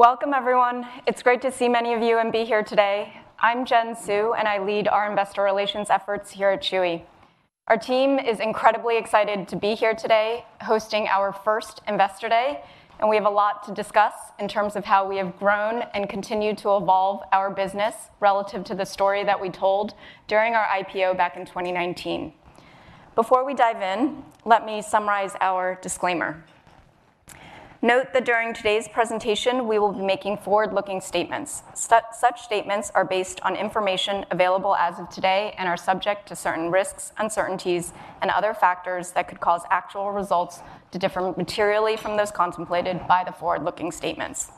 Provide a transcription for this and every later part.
Welcome, everyone. It's great to see many of you and be here today. I'm Jen Hsu, and I lead our Investor Relations efforts here at Chewy. Our team is incredibly excited to be here today, hosting our first Investor Day, and we have a lot to discuss in terms of how we have grown and continued to evolve our business relative to the story that we told during our IPO back in 2019. Before we dive in, let me summarize our disclaimer. Note that during today's presentation, we will be making forward-looking statements. Such statements are based on information available as of today and are subject to certain risks, uncertainties, and other factors that could cause actual results to differ materially from those contemplated by the forward-looking statements.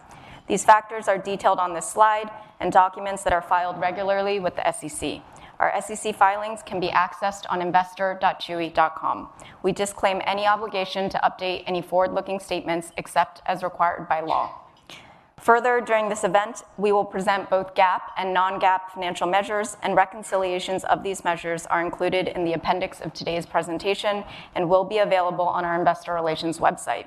These factors are detailed on this slide and documents that are filed regularly with the SEC. Our SEC filings can be accessed on investor.chewy.com. We disclaim any obligation to update any forward-looking statements except as required by law. Further, during this event, we will present both GAAP and non-GAAP financial measures, and reconciliations of these measures are included in the appendix of today's presentation and will be available on our investor relations website.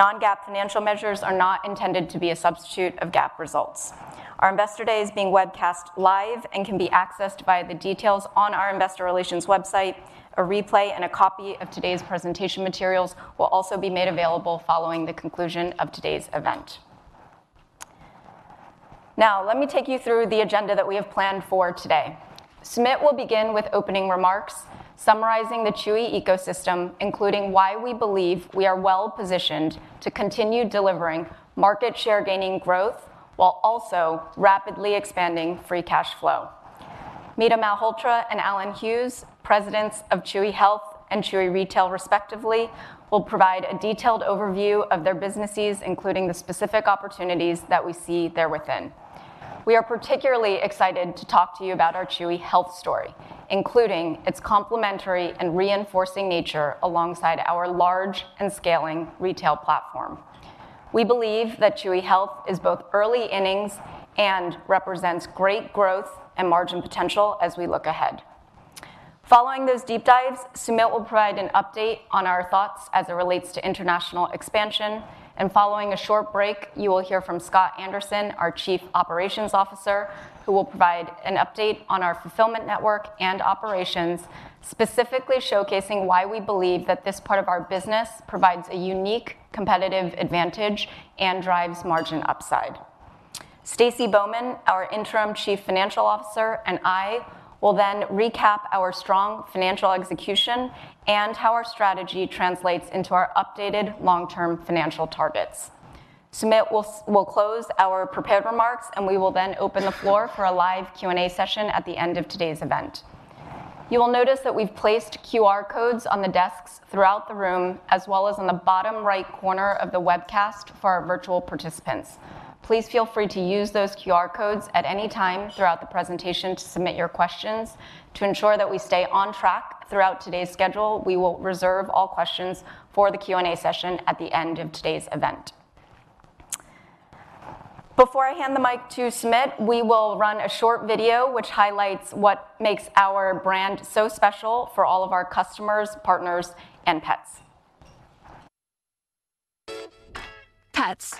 Non-GAAP financial measures are not intended to be a substitute of GAAP results. Our Investor Day is being webcast live and can be accessed via the details on our investor relations website. A replay and a copy of today's presentation materials will also be made available following the conclusion of today's event. Now, let me take you through the agenda that we have planned for today. Sumit will begin with opening remarks, summarizing the Chewy ecosystem, including why we believe we are well-positioned to continue delivering market share-gaining growth, while also rapidly expanding free cash flow. Mita Malhotra and Allen Hughes, presidents of Chewy Health and Chewy Retail, respectively, will provide a detailed overview of their businesses, including the specific opportunities that we see there within. We are particularly excited to talk to you about our Chewy Health story, including its complementary and reinforcing nature alongside our large and scaling retail platform. We believe that Chewy Health is both early innings and represents great growth and margin potential as we look ahead. Following those deep dives, Sumit will provide an update on our thoughts as it relates to international expansion, and following a short break, you will hear from Scott Anderson, our Chief Operations Officer, who will provide an update on our fulfillment network and operations, specifically showcasing why we believe that this part of our business provides a unique competitive advantage and drives margin upside. Stacy Bowman, our interim Chief Financial Officer, and I will then recap our strong financial execution and how our strategy translates into our updated long-term financial targets. Sumit will close our prepared remarks, and we will then open the floor for a live Q&A session at the end of today's event. You will notice that we've placed QR codes on the desks throughout the room, as well as on the bottom right corner of the webcast for our virtual participants. Please feel free to use those QR codes at any time throughout the presentation to submit your questions. To ensure that we stay on track throughout today's schedule, we will reserve all questions for the Q&A session at the end of today's event. Before I hand the mic to Sumit, we will run a short video which highlights what makes our brand so special for all of our customers, partners, and pets. Pets,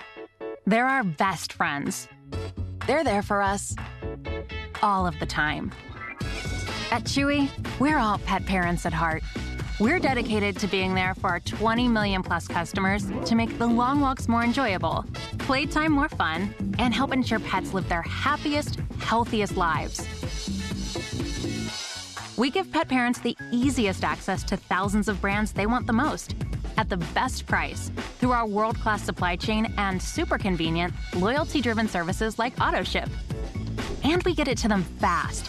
they're our best friends. They're there for us all of the time. At Chewy, we're all pet parents at heart. We're dedicated to being there for our 20 million-plus customers to make the long walks more enjoyable, playtime more fun, and help ensure pets live their happiest, healthiest lives. We give pet parents the easiest access to thousands of brands they want the most, at the best price, through our world-class supply chain and super convenient, loyalty-driven services like Autoship. And we get it to them fast,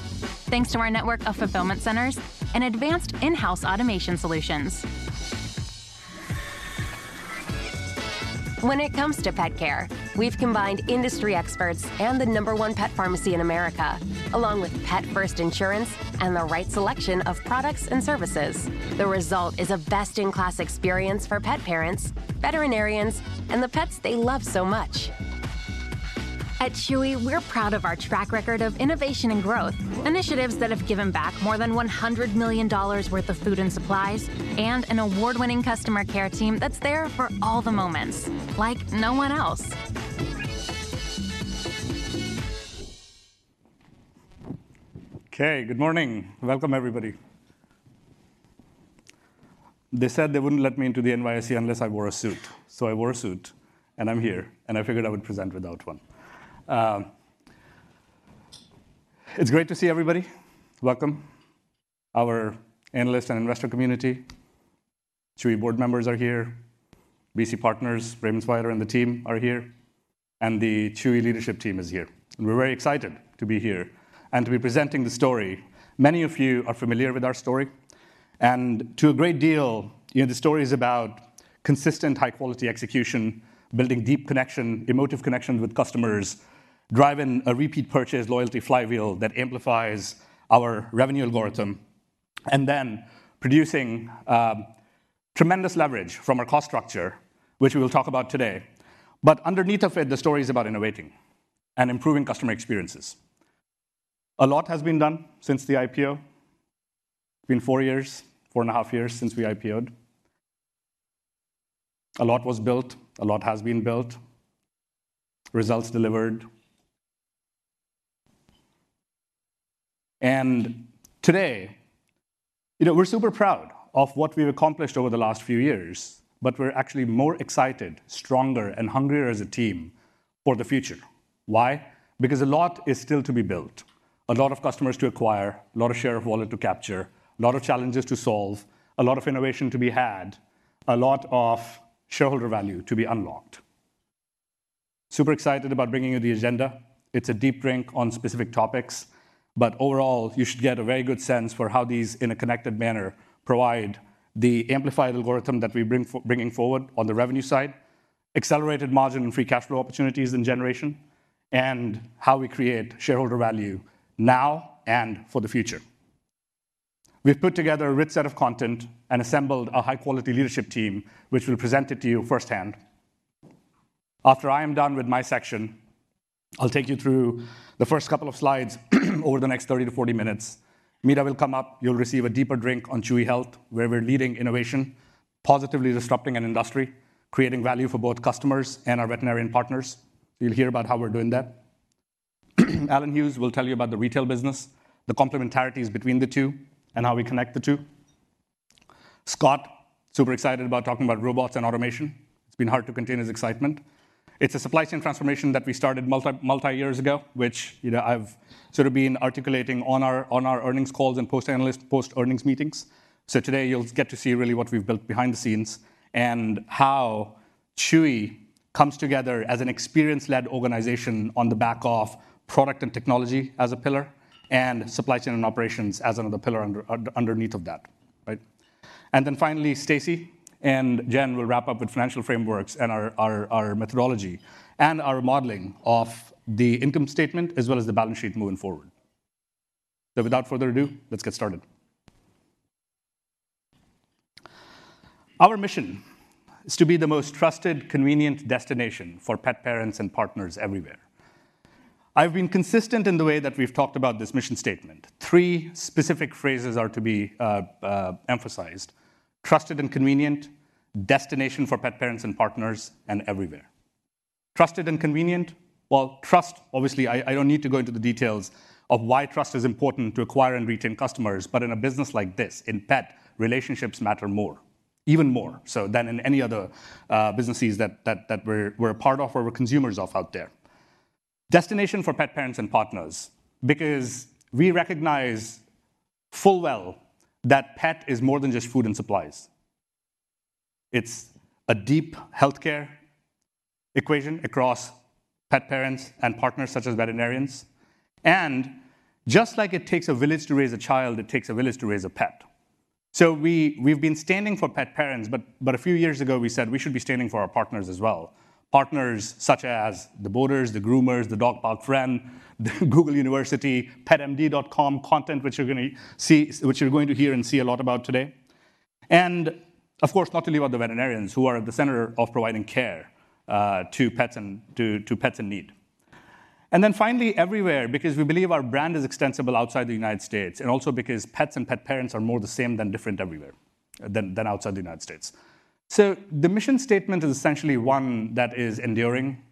thanks to our network of fulfillment centers and advanced in-house automation solutions. When it comes to pet care, we've combined industry experts and the number one pet pharmacy in America, along with pet-first insurance and the right selection of products and services. The result is a best-in-class experience for pet parents, veterinarians, and the pets they love so much. At Chewy, we're proud of our track record of innovation and growth, initiatives that have given back more than $100 million worth of food and supplies, and an award-winning customer care team that's there for all the moments like no one else. Okay, good morning. Welcome, everybody. They said they wouldn't let me into the NYSE unless I wore a suit, so I wore a suit, and I'm here, and I figured I would present without one. It's great to see everybody. Welcome. Our analyst and investor community, Chewy board members are here, BC Partners, Raymond Svider and the team are here, and the Chewy leadership team is here. We're very excited to be here and to be presenting the story. Many of you are familiar with our story, and to a great deal, you know, the story is about consistent, high-quality execution, building deep connection, emotive connections with customers, driving a repeat purchase loyalty flywheel that amplifies our revenue algorithm, and then producing tremendous leverage from our cost structure, which we will talk about today. But underneath of it, the story is about innovating and improving customer experiences. A lot has been done since the IPO. It's been four years, 4.5 years since we IPO'd. A lot was built, a lot has been built, results delivered. Today, you know, we're super proud of what we've accomplished over the last few years, but we're actually more excited, stronger, and hungrier as a team for the future. Why? Because a lot is still to be built. A lot of customers to acquire, a lot of share of wallet to capture, a lot of challenges to solve, a lot of innovation to be had, a lot of shareholder value to be unlocked. Super excited about bringing you the agenda. It's a deep drink on specific topics, but overall, you should get a very good sense for how these, in a connected manner, provide the amplified algorithm that we bring for bringing forward on the revenue side, accelerated margin and free cash flow opportunities and generation, and how we create shareholder value now and for the future. We've put together a rich set of content and assembled a high-quality leadership team, which will present it to you firsthand. After I am done with my section, I'll take you through the first couple of slides over the next 30-40 minutes. Mita will come up, you'll receive a deeper drink on Chewy Health, where we're leading innovation, positively disrupting an industry, creating value for both customers and our veterinarian partners. You'll hear about how we're doing that. Allen Hughes will tell you about the retail business, the complementarities between the two, and how we connect the two. Scott, super excited about talking about robots and automation. It's been hard to contain his excitement. It's a supply chain transformation that we started multi, multi years ago, which, you know, I've sort of been articulating on our, on our earnings calls and post-analyst, post-earnings meetings. So today, you'll get to see really what we've built behind the scenes and how Chewy comes together as an experience-led organization on the back of product and technology as a pillar, and supply chain and operations as another pillar underneath of that, right? And then finally, Stacy and Jen will wrap up with financial frameworks and our, our, our methodology, and our modeling of the income statement, as well as the balance sheet moving forward. So without further ado, let's get started. Our mission is to be the most trusted, convenient destination for pet parents and partners everywhere. I've been consistent in the way that we've talked about this mission statement. Three specific phrases are to be emphasized: trusted and convenient, destination for pet parents and partners, and everywhere. Trusted and convenient. Well, trust, obviously, I don't need to go into the details of why trust is important to acquire and retain customers, but in a business like this, in pet, relationships matter more, even more so than in any other businesses that we're a part of or we're consumers of out there. Destination for pet parents and partners, because we recognize full well that pet is more than just food and supplies. It's a deep healthcare equation across pet parents and partners, such as veterinarians. And just like it takes a village to raise a child, it takes a village to raise a pet. So we, we've been standing for pet parents, but a few years ago, we said we should be standing for our partners as well. Partners such as the boarders, the groomers, the dog park friend, the Google University, PetMD.com, content which you're gonna see—which you're going to hear and see a lot about today. And of course, not to leave out the veterinarians, who are at the center of providing care to pets in need. And then finally, everywhere, because we believe our brand is extensible outside the United States, and also because pets and pet parents are more the same than different everywhere than outside the United States. So the mission statement is essentially one that is enduring.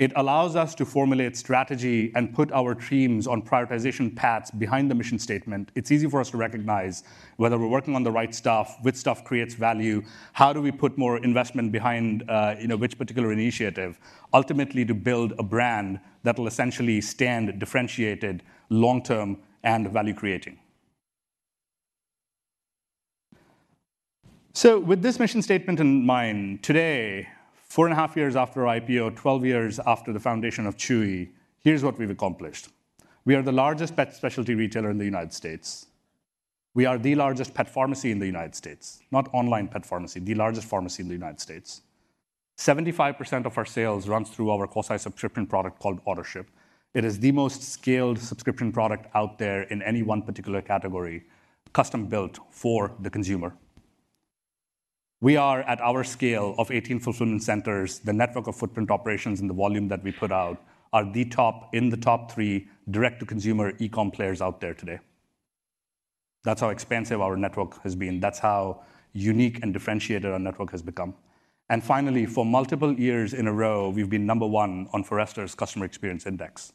It allows us to formulate strategy and put our teams on prioritization paths behind the mission statement. It's easy for us to recognize whether we're working on the right stuff, which stuff creates value, how do we put more investment behind, you know, which particular initiative, ultimately, to build a brand that will essentially stand differentiated long-term and value-creating. So with this mission statement in mind, today, four and a half years after IPO, 12 years after the foundation of Chewy, here's what we've accomplished. We are the largest pet specialty retailer in the United States. We are the largest pet pharmacy in the United States. Not online pet pharmacy, the largest pharmacy in the United States. 75% of our sales runs through our site's subscription product called Autoship. It is the most scaled subscription product out there in any one particular category, custom-built for the consumer. We are at our scale of 18 fulfillment centers. The network of footprint operations and the volume that we put out are the top, in the top three direct-to-consumer e-com players out there today. That's how expansive our network has been. That's how unique and differentiated our network has become. And finally, for multiple years in a row, we've been number one on Forrester's Customer Experience Index.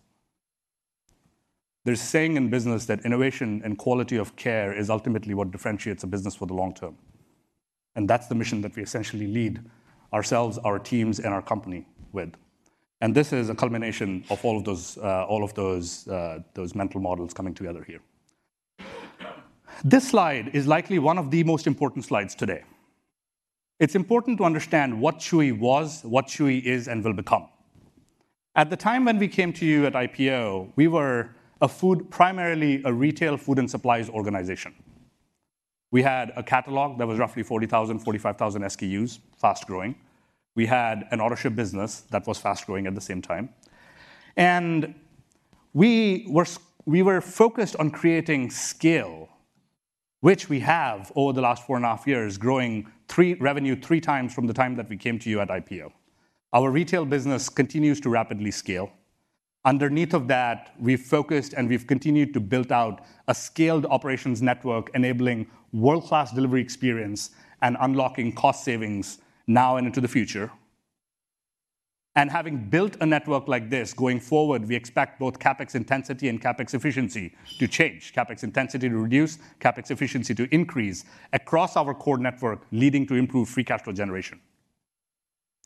There's a saying in business that innovation and quality of care is ultimately what differentiates a business for the long term, and that's the mission that we essentially lead ourselves, our teams, and our company with. And this is a culmination of all of those, all of those, those mental models coming together here. This slide is likely one of the most important slides today. It's important to understand what Chewy was, what Chewy is, and will become. At the time when we came to you at IPO, we were a food, primarily a retail food and supplies organization. We had a catalog that was roughly 40,000, 45,000 SKUs, fast-growing. We had an Autoship business that was fast-growing at the same time. And we were we were focused on creating scale, which we have over the last four and a half years, growing revenue three times from the time that we came to you at IPO. Our retail business continues to rapidly scale. Underneath of that, we've focused and we've continued to build out a scaled operations network, enabling world-class delivery experience and unlocking cost savings now and into the future. And having built a network like this, going forward, we expect both CapEx intensity and CapEx efficiency to change. CapEx intensity to reduce, CapEx efficiency to increase across our core network, leading to improved free cash flow generation.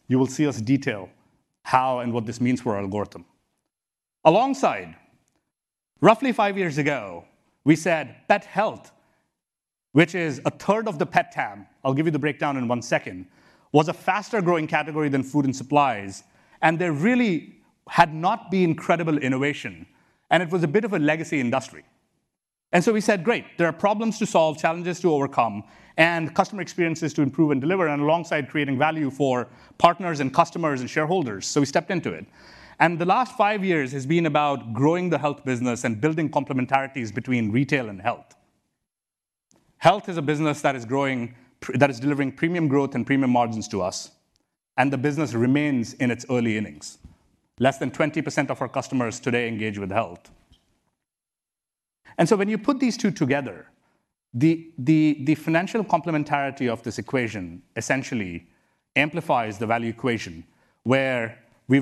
You will see us detail how and what this means for algorithm. Alongside, roughly five years ago, we said pet health, which is a third of the pet TAM, I'll give you the breakdown in one second, was a faster growing category than food and supplies, and there really had not been incredible innovation, and it was a bit of a legacy industry. And so we said, "Great, there are problems to solve, challenges to overcome, and customer experiences to improve and deliver, and alongside creating value for partners and customers and shareholders." So we stepped into it. The last five years has been about growing the health business and building complementarities between retail and health. Health is a business that is growing, that is delivering premium growth and premium margins to us, and the business remains in its early innings. Less than 20% of our customers today engage with health. And so when you put these two together, the financial complementarity of this equation essentially amplifies the value equation, where we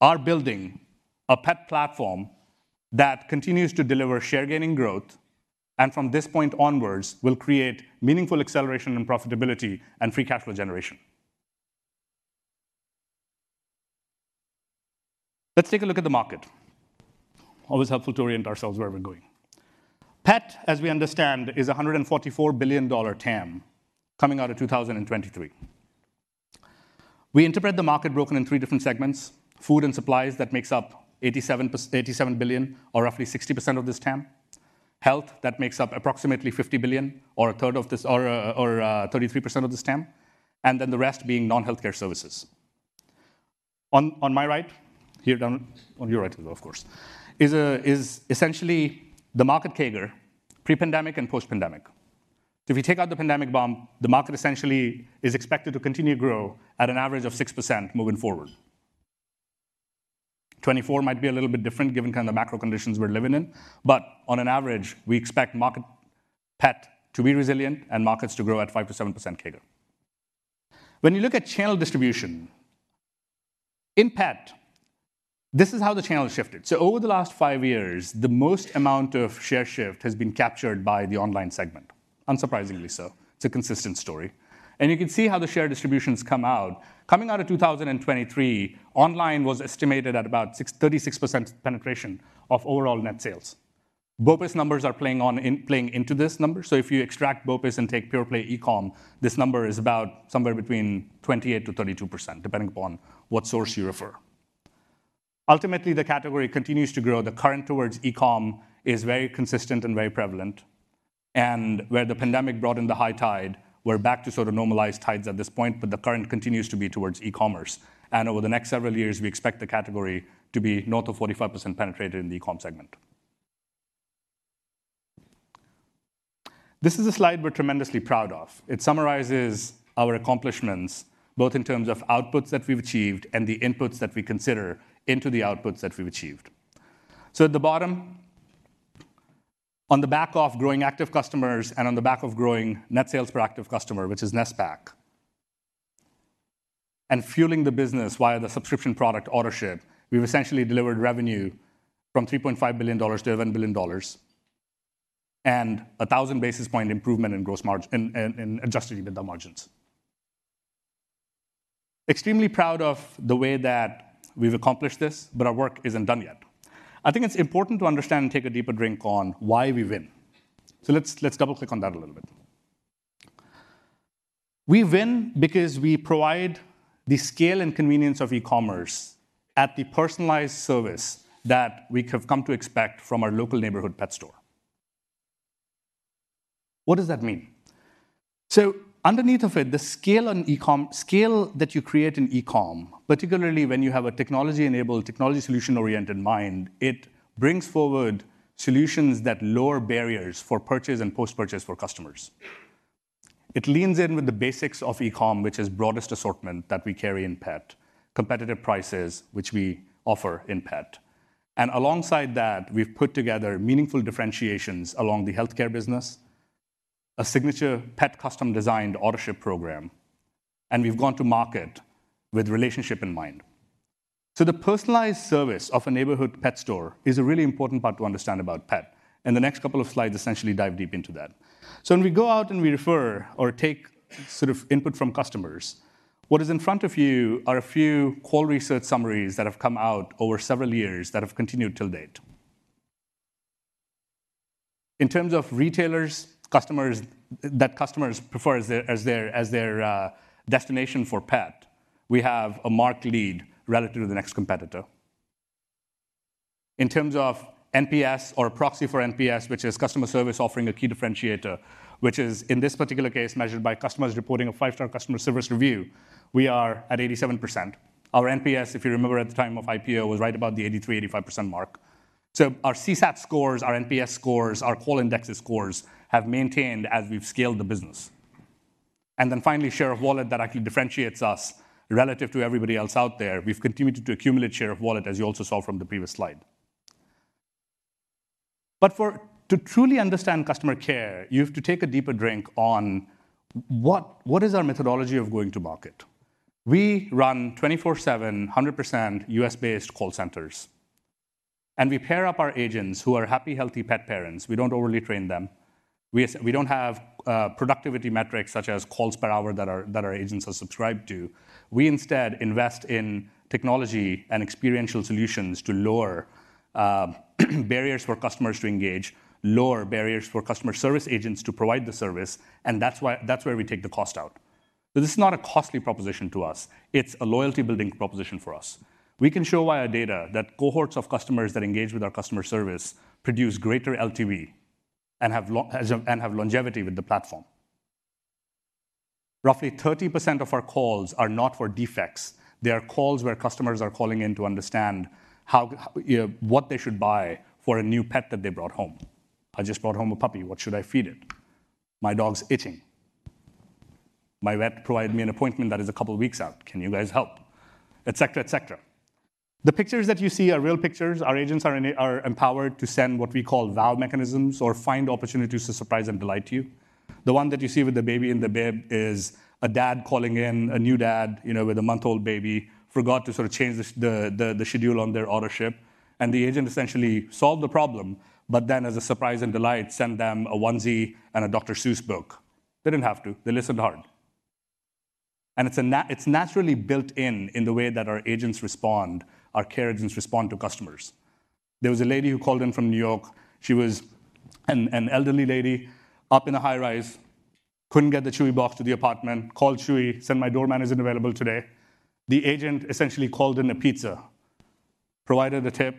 are building a pet platform that continues to deliver share gaining growth, and from this point onwards, will create meaningful acceleration and profitability and free cash flow generation. Let's take a look at the market. Always helpful to orient ourselves where we're going. Pet, as we understand, is a $144 billion TAM coming out of 2023. We interpret the market broken in three different segments: food and supplies, that makes up $87 billion or roughly 60% of this TAM; health, that makes up approximately $50 billion or a third of this or 33% of this TAM; and then the rest being non-healthcare services. On my right here down, on your right, of course, is essentially the market CAGR, pre-pandemic and post-pandemic. If you take out the pandemic bump, the market essentially is expected to continue to grow at an average of 6% moving forward. 2024 might be a little bit different given kind of the macro conditions we're living in, but on an average, we expect market pet to be resilient and markets to grow at 5%-7% CAGR. When you look at channel distribution, in pet, this is how the channel has shifted. Over the last five years, the most amount of share shift has been captured by the online segment, unsurprisingly so. It's a consistent story. You can see how the share distributions come out. Coming out of 2023, online was estimated at about 36% penetration of overall net sales. BOPUS numbers are playing into this number, so if you extract BOPUS and take pure-play e-com, this number is about somewhere between 28%-32%, depending upon what source you refer. Ultimately, the category continues to grow. The current towards e-com is very consistent and very prevalent. And where the pandemic brought in the high tide, we're back to sort of normalized tides at this point, but the current continues to be towards e-commerce. Over the next several years, we expect the category to be north of 45% penetrated in the e-com segment. This is a slide we're tremendously proud of. It summarizes our accomplishments, both in terms of outputs that we've achieved and the inputs that we consider into the outputs that we've achieved. So at the bottom, on the back of growing active customers and on the back of growing net sales per active customer, which is NSPAC, and fueling the business via the subscription product, Autoship, we've essentially delivered revenue from $3.5 billion to $11 billion and a 1,000 basis point improvement in gross margin in adjusted EBITDA margins. Extremely proud of the way that we've accomplished this, but our work isn't done yet. I think it's important to understand and take a deeper drink on why we win. So let's double-click on that a little bit. We win because we provide the scale and convenience of e-commerce at the personalized service that we have come to expect from our local neighborhood pet store. What does that mean? So underneath of it, the scale on e-com, scale that you create in e-com, particularly when you have a technology-enabled, technology solution-oriented mind, it brings forward solutions that lower barriers for purchase and post-purchase for customers. It leans in with the basics of e-com, which is broadest assortment that we carry in pet, competitive prices, which we offer in pet. And alongside that, we've put together meaningful differentiations along the healthcare business, a signature pet custom-designed Autoship program, and we've gone to market with relationship in mind. So the personalized service of a neighborhood pet store is a really important part to understand about pet, and the next couple of slides essentially dive deep into that. So when we go out and we refer or take sort of input from customers, what is in front of you are a few qual research summaries that have come out over several years that have continued till date. In terms of retailers, customers-- that customers prefer as their destination for pet, we have a marked lead relative to the next competitor. In terms of NPS or a proxy for NPS, which is customer service offering a key differentiator, which is, in this particular case, measured by customers reporting a five-star customer service review, we are at 87%. Our NPS, if you remember, at the time of IPO, was right about the 83%-85% mark. So our CSAT scores, our NPS scores, our qual index scores have maintained as we've scaled the business. Then finally, share of wallet that actually differentiates us relative to everybody else out there. We've continued to accumulate share of wallet, as you also saw from the previous slide. But to truly understand customer care, you have to take a deeper drink on what is our methodology of going to market? We run 24/7, 100% U.S.-based call centers, and we pair up our agents who are happy, healthy pet parents. We don't overly train them. We don't have productivity metrics such as calls per hour that our agents are subscribed to. We instead invest in technology and experiential solutions to lower barriers for customers to engage, lower barriers for customer service agents to provide the service, and that's why that's where we take the cost out. So this is not a costly proposition to us, it's a loyalty-building proposition for us. We can show via data that cohorts of customers that engage with our customer service produce greater LTV and have longevity with the platform. Roughly 30% of our calls are not for defects. They are calls where customers are calling in to understand how what they should buy for a new pet that they brought home. "I just brought home a puppy, what should I feed it? My dog's itching. My vet provided me an appointment that is a couple of weeks out, can you guys help?" Et cetera, et cetera. The pictures that you see are real pictures. Our agents are empowered to send what we call wow mechanisms or find opportunities to surprise and delight you. The one that you see with the baby in the bib is a dad calling in, a new dad, you know, with a month-old baby, forgot to sort of change the schedule on their Autoship, and the agent essentially solved the problem, but then as a surprise and delight, sent them a onesie and a Dr. Seuss book. They didn't have to. They listened hard. And it's naturally built in, in the way that our agents respond, our care agents respond to customers. There was a lady who called in from New York. She was an elderly lady up in a high-rise, couldn't get the Chewy box to the apartment, called Chewy, said, "My doorman isn't available today." The agent essentially called in a pizza, provided a tip,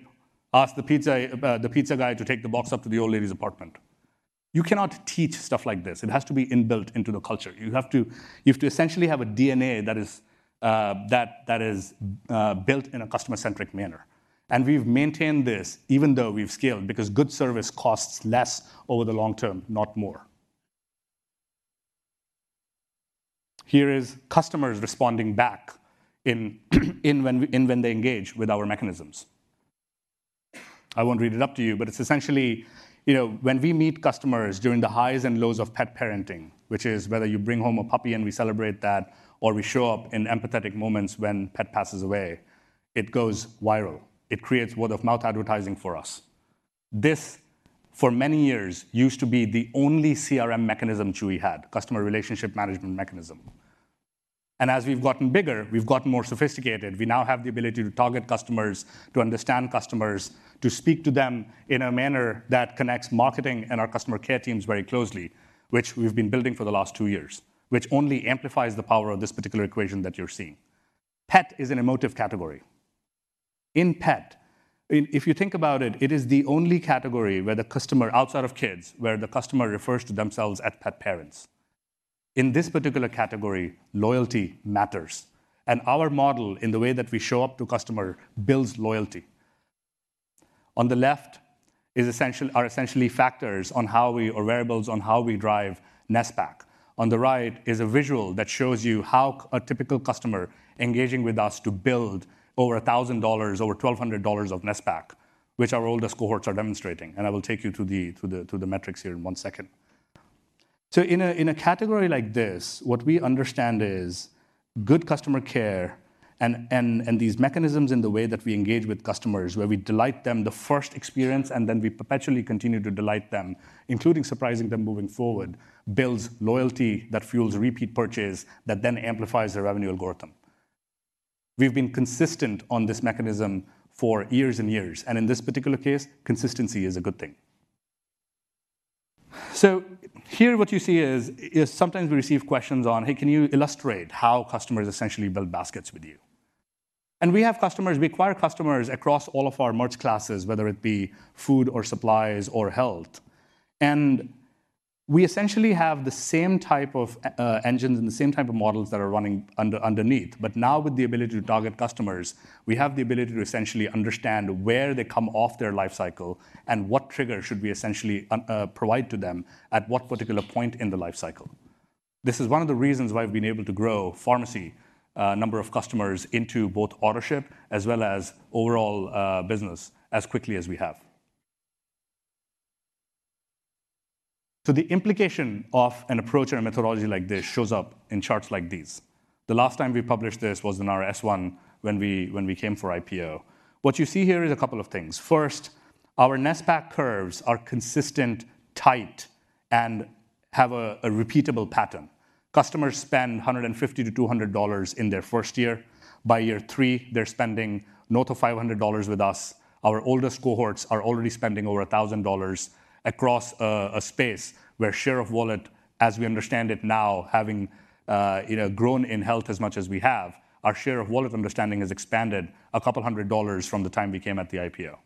asked the pizza guy to take the box up to the old lady's apartment. You cannot teach stuff like this. It has to be inbuilt into the culture. You have to essentially have a DNA that is built in a customer-centric manner. And we've maintained this even though we've scaled, because good service costs less over the long term, not more. Here is customers responding back when they engage with our mechanisms. I won't read it up to you, but it's essentially, you know, when we meet customers during the highs and lows of pet parenting, which is whether you bring home a puppy and we celebrate that, or we show up in empathetic moments when pet passes away, it goes viral. It creates word-of-mouth advertising for us. This, for many years, used to be the only CRM mechanism Chewy had, customer relationship management mechanism. And as we've gotten bigger, we've gotten more sophisticated. We now have the ability to target customers, to understand customers, to speak to them in a manner that connects marketing and our customer care teams very closely, which we've been building for the last two years, which only amplifies the power of this particular equation that you're seeing. Pet is an emotive category. In pet, if you think about it, it is the only category where the customer, outside of kids, where the customer refers to themselves as pet parents. In this particular category, loyalty matters, and our model, in the way that we show up to customer, builds loyalty. On the left are essentially factors or variables on how we drive NSPAC. On the right is a visual that shows you how a typical customer engaging with us to build over $1,000, over $1,200 of NSPAC, which our oldest cohorts are demonstrating, and I will take you to the metrics here in one second. So in a category like this, what we understand is good customer care and these mechanisms in the way that we engage with customers, where we delight them the first experience, and then we perpetually continue to delight them, including surprising them moving forward, builds loyalty that fuels repeat purchase, that then amplifies the revenue algorithm. We've been consistent on this mechanism for years and years, and in this particular case, consistency is a good thing. So here, what you see is sometimes we receive questions on, "Hey, can you illustrate how customers essentially build baskets with you?" And we have customers, we acquire customers across all of our merch classes, whether it be food or supplies or health. And we essentially have the same type of engines and the same type of models that are running underneath. But now with the ability to target customers, we have the ability to essentially understand where they come off their life cycle and what trigger should we essentially provide to them at what particular point in the life cycle. This is one of the reasons why we've been able to grow pharmacy number of customers into both Autoship as well as overall business as quickly as we have. So the implication of an approach or a methodology like this shows up in charts like these. The last time we published this was in our S-1 when we, when we came for IPO. What you see here is a couple of things. First, our NSPAC curves are consistent, tight, and have a repeatable pattern. Customers spend $150-$200 in their first year. By year three, they're spending north of $500 with us. Our oldest cohorts are already spending over $1,000 across a space where share of wallet, as we understand it now, having, you know, grown in health as much as we have, our share of wallet understanding has expanded a couple hundred dollars from the time we came at the IPO.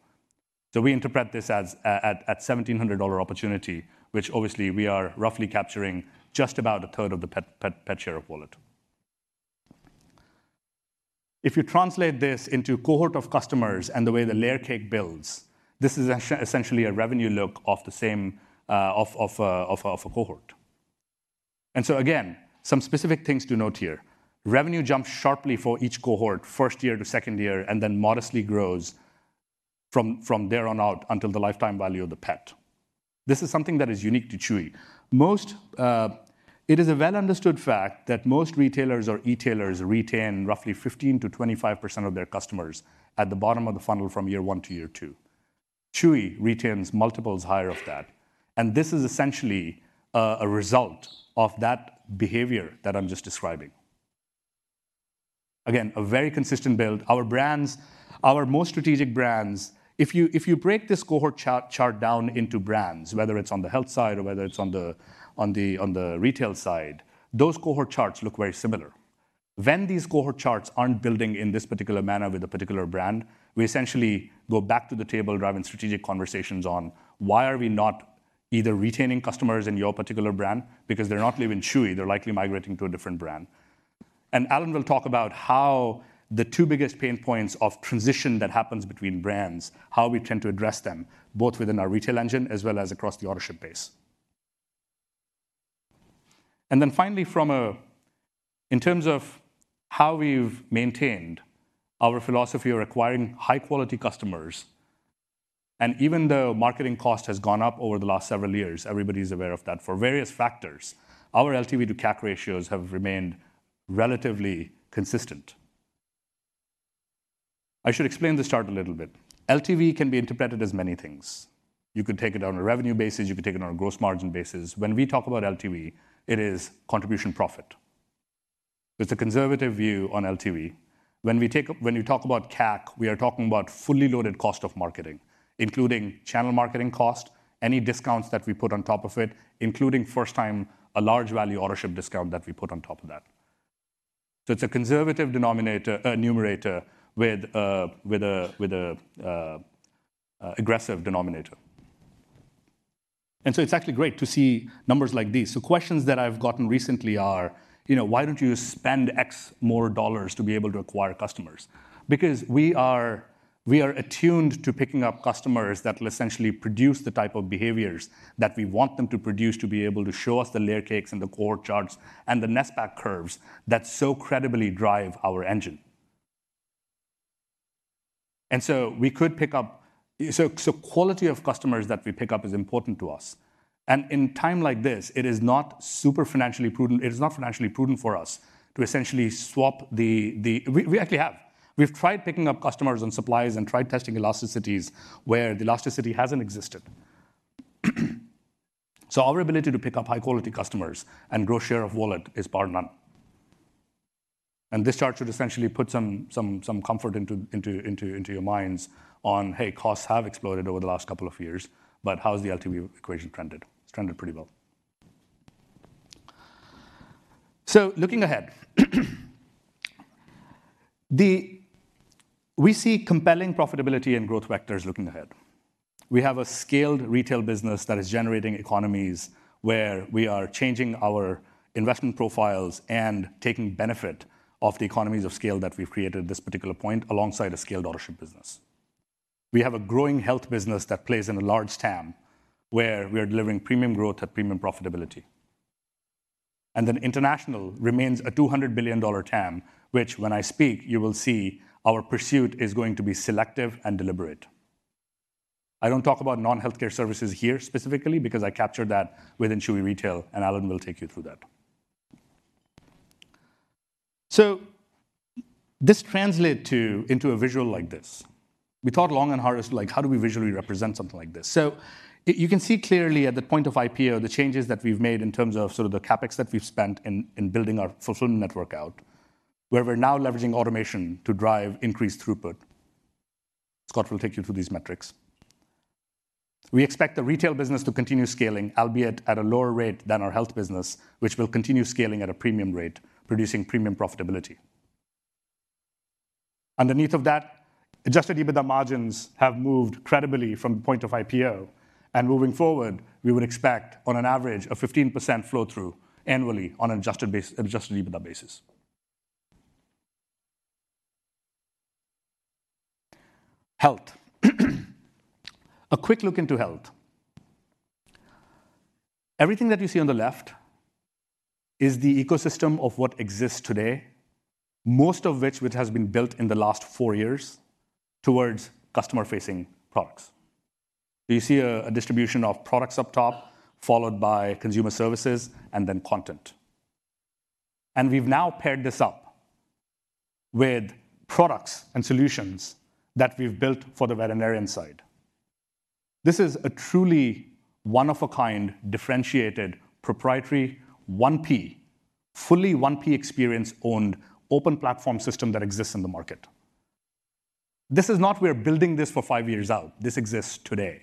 So we interpret this as a $1,700 opportunity, which obviously we are roughly capturing just about 1/3 of the pet share of wallet. If you translate this into cohort of customers and the way the layer cake builds, this is essentially a revenue look of the same of a cohort. So again, some specific things to note here: Revenue jumps sharply for each cohort, first year to second year, and then modestly grows from there on out until the lifetime value of the pet. This is something that is unique to Chewy. Most, it is a well-understood fact that most retailers or e-tailers retain roughly 15%-25% of their customers at the bottom of the funnel from year one to year two. Chewy retains multiples higher of that, and this is essentially a result of that behavior that I'm just describing. Again, a very consistent build. Our brands, our most strategic brands, if you break this cohort chart down into brands, whether it's on the health side or whether it's on the retail side, those cohort charts look very similar. When these cohort charts aren't building in this particular manner with a particular brand, we essentially go back to the table, driving strategic conversations on: Why are we not either retaining customers in your particular brand? Because they're not leaving Chewy, they're likely migrating to a different brand. And Allen will talk about how the two biggest pain points of transition that happens between brands, how we tend to address them, both within our retail engine as well as across the ownership base. And then finally, from a, in terms of how we've maintained our philosophy of acquiring high-quality customers, and even though marketing cost has gone up over the last several years, everybody's aware of that, for various factors, our LTV to CAC ratios have remained relatively consistent. I should explain this chart a little bit. LTV can be interpreted as many things. You could take it on a revenue basis, you could take it on a gross margin basis. When we talk about LTV, it is contribution profit. It's a conservative view on LTV. When you talk about CAC, we are talking about fully loaded cost of marketing, including channel marketing cost, any discounts that we put on top of it, including first-time, a large-value Autoship discount that we put on top of that. So it's a conservative numerator with a aggressive denominator. And so it's actually great to see numbers like these. So questions that I've gotten recently are, you know, "Why don't you spend X more dollars to be able to acquire customers?" Because we are attuned to picking up customers that will essentially produce the type of behaviors that we want them to produce, to be able to show us the layer cakes and the cohort charts and the NSPAC curves that so credibly drive our engine. And so we could pick up. So quality of customers that we pick up is important to us. And in time like this, it is not super financially prudent. It is not financially prudent for us to essentially swap the. We actually have. We've tried picking up customers and suppliers and tried testing elasticities where the elasticity hasn't existed. So our ability to pick up high-quality customers and grow share of wallet is bar none. This chart should essentially put some comfort into your minds on, hey, costs have exploded over the last couple of years, but how has the LTV equation trended? It's trended pretty well. So looking ahead, we see compelling profitability and growth vectors looking ahead. We have a scaled retail business that is generating economies where we are changing our investment profiles and taking benefit of the economies of scale that we've created at this particular point, alongside a scaled ownership business. We have a growing health business that plays in a large TAM, where we are delivering premium growth at premium profitability. And then international remains a $200 billion TAM, which, when I speak, you will see our pursuit is going to be selective and deliberate. I don't talk about non-healthcare services here specifically because I captured that within Chewy Retail, and Allen will take you through that. So this translate to, into a visual like this. We thought long and hard as like, how do we visually represent something like this? So you can see clearly at the point of IPO, the changes that we've made in terms of sort of the CapEx that we've spent in building our fulfillment network out, where we're now leveraging automation to drive increased throughput. Scott will take you through these metrics. We expect the retail business to continue scaling, albeit at a lower rate than our health business, which will continue scaling at a premium rate, producing premium profitability. Underneath of that, adjusted EBITDA margins have moved credibly from the point of IPO, and moving forward, we would expect on an average, a 15% flow-through annually on an adjusted basis, adjusted EBITDA basis. Health. A quick look into health. Everything that you see on the left is the ecosystem of what exists today, most of which, which has been built in the last four years towards customer-facing products. So you see a, a distribution of products up top, followed by consumer services and then content. And we've now paired this up with products and solutions that we've built for the veterinarian side. This is a truly one-of-a-kind, differentiated, proprietary, 1P, fully 1P experience-owned, open platform system that exists in the market. This is not we're building this for five years out. This exists today.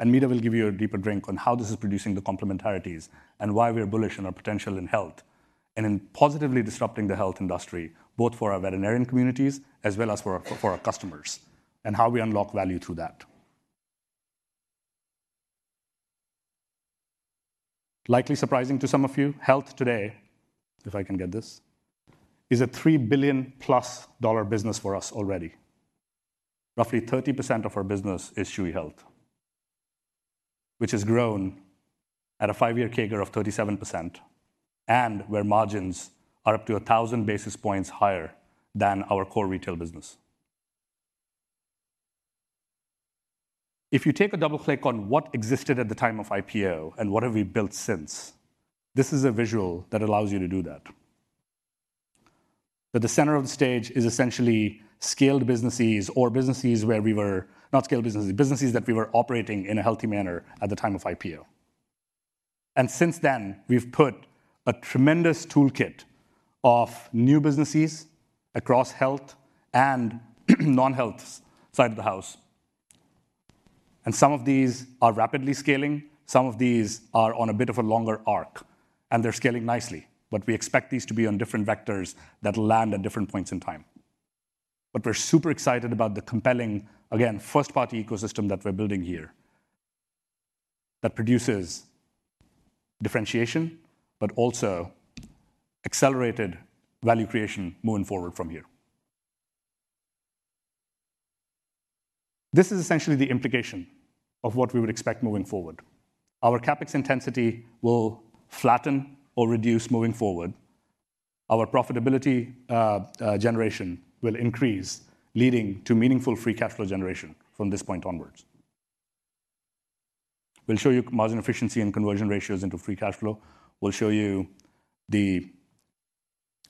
And Mita will give you a deeper drink on how this is producing the complementarities and why we are bullish on our potential in health, and in positively disrupting the health industry, both for our veterinarian communities as well as for our, for our customers, and how we unlock value through that. Likely surprising to some of you, health today, if I can get this, is a $3 billion+ business for us already. Roughly 30% of our business is Chewy Health, which has grown at a five-year CAGR of 37%, and where margins are up to 1,000 basis points higher than our core retail business. If you take a double click on what existed at the time of IPO and what have we built since, this is a visual that allows you to do that. At the center of the stage is essentially scaled businesses or businesses where we were not scaled businesses, businesses that we were operating in a healthy manner at the time of IPO. And since then, we've put a tremendous toolkit of new businesses across health and non-health side of the house. And some of these are rapidly scaling, some of these are on a bit of a longer arc, and they're scaling nicely. But we expect these to be on different vectors that land at different points in time. But we're super excited about the compelling, again, first-party ecosystem that we're building here, that produces differentiation, but also accelerated value creation moving forward from here. This is essentially the implication of what we would expect moving forward. Our CapEx intensity will flatten or reduce moving forward. Our profitability generation will increase, leading to meaningful free cash flow generation from this point onwards. We'll show you margin efficiency and conversion ratios into free cash flow. We'll show you the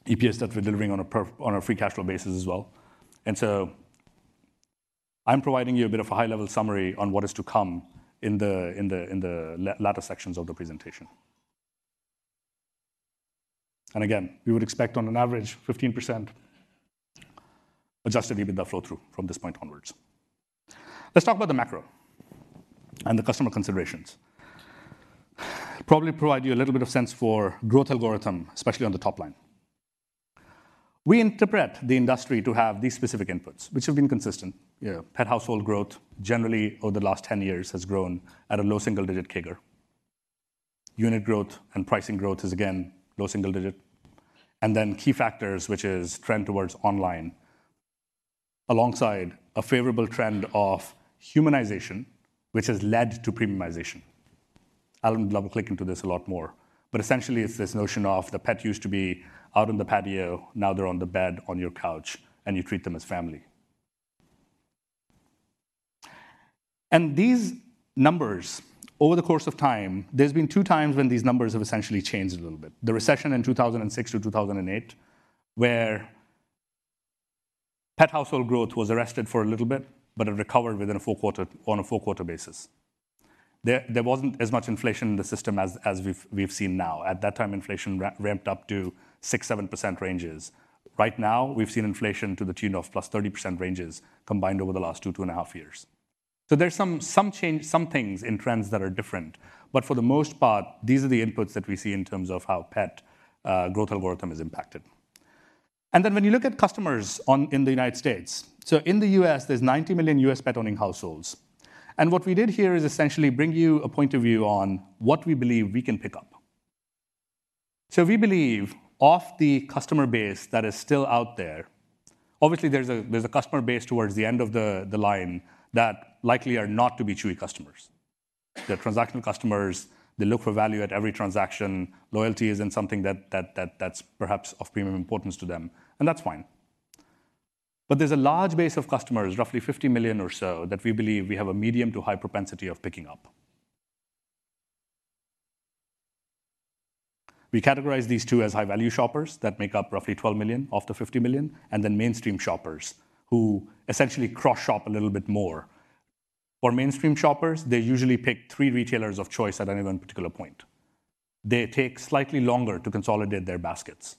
EPS that we're delivering on a free cash flow basis as well. And so I'm providing you a bit of a high-level summary on what is to come in the latter sections of the presentation. And again, we would expect on an average 15% adjusted EBITDA flow through from this point onwards. Let's talk about the macro and the customer considerations. Probably provide you a little bit of sense for growth algorithm, especially on the top line. We interpret the industry to have these specific inputs, which have been consistent. Yeah, pet household growth, generally over the last 10 years, has grown at a low single-digit CAGR. Unit growth and pricing growth is again low single digit, and then key factors, which is trend towards online, alongside a favorable trend of humanization, which has led to premiumization. I wouldn't double click into this a lot more, but essentially, it's this notion of the pet used to be out on the patio, now they're on the bed, on your couch, and you treat them as family. These numbers, over the course of time, there's been two times when these numbers have essentially changed a little bit. The recession in 2006 to 2008, where pet household growth was arrested for a little bit, but it recovered within a full quarter, on a full quarter basis. There wasn't as much inflation in the system as we've seen now. At that time, inflation ramped up to 6%-7% ranges. Right now, we've seen inflation to the tune of +30% ranges combined over the last 2, 2.5 years. So there's some, some change, some things in trends that are different, but for the most part, these are the inputs that we see in terms of how pet growth algorithm is impacted. And then when you look at customers on in the United States, so in the U.S., there's 90 million U.S. pet-owning households. And what we did here is essentially bring you a point of view on what we believe we can pick up. So we believe of the customer base that is still out there, obviously, there's a, there's a customer base towards the end of the, the line that likely are not to be Chewy customers. They're transactional customers, they look for value at every transaction. Loyalty isn't something that's perhaps of premium importance to them, and that's fine. But there's a large base of customers, roughly 50 million or so, that we believe we have a medium to high propensity of picking up. We categorize these two as high-value shoppers that make up roughly 12 million of the 50 million, and then mainstream shoppers, who essentially cross-shop a little bit more. For mainstream shoppers, they usually pick three retailers of choice at any one particular point. They take slightly longer to consolidate their baskets.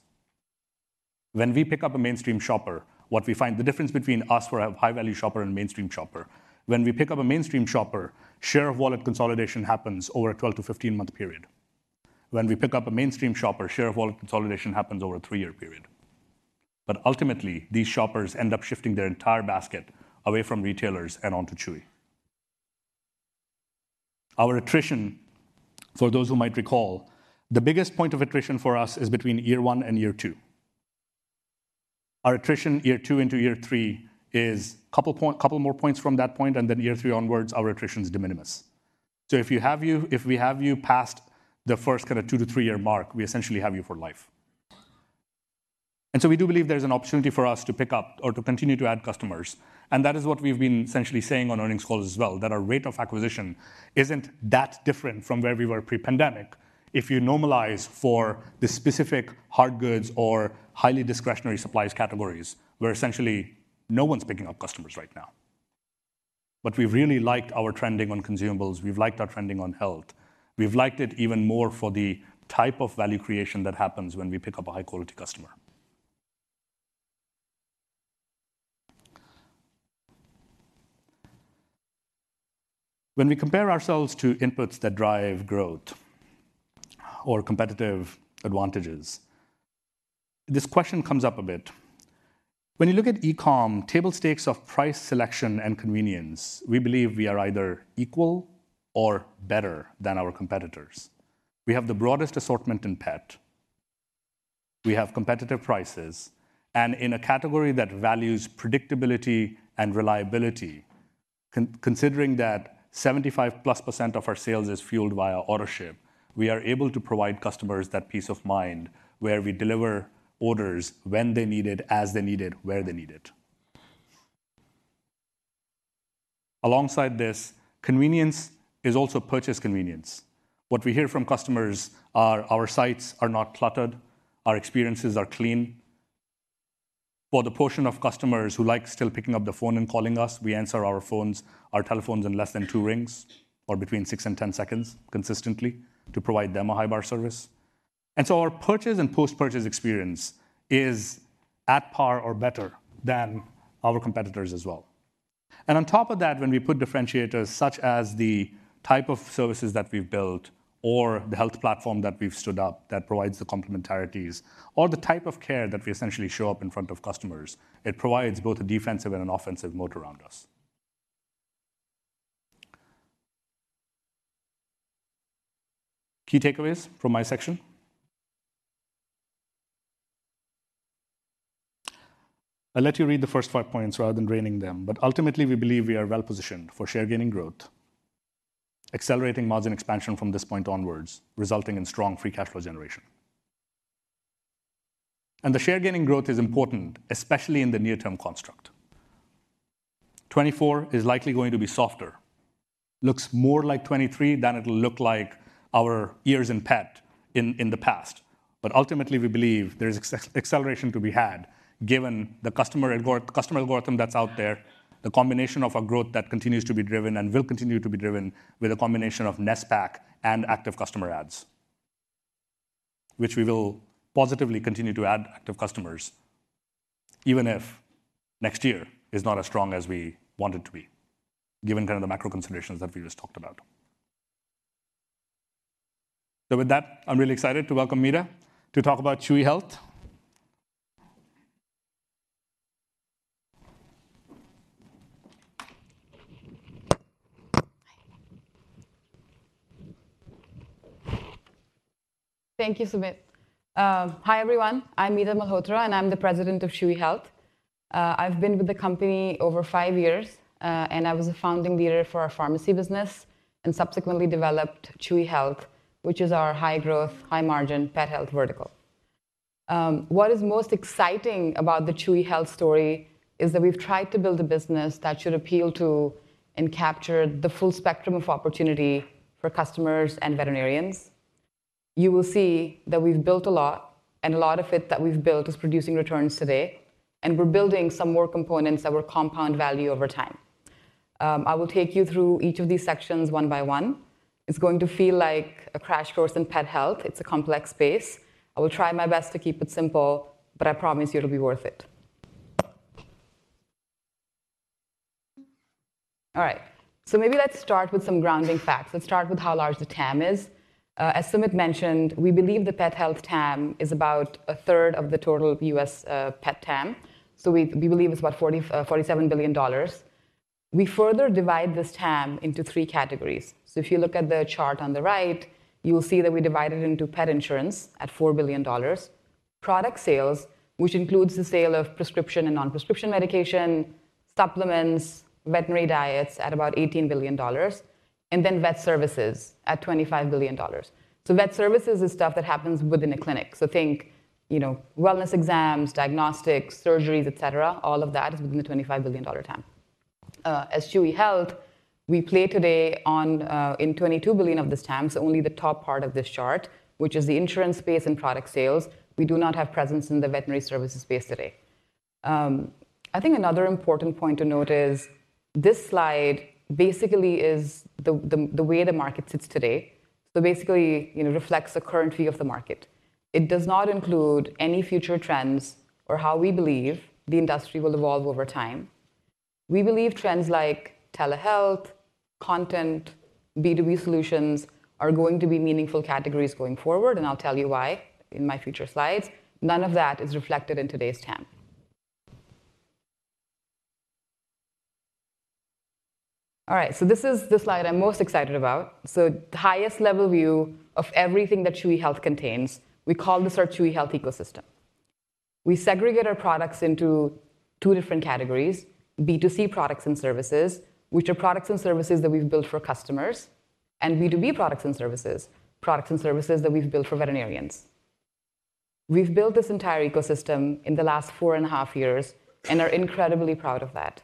When we pick up a mainstream shopper, what we find, the difference between us for a high-value shopper and mainstream shopper, when we pick up a mainstream shopper, share of wallet consolidation happens over a 12-to-15-month period. When we pick up a mainstream shopper, share of wallet consolidation happens over a three-year period. Ultimately, these shoppers end up shifting their entire basket away from retailers and onto Chewy. Our attrition, for those who might recall, the biggest point of attrition for us is between year one and year two. Our attrition year two into year three is a couple more points from that point, and then year three onwards, our attrition is de minimis. So if we have you past the first kind of two- to three-year mark, we essentially have you for life. We do believe there's an opportunity for us to pick up or to continue to add customers, and that is what we've been essentially saying on earnings calls as well, that our rate of acquisition isn't that different from where we were pre-pandemic if you normalize for the specific hard goods or highly discretionary supplies categories, where essentially no one's picking up customers right now. But we've really liked our trending on consumables, we've liked our trending on health. We've liked it even more for the type of value creation that happens when we pick up a high-quality customer. When we compare ourselves to inputs that drive growth or competitive advantages. This question comes up a bit. When you look at e-com, table stakes of price, selection, and convenience, we believe we are either equal or better than our competitors. We have the broadest assortment in pet. We have competitive prices, and in a category that values predictability and reliability, considering that +75% of our sales is fueled via Autoship, we are able to provide customers that peace of mind, where we deliver orders when they need it, as they need it, where they need it. Alongside this, convenience is also purchase convenience. What we hear from customers are our sites are not cluttered, our experiences are clean. For the portion of customers who like still picking up the phone and calling us, we answer our phones, our telephones in less than two rings, or between 6 and 10 seconds consistently, to provide them a high-bar service. And so our purchase and post-purchase experience is at par or better than our competitors as well. On top of that, when we put differentiators such as the type of services that we've built or the health platform that we've stood up, that provides the complementarities, or the type of care that we essentially show up in front of customers, it provides both a defensive and an offensive moat around us. Key takeaways from my section. I'll let you read the first five points rather than reading them, but ultimately, we believe we are well positioned for share gaining growth, accelerating margin expansion from this point onwards, resulting in strong free cash flow generation. The share gaining growth is important, especially in the near-term construct. 2024 is likely going to be softer. Looks more like 2023 than it'll look like our years in pet in the past. But ultimately, we believe there is acceleration to be had given the customer algorithm that's out there, the combination of our growth that continues to be driven and will continue to be driven with a combination of NSPAC and active customer adds, which we will positively continue to add active customers, even if next year is not as strong as we want it to be, given kind of the macro considerations that we just talked about. So with that, I'm really excited to welcome Mita to talk about Chewy Health. Thank you, Sumit. Hi, everyone. I'm Mita Malhotra, and I'm the President of Chewy Health. I've been with the company over five years, and I was a founding leader for our pharmacy business and subsequently developed Chewy Health, which is our high-growth, high-margin pet health vertical. What is most exciting about the Chewy Health story is that we've tried to build a business that should appeal to and capture the full spectrum of opportunity for customers and veterinarians. You will see that we've built a lot, and a lot of it that we've built is producing returns today, and we're building some more components that will compound value over time. I will take you through each of these sections one by one. It's going to feel like a crash course in pet health. It's a complex space. I will try my best to keep it simple, but I promise you it'll be worth it. All right, so maybe let's start with some grounding facts. Let's start with how large the TAM is. As Sumit mentioned, we believe the pet health TAM is about a third of the total U.S., pet TAM. So we, we believe it's about $47 billion. We further divide this TAM into three categories. So if you look at the chart on the right, you will see that we divide it into pet insurance at $4 billion; product sales, which includes the sale of prescription and non-prescription medication, supplements, veterinary diets at about $18 billion; and then vet services at $25 billion. So vet services is stuff that happens within a clinic, so think, you know, wellness exams, diagnostics, surgeries, et cetera. All of that is within the $25 billion TAM. As Chewy Health, we play today on in $22 billion of this TAM, so only the top part of this chart, which is the insurance space and product sales. We do not have presence in the veterinary services space today. I think another important point to note is this slide basically is the way the market sits today. So basically, you know, reflects the current view of the market. It does not include any future trends or how we believe the industry will evolve over time. We believe trends like telehealth, content, B2B solutions are going to be meaningful categories going forward, and I'll tell you why in my future slides. None of that is reflected in today's TAM. All right, so this is the slide I'm most excited about. So the highest level view of everything that Chewy Health contains, we call this our Chewy Health ecosystem. We segregate our products into two different categories: B2C products and services, which are products and services that we've built for customers, and B2B products and services, products and services that we've built for veterinarians. We've built this entire ecosystem in the last 4.5 years and are incredibly proud of that.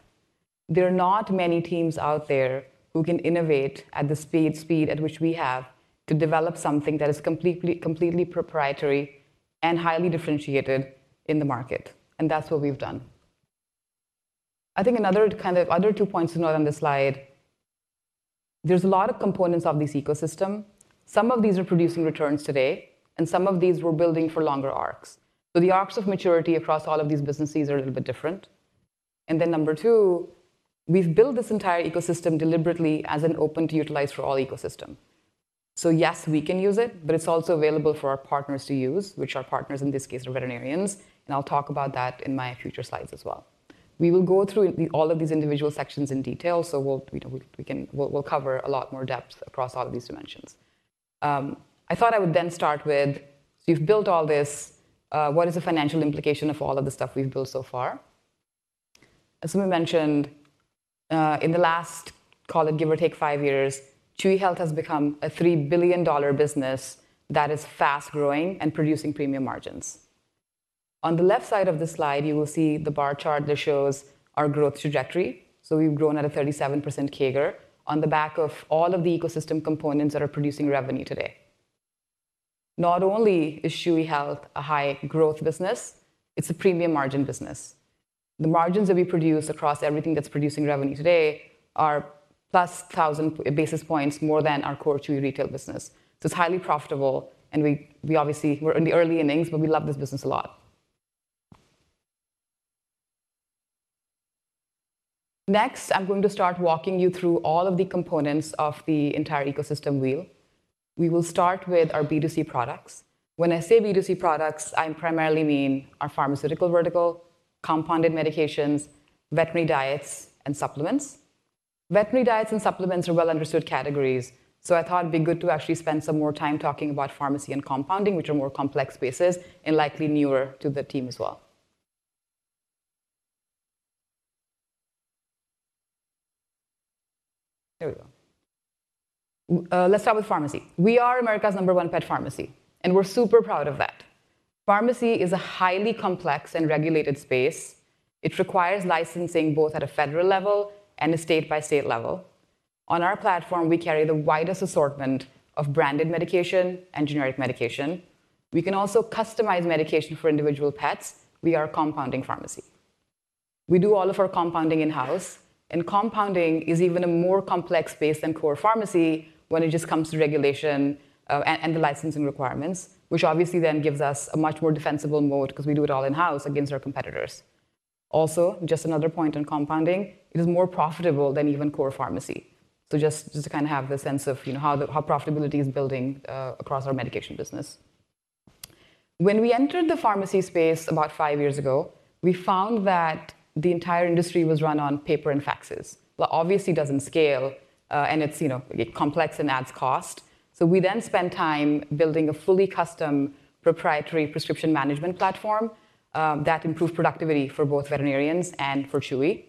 There are not many teams out there who can innovate at the speed at which we have to develop something that is completely proprietary and highly differentiated in the market, and that's what we've done. I think another kind of other two points to note on this slide, there's a lot of components of this ecosystem. Some of these are producing returns today, and some of these we're building for longer arcs. So the arcs of maturity across all of these businesses are a little bit different. And then number two, we've built this entire ecosystem deliberately as an open-to-utilize-for-all ecosystem. So yes, we can use it, but it's also available for our partners to use, which our partners in this case are veterinarians, and I'll talk about that in my future slides as well. We will go through all of these individual sections in detail, so we'll, you know, cover a lot more depth across all of these dimensions. I thought I would then start with, so you've built all this, what is the financial implication of all of the stuff we've built so far? As we mentioned in the last, call it give or take five years, Chewy Health has become a $3 billion business that is fast-growing and producing premium margins. On the left side of this slide, you will see the bar chart that shows our growth trajectory. So we've grown at a 37% CAGR on the back of all of the ecosystem components that are producing revenue today. Not only is Chewy Health a high growth business, it's a premium margin business. The margins that we produce across everything that's producing revenue today are +1,000 basis points more than our core Chewy Retail business. So it's highly profitable, and we obviously we're in the early innings, but we love this business a lot. Next, I'm going to start walking you through all of the components of the entire ecosystem wheel. We will start with our B2C products. When I say B2C products, I primarily mean our pharmaceutical vertical, compounded medications, veterinary diets, and supplements. Veterinary diets and supplements are well-understood categories, so I thought it'd be good to actually spend some more time talking about pharmacy and compounding, which are more complex spaces and likely newer to the team as well. There we go. Let's start with pharmacy. We are America's number one pet pharmacy, and we're super proud of that. Pharmacy is a highly complex and regulated space. It requires licensing both at a federal level and a state-by-state level. On our platform, we carry the widest assortment of branded medication and generic medication. We can also customize medication for individual pets. We are a compounding pharmacy. We do all of our compounding in-house, and compounding is even a more complex space than core pharmacy when it just comes to regulation, and the licensing requirements, which obviously then gives us a much more defensible moat, because we do it all in-house, against our competitors. Also, just another point on compounding, it is more profitable than even core pharmacy. So just to kind of have the sense of, you know, how the, how profitability is building across our medication business. When we entered the pharmacy space about five years ago, we found that the entire industry was run on paper and faxes. That obviously doesn't scale, and it's, you know, complex and adds cost. So we then spent time building a fully custom proprietary prescription management platform that improved productivity for both veterinarians and for Chewy.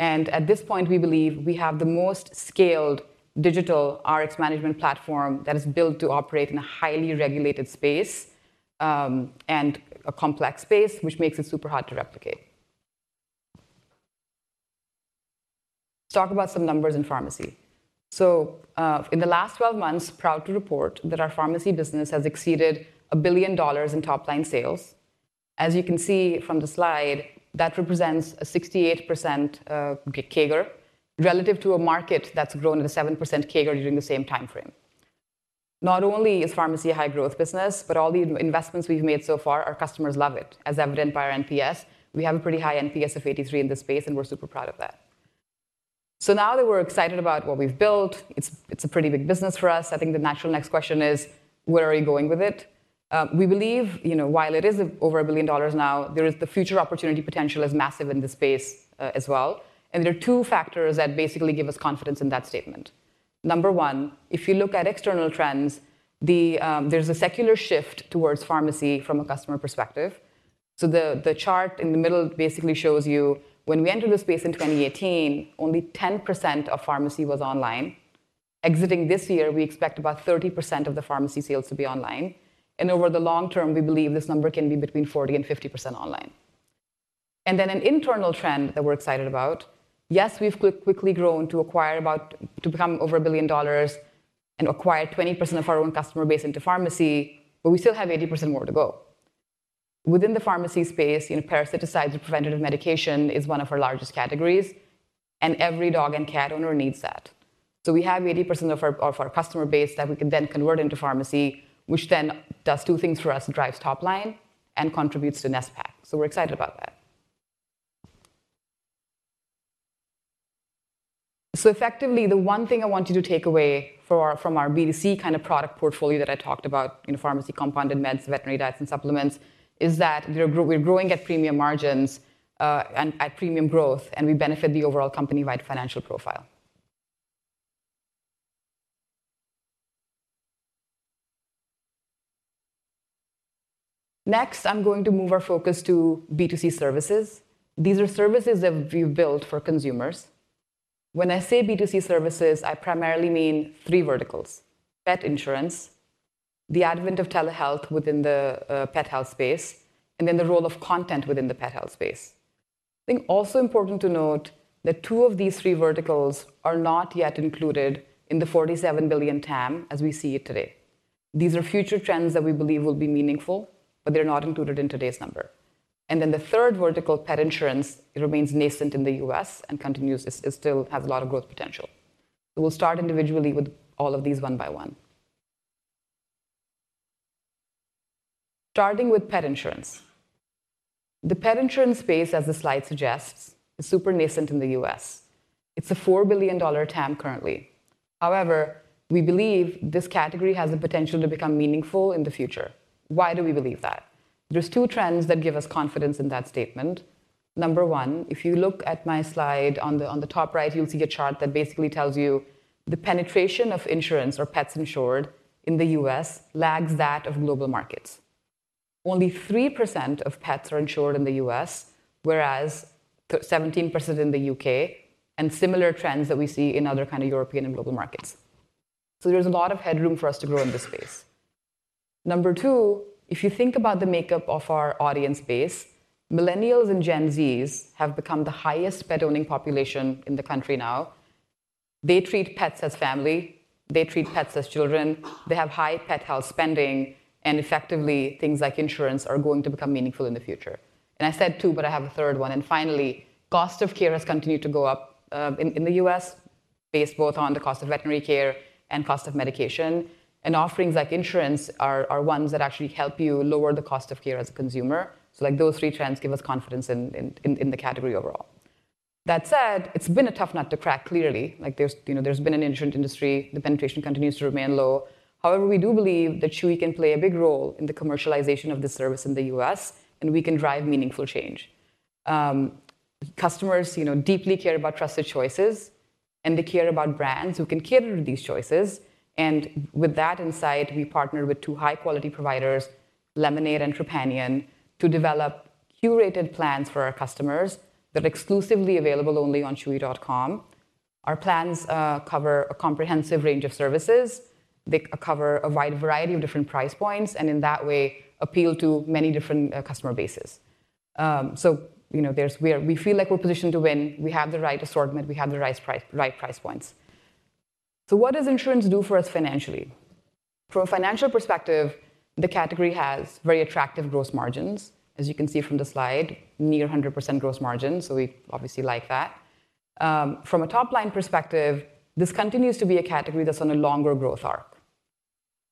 At this point, we believe we have the most scaled digital Rx management platform that is built to operate in a highly regulated space, and a complex space, which makes it super hard to replicate. Let's talk about some numbers in pharmacy. So, in the last 12 months, proud to report that our pharmacy business has exceeded $1 billion in top-line sales. As you can see from the slide, that represents a 68% CAGR, relative to a market that's grown at a 7% CAGR during the same time frame. Not only is pharmacy a high-growth business, but all the investments we've made so far, our customers love it, as evident by our NPS. We have a pretty high NPS of 83 in this space, and we're super proud of that. So now that we're excited about what we've built, it's, it's a pretty big business for us. I think the natural next question is, where are we going with it? We believe, you know, while it is over $1 billion now, there is the future opportunity potential is massive in this space, as well. And there are two factors that basically give us confidence in that statement. Number one, if you look at external trends, there's a secular shift towards pharmacy from a customer perspective. So the, the chart in the middle basically shows you when we entered the space in 2018, only 10% of pharmacy was online. Exiting this year, we expect about 30% of the pharmacy sales to be online, and over the long term, we believe this number can be between 40% and 50% online. And then an internal trend that we're excited about, yes, we've quickly grown to acquire about to become over $1 billion and acquire 20% of our own customer base into pharmacy, but we still have 80% more to go. Within the pharmacy space, you know, parasiticides and preventative medication is one of our largest categories, and every dog and cat owner needs that. So we have 80% of our customer base that we can then convert into pharmacy, which then does two things for us: drives top line and contributes to NSPC. So we're excited about that. So effectively, the one thing I want you to take away from our B2C kind of product portfolio that I talked about, you know, pharmacy, compounded meds, veterinary diets, and supplements, is that we're growing at premium margins, and at premium growth, and we benefit the overall company-wide financial profile. Next, I'm going to move our focus to B2C services. These are services that we've built for consumers. When I say B2C services, I primarily mean three verticals: pet insurance, the advent of telehealth within the pet health space, and then the role of content within the pet health space. I think also important to note that two of these three verticals are not yet included in the $47 billion TAM as we see it today. These are future trends that we believe will be meaningful, but they're not included in today's number. Then the third vertical, pet insurance, it remains nascent in the U.S. and continues, it still has a lot of growth potential. So we'll start individually with all of these one by one. Starting with pet insurance. The pet insurance space, as the slide suggests, is super nascent in the U.S. It's a $4 billion TAM currently. However, we believe this category has the potential to become meaningful in the future. Why do we believe that? There's two trends that give us confidence in that statement. Number one, if you look at my slide on the top right, you'll see a chart that basically tells you the penetration of insurance or pets insured in the U.S. lags that of global markets. Only 3% of pets are insured in the U.S., whereas 17% in the U.K., and similar trends that we see in other kind of European and global markets. So there's a lot of headroom for us to grow in this space. Number two, if you think about the makeup of our audience base, millennials and Gen Zs have become the highest pet-owning population in the country now. They treat pets as family, they treat pets as children, they have high pet health spending, and effectively, things like insurance are going to become meaningful in the future. And I said two, but I have a third one, and finally, cost of care has continued to go up, in the U.S., based both on the cost of veterinary care and cost of medication. And offerings like insurance are ones that actually help you lower the cost of care as a consumer. So, like, those three trends give us confidence in the category overall. That said, it's been a tough nut to crack, clearly. Like, there's, you know, there has been an insurance industry, the penetration continues to remain low. However, we do believe that Chewy can play a big role in the commercialization of this service in the U.S., and we can drive meaningful change. Customers, you know, deeply care about trusted choices, and they care about brands who can cater to these choices. And with that insight, we partnered with two high-quality providers, Lemonade and Trupanion, to develop curated plans for our customers that are exclusively available only on chewy.com. Our plans cover a comprehensive range of services. They cover a wide variety of different price points, and in that way, appeal to many different customer bases. So, you know, there's, we are, we feel like we're positioned to win. We have the right assortment, we have the right price, right price points. So what does insurance do for us financially? From a financial perspective, the category has very attractive gross margins. As you can see from the slide, near 100% gross margin, so we obviously like that. From a top-line perspective, this continues to be a category that's on a longer growth arc.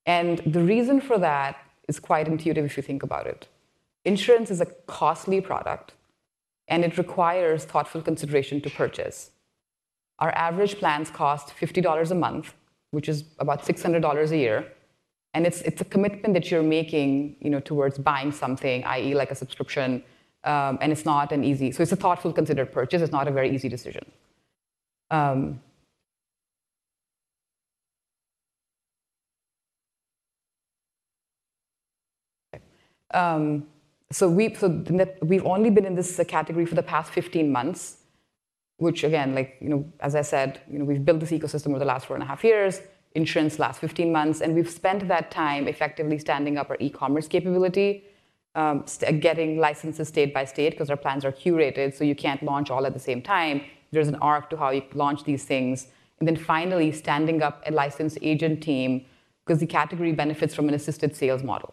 And the reason for that is quite intuitive if you think about it. Insurance is a costly product, and it requires thoughtful consideration to purchase. Our average plans cost $50 a month, which is about $600 a year, and it's, it's a commitment that you're making, you know, towards buying something, i.e., like a subscription, and it's not an easy. So it's a thoughtful, considered purchase. It's not a very easy decision. So we've, so we've only been in this category for the past 15 months, which, again, like, you know, as I said, you know, we've built this ecosystem over the last 4.5 years, insurance last 15 months, and we've spent that time effectively standing up our e-commerce capability, getting licenses state by state, because our plans are curated, so you can't launch all at the same time. There's an arc to how you launch these things. Then finally, standing up a licensed agent team because the category benefits from an assisted sales model.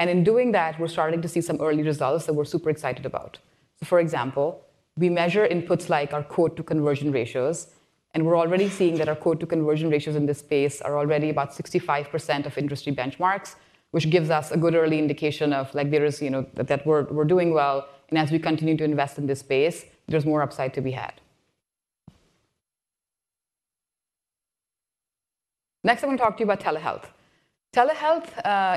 And in doing that, we're starting to see some early results that we're super excited about. For example, we measure inputs like our quote-to-conversion ratios, and we're already seeing that our quote-to-conversion ratios in this space are already about 65% of industry benchmarks, which gives us a good early indication of, like, there is, you know, that we're doing well, and as we continue to invest in this space, there's more upside to be had. Next, I want to talk to you about telehealth. Telehealth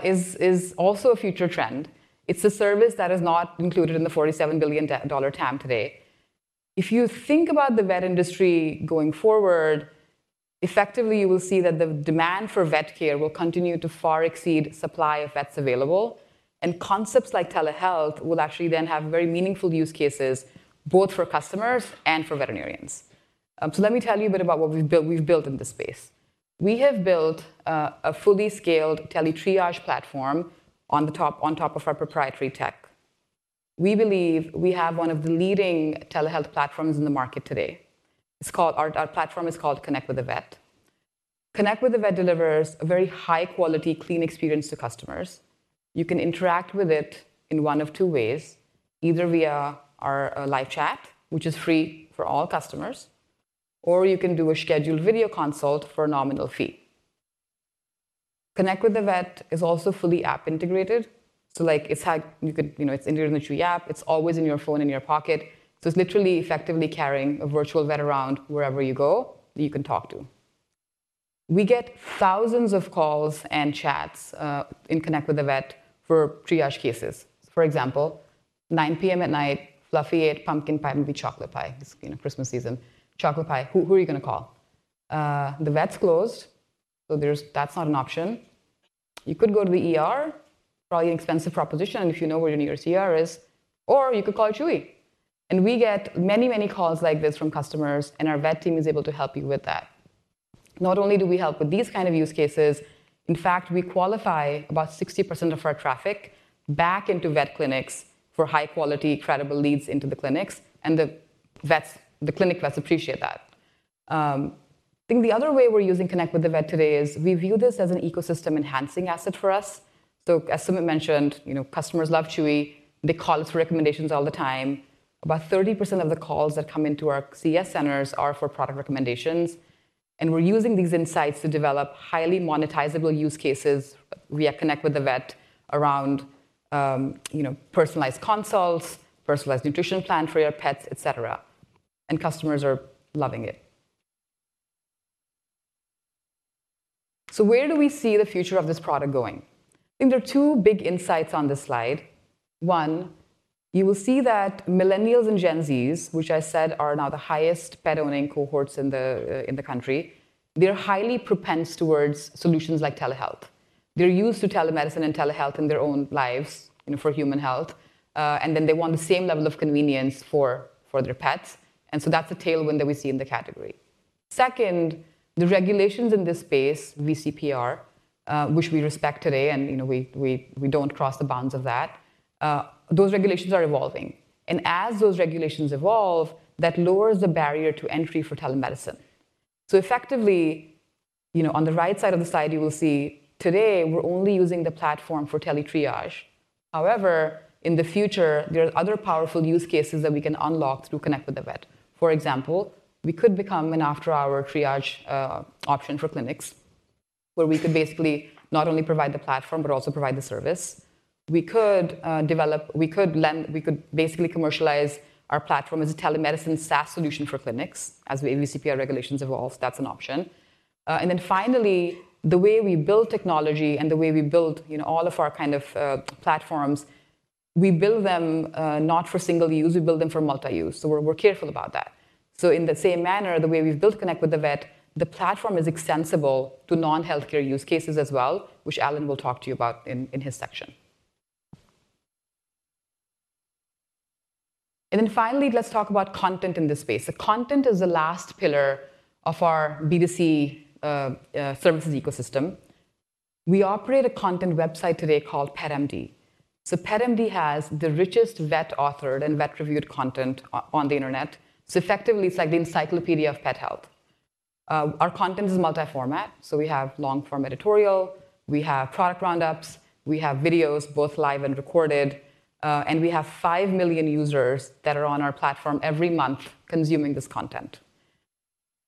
is also a future trend. It's a service that is not included in the $47 billion TAM today. If you think about the vet industry going forward, effectively, you will see that the demand for vet care will continue to far exceed supply of vets available, and concepts like telehealth will actually then have very meaningful use cases, both for customers and for veterinarians. So let me tell you a bit about what we've built, we've built in this space. We have built a fully scaled teletriage platform on the top, on top of our proprietary tech. We believe we have one of the leading telehealth platforms in the market today. It's called, our platform is called Connect with a Vet. Connect with a Vet delivers a very high-quality, clean experience to customers. You can interact with it in one of two ways: either via our live chat, which is free for all customers, or you can do a scheduled video consult for a nominal fee. Connect with a Vet is also fully app-integrated, so like, it's like, you could, you know, it's integrated in the Chewy app. It's always in your phone, in your pocket, so it's literally effectively carrying a virtual vet around wherever you go, that you can talk to. We get thousands of calls and chats in Connect with a Vet for triage cases. For example, 09 P.M. at night, Fluffy ate pumpkin pie, maybe chocolate pie. It's, you know, Christmas season. Chocolate pie. Who, who are you going to call? The vet's closed, so there's, that's not an option. You could go to the ER, probably an expensive proposition, and if you know where your nearest ER is, or you could call Chewy. And we get many, many calls like this from customers, and our vet team is able to help you with that. Not only do we help with these kind of use cases, in fact, we qualify about 60% of our traffic back into vet clinics for high-quality, credible leads into the clinics, and the vets, the clinic vets appreciate that. I think the other way we're using Connect with a Vet today is we view this as an ecosystem-enhancing asset for us. So as Sumit mentioned, you know, customers love Chewy. They call us for recommendations all the time. About 30% of the calls that come into our CS centers are for product recommendations and we're using these insights to develop highly monetizable use cases via Connect with a Vet around, you know, personalized consults, personalized nutrition plan for your pets, et cetera, and customers are loving it. So where do we see the future of this product going? I think there are two big insights on this slide. One, you will see that Millennials and Gen Zs, which I said are now the highest pet-owning cohorts in the country, they're highly predisposed towards solutions like telehealth. They're used to telemedicine and telehealth in their own lives, you know, for human health, and then they want the same level of convenience for their pets, and so that's a tailwind that we see in the category. Second, the regulations in this space, VCPR, which we respect today, and, you know, we don't cross the bounds of that, those regulations are evolving. And as those regulations evolve, that lowers the barrier to entry for telemedicine. So effectively, you know, on the right side of the slide, you will see today, we're only using the platform for teletriage. However, in the future, there are other powerful use cases that we can unlock through Connect with Vet. For example, we could become an after-hour triage option for clinics, where we could basically not only provide the platform, but also provide the service. We could basically commercialize our platform as a telemedicine SaaS solution for clinics. As the VCPR regulations evolve, that's an option. And then finally, the way we build technology and the way we build, you know, all of our kind of platforms, we build them not for single use, we build them for multi-use, so we're careful about that. So in the same manner, the way we've built Connect with Vet, the platform is extensible to non-healthcare use cases as well, which Allen will talk to you about in his section. And then finally, let's talk about content in this space. The content is the last pillar of our B2C services ecosystem. We operate a content website today called PetMD. So PetMD has the richest vet-authored and vet-reviewed content on the internet. So effectively, it's like the encyclopedia of pet health. Our content is multi-format, so we have long-form editorial, we have product roundups, we have videos, both live and recorded, and we have 5 million users that are on our platform every month consuming this content.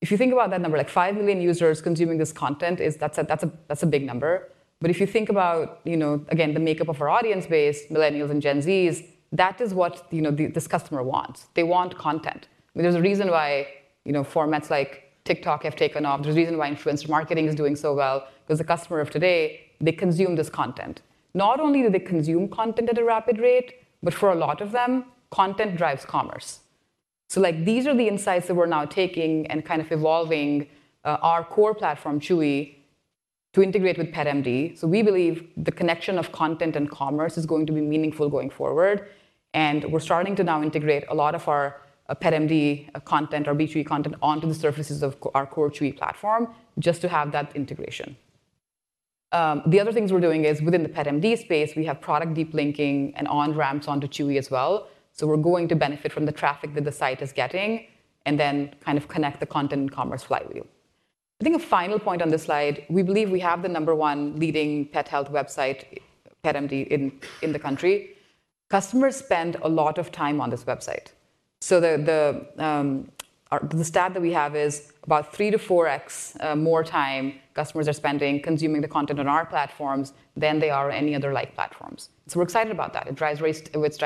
If you think about that number, like 5 million users consuming this content is—that's a big number. But if you think about, you know, again, the makeup of our audience base, Millennials and Gen Zs, that is what, you know, the, this customer wants. They want content. There's a reason why, you know, formats like TikTok have taken off. There's a reason why influencer marketing is doing so well, because the customer of today, they consume this content. Not only do they consume content at a rapid rate, but for a lot of them, content drives commerce. So, like, these are the insights that we're now taking and kind of evolving our core platform, Chewy, to integrate with PetMD. So we believe the connection of content and commerce is going to be meaningful going forward, and we're starting to now integrate a lot of our PetMD content or B2C content onto the surfaces of our core Chewy platform, just to have that integration. The other things we're doing is within the PetMD space, we have product deep linking and on-ramps onto Chewy as well. So we're going to benefit from the traffic that the site is getting and then kind of connect the content and commerce flywheel. I think a final point on this slide, we believe we have the number one leading pet health website, PetMD, in the country. Customers spend a lot of time on this website. So the stat that we have is about 3x-4x more time customers are spending consuming the content on our platforms than they are any other like platforms. So we're excited about that. It drives a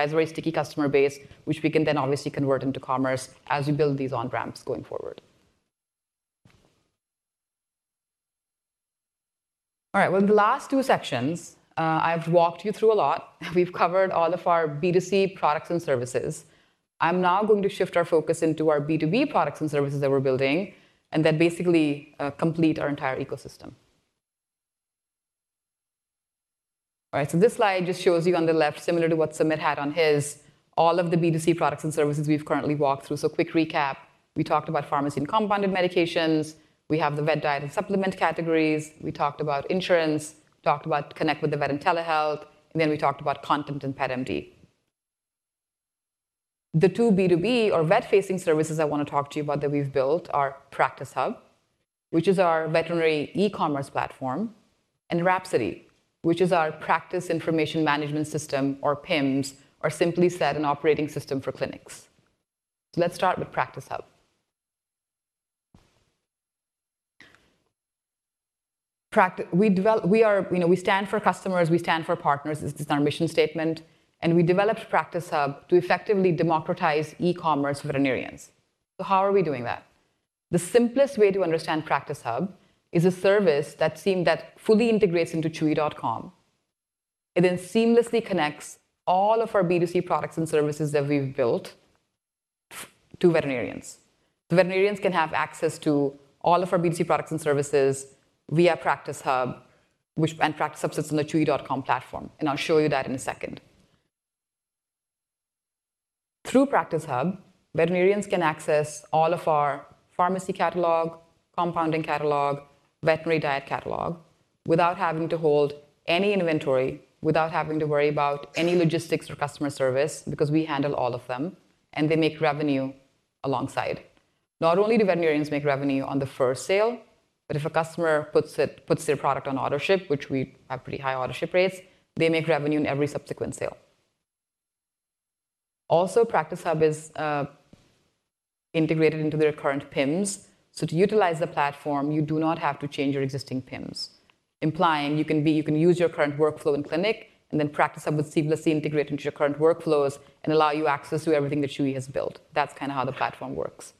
very sticky customer base, which we can then obviously convert into commerce as we build these on-ramps going forward. All right, well, the last two sections, I've walked you through a lot. We've covered all of our B2C products and services. I'm now going to shift our focus into our B2B products and services that we're building and then basically, complete our entire ecosystem. All right, so this slide just shows you on the left, similar to what Sumit had on his, all of the B2C products and services we've currently walked through. So quick recap, we talked about pharmacy and compounded medications, we have the vet diet and supplement categories, we talked about insurance, talked about Connect with a Vet and telehealth, and then we talked about content and PetMD. The two B2B or vet-facing services I want to talk to you about that we've built are Practice Hub, which is our veterinary e-commerce platform, and Rhapsody, which is our practice information management system or PIMS, or simply said, an operating system for clinics. So let's start with Practice Hub. You know, we stand for customers, we stand for partners. This is our mission statement, and we developed Practice Hub to effectively democratize e-commerce veterinarians. So how are we doing that? The simplest way to understand Practice Hub is a service that fully integrates into chewy.com. It then seamlessly connects all of our B2C products and services that we've built to veterinarians. The veterinarians can have access to all of our B2C products and services via Practice Hub, and Practice Hub sits on the chewy.com platform, and I'll show you that in a second. Through Practice Hub, veterinarians can access all of our pharmacy catalog, compounding catalog, veterinary diet catalog, without having to hold any inventory, without having to worry about any logistics or customer service, because we handle all of them, and they make revenue alongside. Not only do veterinarians make revenue on the first sale, but if a customer puts their product on Autoship, which we have pretty high Autoship rates, they make revenue on every subsequent sale. Also, Practice Hub is integrated into their current PIMS. So to utilize the platform, you do not have to change your existing PIMS. Implying you can use your current workflow in clinic, and then Practice Hub would seamlessly integrate into your current workflows and allow you access to everything that Chewy has built. That's kind of how the platform works.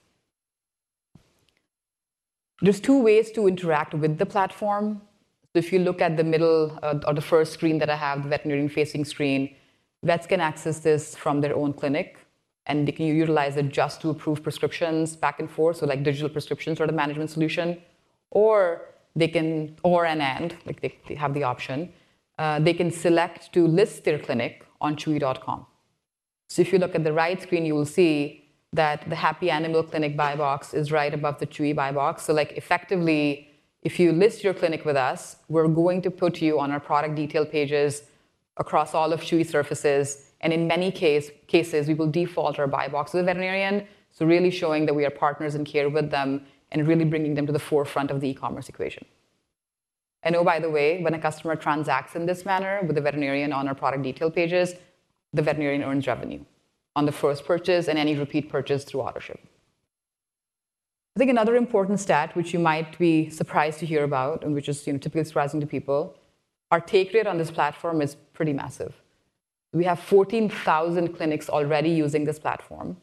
There's two ways to interact with the platform. If you look at the middle or the first screen that I have, the veterinarian-facing screen, vets can access this from their own clinic, and they can utilize it just to approve prescriptions back and forth, so like digital prescriptions or the management solution. Or they can, and like, they have the option, they can select to list their clinic on chewy.com. So if you look at the right screen, you will see that the Happy Animal Clinic buy box is right above the Chewy buy box. So like, effectively, if you list your clinic with us, we're going to put you on our product detail pages across all of Chewy's surfaces, and in many cases, we will default our buy box to the veterinarian, so really showing that we are partners in care with them and really bringing them to the forefront of the e-commerce equation. And oh, by the way, when a customer transacts in this manner with a veterinarian on our product detail pages, the veterinarian earns revenue on the first purchase and any repeat purchase through autoship. I think another important stat, which you might be surprised to hear about and which is, you know, typically surprising to people, our take rate on this platform is pretty massive. We have 14,000 clinics already using this platform,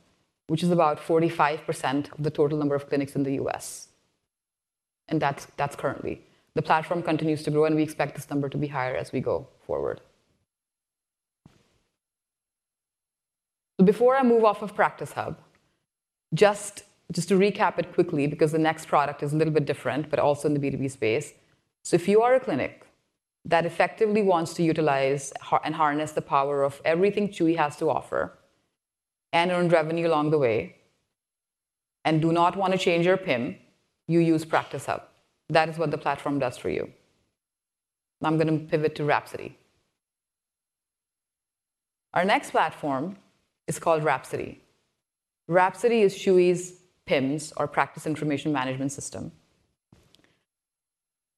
which is about 45% of the total number of clinics in the U.S., and that's currently. The platform continues to grow, and we expect this number to be higher as we go forward. So before I move off of Practice Hub, just to recap it quickly, because the next product is a little bit different, but also in the B2B space. So if you are a clinic that effectively wants to utilize and harness the power of everything Chewy has to offer and earn revenue along the way and do not want to change your PIM, you use Practice Hub. That is what the platform does for you. Now I'm going to pivot to Rhapsody. Our next platform is called Rhapsody. Rhapsody is Chewy's PIMS, or practice information management system.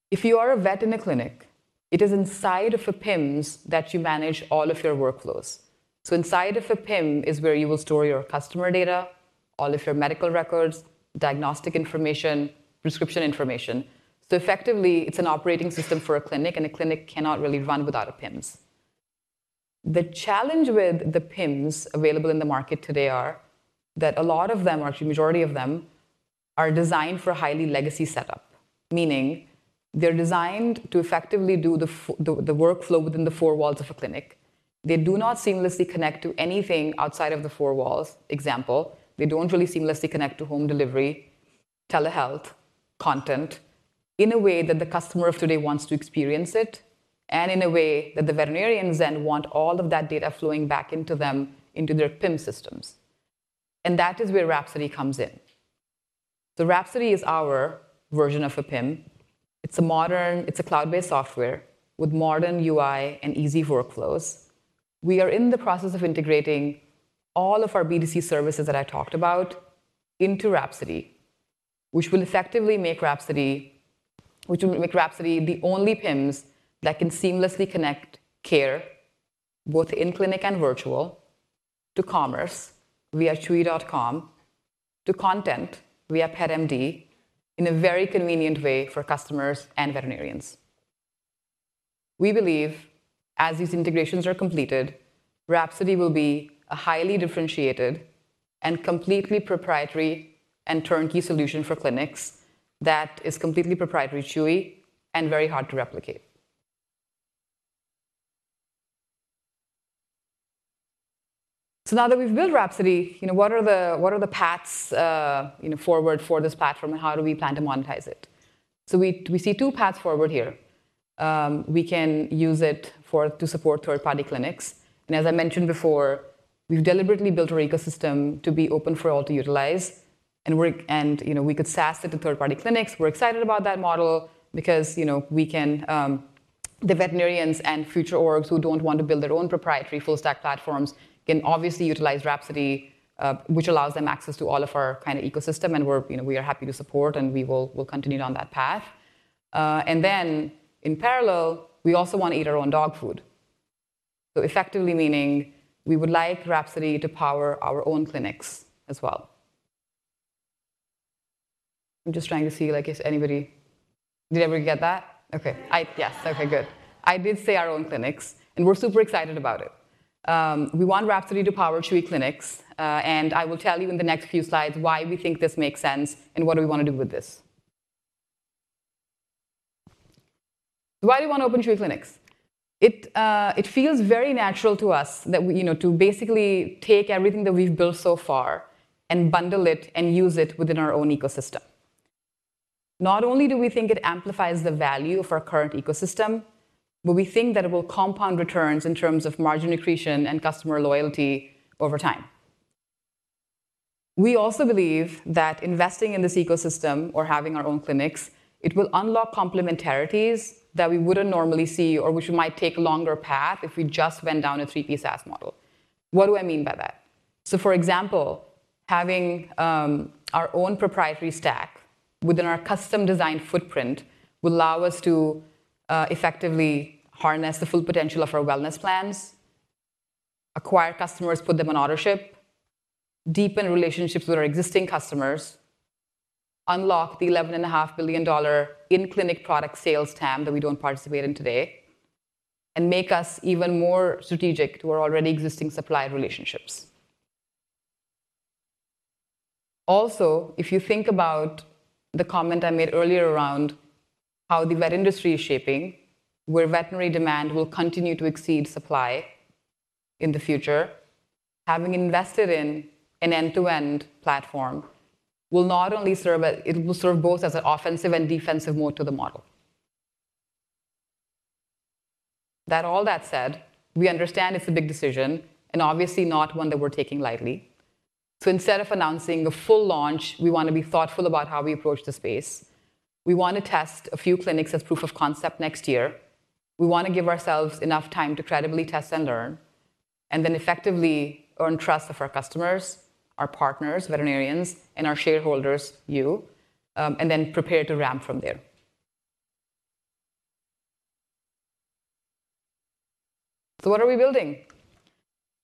If you are a vet in a clinic, it is inside of a PIMS that you manage all of your workflows. So inside of a PIMS is where you will store your customer data, all of your medical records, diagnostic information, prescription information. So effectively, it's an operating system for a clinic, and a clinic cannot really run without a PIMS. The challenge with the PIMS available in the market today are that a lot of them, or actually the majority of them, are designed for a highly legacy setup, meaning they're designed to effectively do the workflow within the four walls of a clinic. They do not seamlessly connect to anything outside of the four walls. Example, they don't really seamlessly connect to home delivery, telehealth, content in a way that the customer of today wants to experience it and in a way that the veterinarians then want all of that data flowing back into them, into their PIMS, and that is where Rhapsody comes in. So Rhapsody is our version of a PIMS. It's a modern. It's a cloud-based software with modern UI and easy workflows. We are in the process of integrating all of our B2C services that I talked about into Rhapsody, which will effectively make Rhapsody, which will make Rhapsody the only PIMS that can seamlessly connect care, both in clinic and virtual, to commerce via chewy.com, to content via PetMD, in a very convenient way for customers and veterinarians. We believe, as these integrations are completed, Rhapsody will be a highly differentiated and completely proprietary and turnkey solution for clinics that is completely proprietary to Chewy and very hard to replicate. So now that we've built Rhapsody, you know, what are the paths, you know, forward for this platform, and how do we plan to monetize it? So we see two paths forward here. We can use it for to support third-party clinics. And as I mentioned before, we've deliberately built our ecosystem to be open for all to utilize, and we're and, you know, we could SaaS it to third-party clinics. We're excited about that model because, you know, we can, the veterinarians and future orgs who don't want to build their own proprietary full-stack platforms can obviously utilize Rhapsody, which allows them access to all of our kind of ecosystem, and we're, you know, we are happy to support, and we will, we'll continue on that path. And then in parallel, we also want to eat our own dog food. So effectively, meaning we would like Rhapsody to power our own clinics as well. I'm just trying to see, like, if anybody--did everybody get that? Okay. Yes. Okay, good. I did say our own clinics, and we're super excited about it. We want Rhapsody to power Chewy Clinics, and I will tell you in the next few slides why we think this makes sense and what do we want to do with this. Why do we want to open Chewy Clinics? It feels very natural to us that we, you know, to basically take everything that we've built so far and bundle it and use it within our own ecosystem. Not only do we think it amplifies the value of our current ecosystem, but we think that it will compound returns in terms of margin accretion and customer loyalty over time. We also believe that investing in this ecosystem or having our own clinics, it will unlock complementarities that we wouldn't normally see or which might take a longer path if we just went down a 3P SaaS model. What do I mean by that? So, for example, having our own proprietary stack within our custom-designed footprint will allow us to effectively harness the full potential of our wellness plans, acquire customers, put them on Autoship, deepen relationships with our existing customers, unlock the $11.5 billion in-clinic product sales TAM that we don't participate in today, and make us even more strategic to our already existing supply relationships. Also, if you think about the comment I made earlier around how the vet industry is shaping, where veterinary demand will continue to exceed supply in the future, having invested in an end-to-end platform will not only serve—it will serve both as an offensive and defensive moat to the model. That all said, we understand it's a big decision and obviously not one that we're taking lightly. So instead of announcing a full launch, we want to be thoughtful about how we approach the space. We want to test a few clinics as proof of concept next year. We want to give ourselves enough time to credibly test and learn, and then effectively earn trust of our customers, our partners, veterinarians, and our shareholders, you, and then prepare to ramp from there. So what are we building?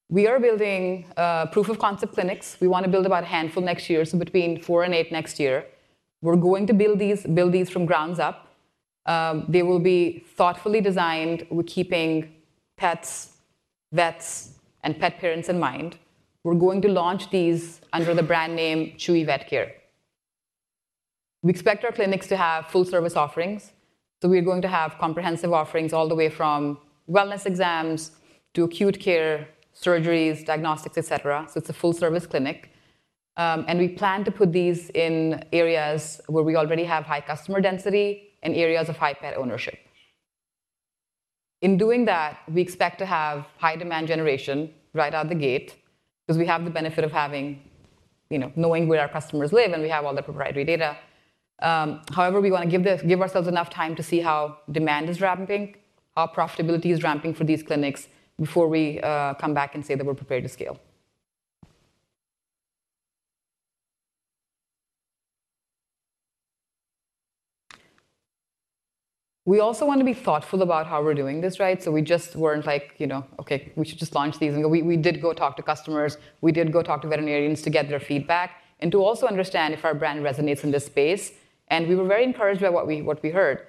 We are building proof-of-concept clinics. We want to build about a handful next year, so between four and eight next year. We're going to build these, build these from the ground up. They will be thoughtfully designed. We're keeping pets, vets, and pet parents in mind. We're going to launch these under the brand name Chewy Vet Care. We expect our clinics to have full-service offerings, so we are going to have comprehensive offerings all the way from wellness exams to acute care, surgeries, diagnostics, et cetera. So it's a full-service clinic. We plan to put these in areas where we already have high customer density and areas of high pet ownership. In doing that, we expect to have high demand generation right out the gate because we have the benefit of having, you know, knowing where our customers live, and we have all the proprietary data. However, we want to give ourselves enough time to see how demand is ramping, how profitability is ramping for these clinics before we come back and say that we're prepared to scale. We also want to be thoughtful about how we're doing this, right? So we just weren't like, you know, "Okay, we should just launch these," and go. We did go talk to customers, we did go talk to veterinarians to get their feedback and to also understand if our brand resonates in this space, and we were very encouraged by what we heard.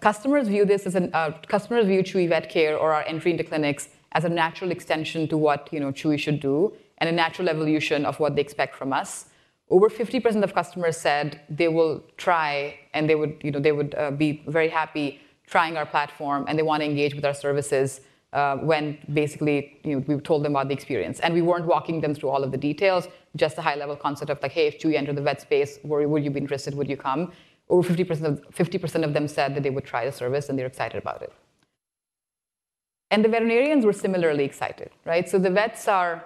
Customers view Chewy Vet Care or our entry into clinics as a natural extension to what, you know, Chewy should do, and a natural evolution of what they expect from us. Over 50% of customers said they will try and they would, you know, they would, be very happy trying our platform, and they want to engage with our services, when basically, you know, we've told them about the experience. And we weren't walking them through all of the details, just the high-level concept of like, "Hey, if Chewy entered the vet space, would you be interested? Would you come?" Over 50% of them said that they would try the service, and they're excited about it. And the veterinarians were similarly excited, right? So the vets are--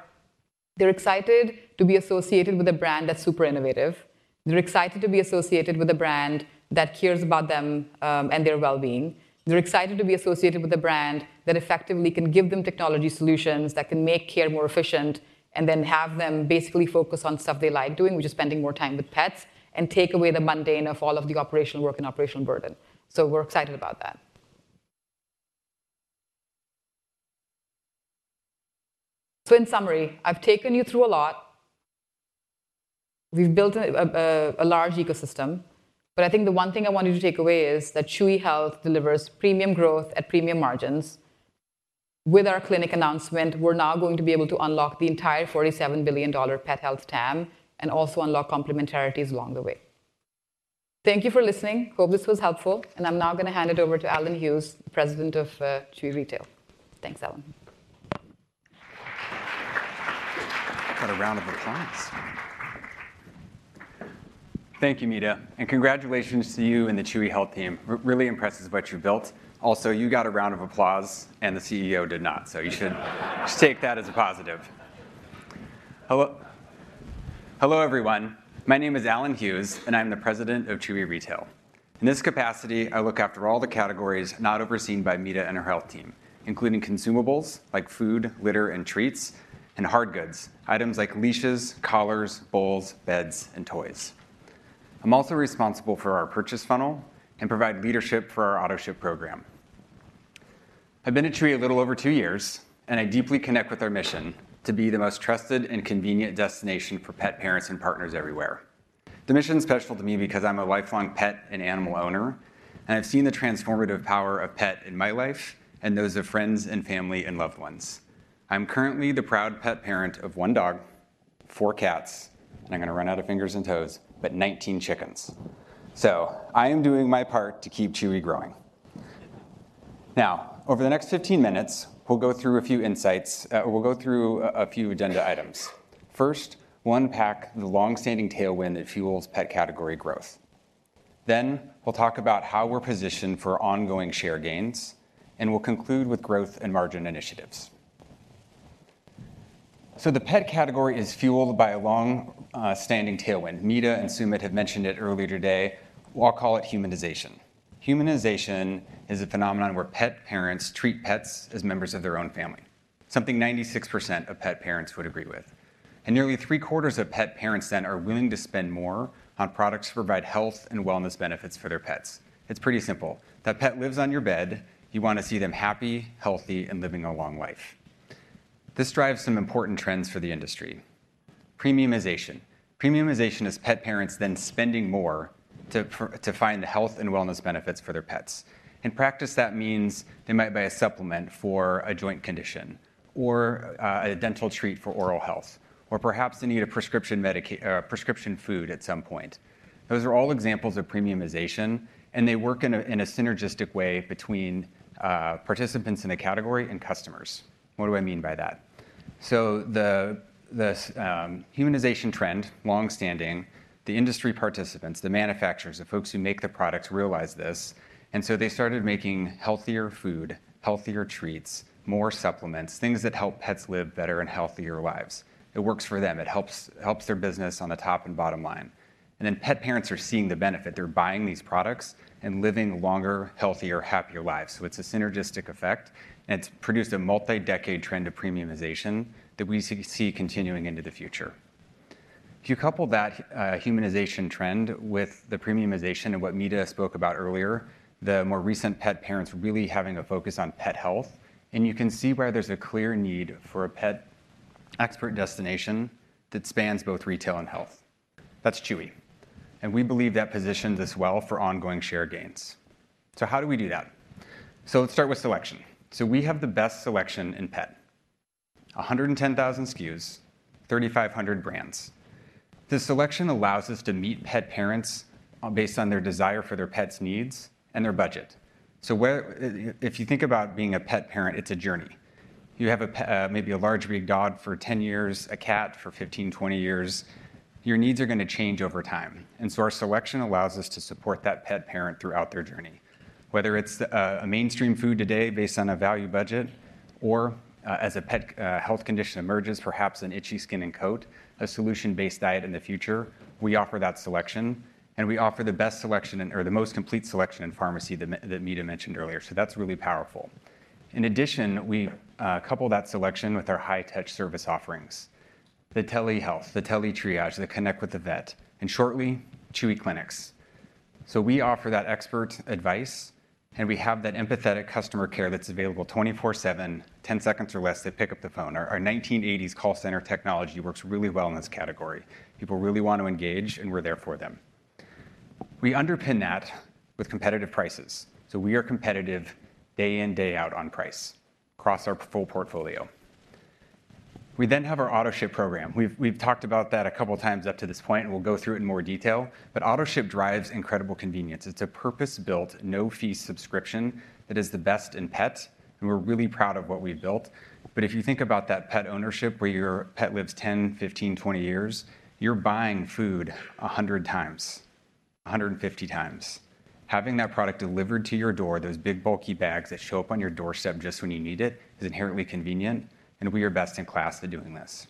They're excited to be associated with a brand that's super innovative. They're excited to be associated with a brand that cares about them, and their well-being. They're excited to be associated with a brand that effectively can give them technology solutions that can make care more efficient, and then have them basically focus on stuff they like doing, which is spending more time with pets, and take away the mundane of all of the operational work and operational burden. So we're excited about that. So in summary, I've taken you through a lot. We've built a large ecosystem, but I think the one thing I want you to take away is that Chewy Health delivers premium growth at premium margins. With our clinic announcement, we're now going to be able to unlock the entire $47 billion pet health TAM, and also unlock complementarities along the way. Thank you for listening. Hope this was helpful, and I'm now going to hand it over to Allen Hughes, President of Chewy Retail. Thanks, Allen. Got a round of applause. Thank you, Mita, and congratulations to you and the Chewy Health team. Really impressed with what you built. Also, you got a round of applause, and the CEO did not, so you should just take that as a positive. Hello, hello, everyone. My name is Allen Hughes, and I'm the President of Chewy Retail. In this capacity, I look after all the categories not overseen by Mita and her health team, including consumables like food, litter, and treats, and hard goods, items like leashes, collars, bowls, beds, and toys. I'm also responsible for our purchase funnel and provide leadership for our Autoship program. I've been at Chewy a little over two years, and I deeply connect with our mission: to be the most trusted and convenient destination for pet parents and partners everywhere. The mission's special to me because I'm a lifelong pet and animal owner, and I've seen the transformative power of pet in my life and those of friends and family and loved ones. I'm currently the proud pet parent of one dog, four cats, and I'm gonna run out of fingers and toes, but 19 chickens. So I am doing my part to keep Chewy growing. Now, over the next 15 minutes, we'll go through a few insights, we'll go through a few agenda items. First, we'll unpack the long-standing tailwind that fuels pet category growth. Then, we'll talk about how we're positioned for ongoing share gains, and we'll conclude with growth and margin initiatives. So the pet category is fueled by a long standing tailwind. Mita and Sumit have mentioned it earlier today. We'll call it humanization. Humanization is a phenomenon where pet parents treat pets as members of their own family, something 96% of pet parents would agree with. Nearly three-quarters of pet parents then are willing to spend more on products to provide health and wellness benefits for their pets. It's pretty simple. That pet lives on your bed, you want to see them happy, healthy, and living a long life. This drives some important trends for the industry. Premiumization. Premiumization is pet parents then spending more to find the health and wellness benefits for their pets. In practice, that means they might buy a supplement for a joint condition, or a dental treat for oral health, or perhaps they need a prescription food at some point. Those are all examples of premiumization, and they work in a synergistic way between participants in a category and customers. What do I mean by that? So the humanization trend, long-standing, the industry participants, the manufacturers, the folks who make the products, realize this, and so they started making healthier food, healthier treats, more supplements, things that help pets live better and healthier lives. It works for them. It helps their business on the top and bottom line. And then pet parents are seeing the benefit. They're buying these products and living longer, healthier, happier lives. So it's a synergistic effect, and it's produced a multi-decade trend of premiumization that we see continuing into the future. If you couple that, humanization trend with the premiumization and what Mita spoke about earlier, the more recent pet parents really having a focus on pet health, and you can see where there's a clear need for a pet expert destination that spans both retail and health. That's Chewy, and we believe that positions us well for ongoing share gains. So how do we do that? So let's start with selection. So we have the best selection in pet, 110,000 SKUs, 3,500 brands. This selection allows us to meet pet parents, based on their desire for their pet's needs and their budget. So where--If you think about being a pet parent, it's a journey. You have a pet, maybe a large breed dog for 10 years, a cat for 15, 20 years, your needs are going to change over time, and so our selection allows us to support that pet parent throughout their journey. Whether it's a mainstream food today based on a value budget, or, as a pet health condition emerges, perhaps an itchy skin and coat, a solution-based diet in the future, we offer that selection, and we offer the best selection or the most complete selection in pharmacy that Mita mentioned earlier. So that's really powerful. In addition, we couple that selection with our high-touch service offerings, the telehealth, the teletriage, the Connect with a Vet, and shortly, Chewy Clinics. So we offer that expert advice, and we have that empathetic customer care that's available 24/7, 10 seconds or less, they pick up the phone. Our 1980s call center technology works really well in this category. People really want to engage, and we're there for them. We underpin that with competitive prices, so we are competitive day in, day out on price across our full portfolio. We then have our Autoship program. We've talked about that a couple of times up to this point, and we'll go through it in more detail. But Autoship drives incredible convenience. It's a purpose-built, no-fee subscription that is the best in pet, and we're really proud of what we've built. But if you think about that pet ownership, where your pet lives 10, 15, 20 years, you're buying food 100x, 150x. Having that product delivered to your door, those big, bulky bags that show up on your doorstep just when you need it, is inherently convenient, and we are best in class at doing this.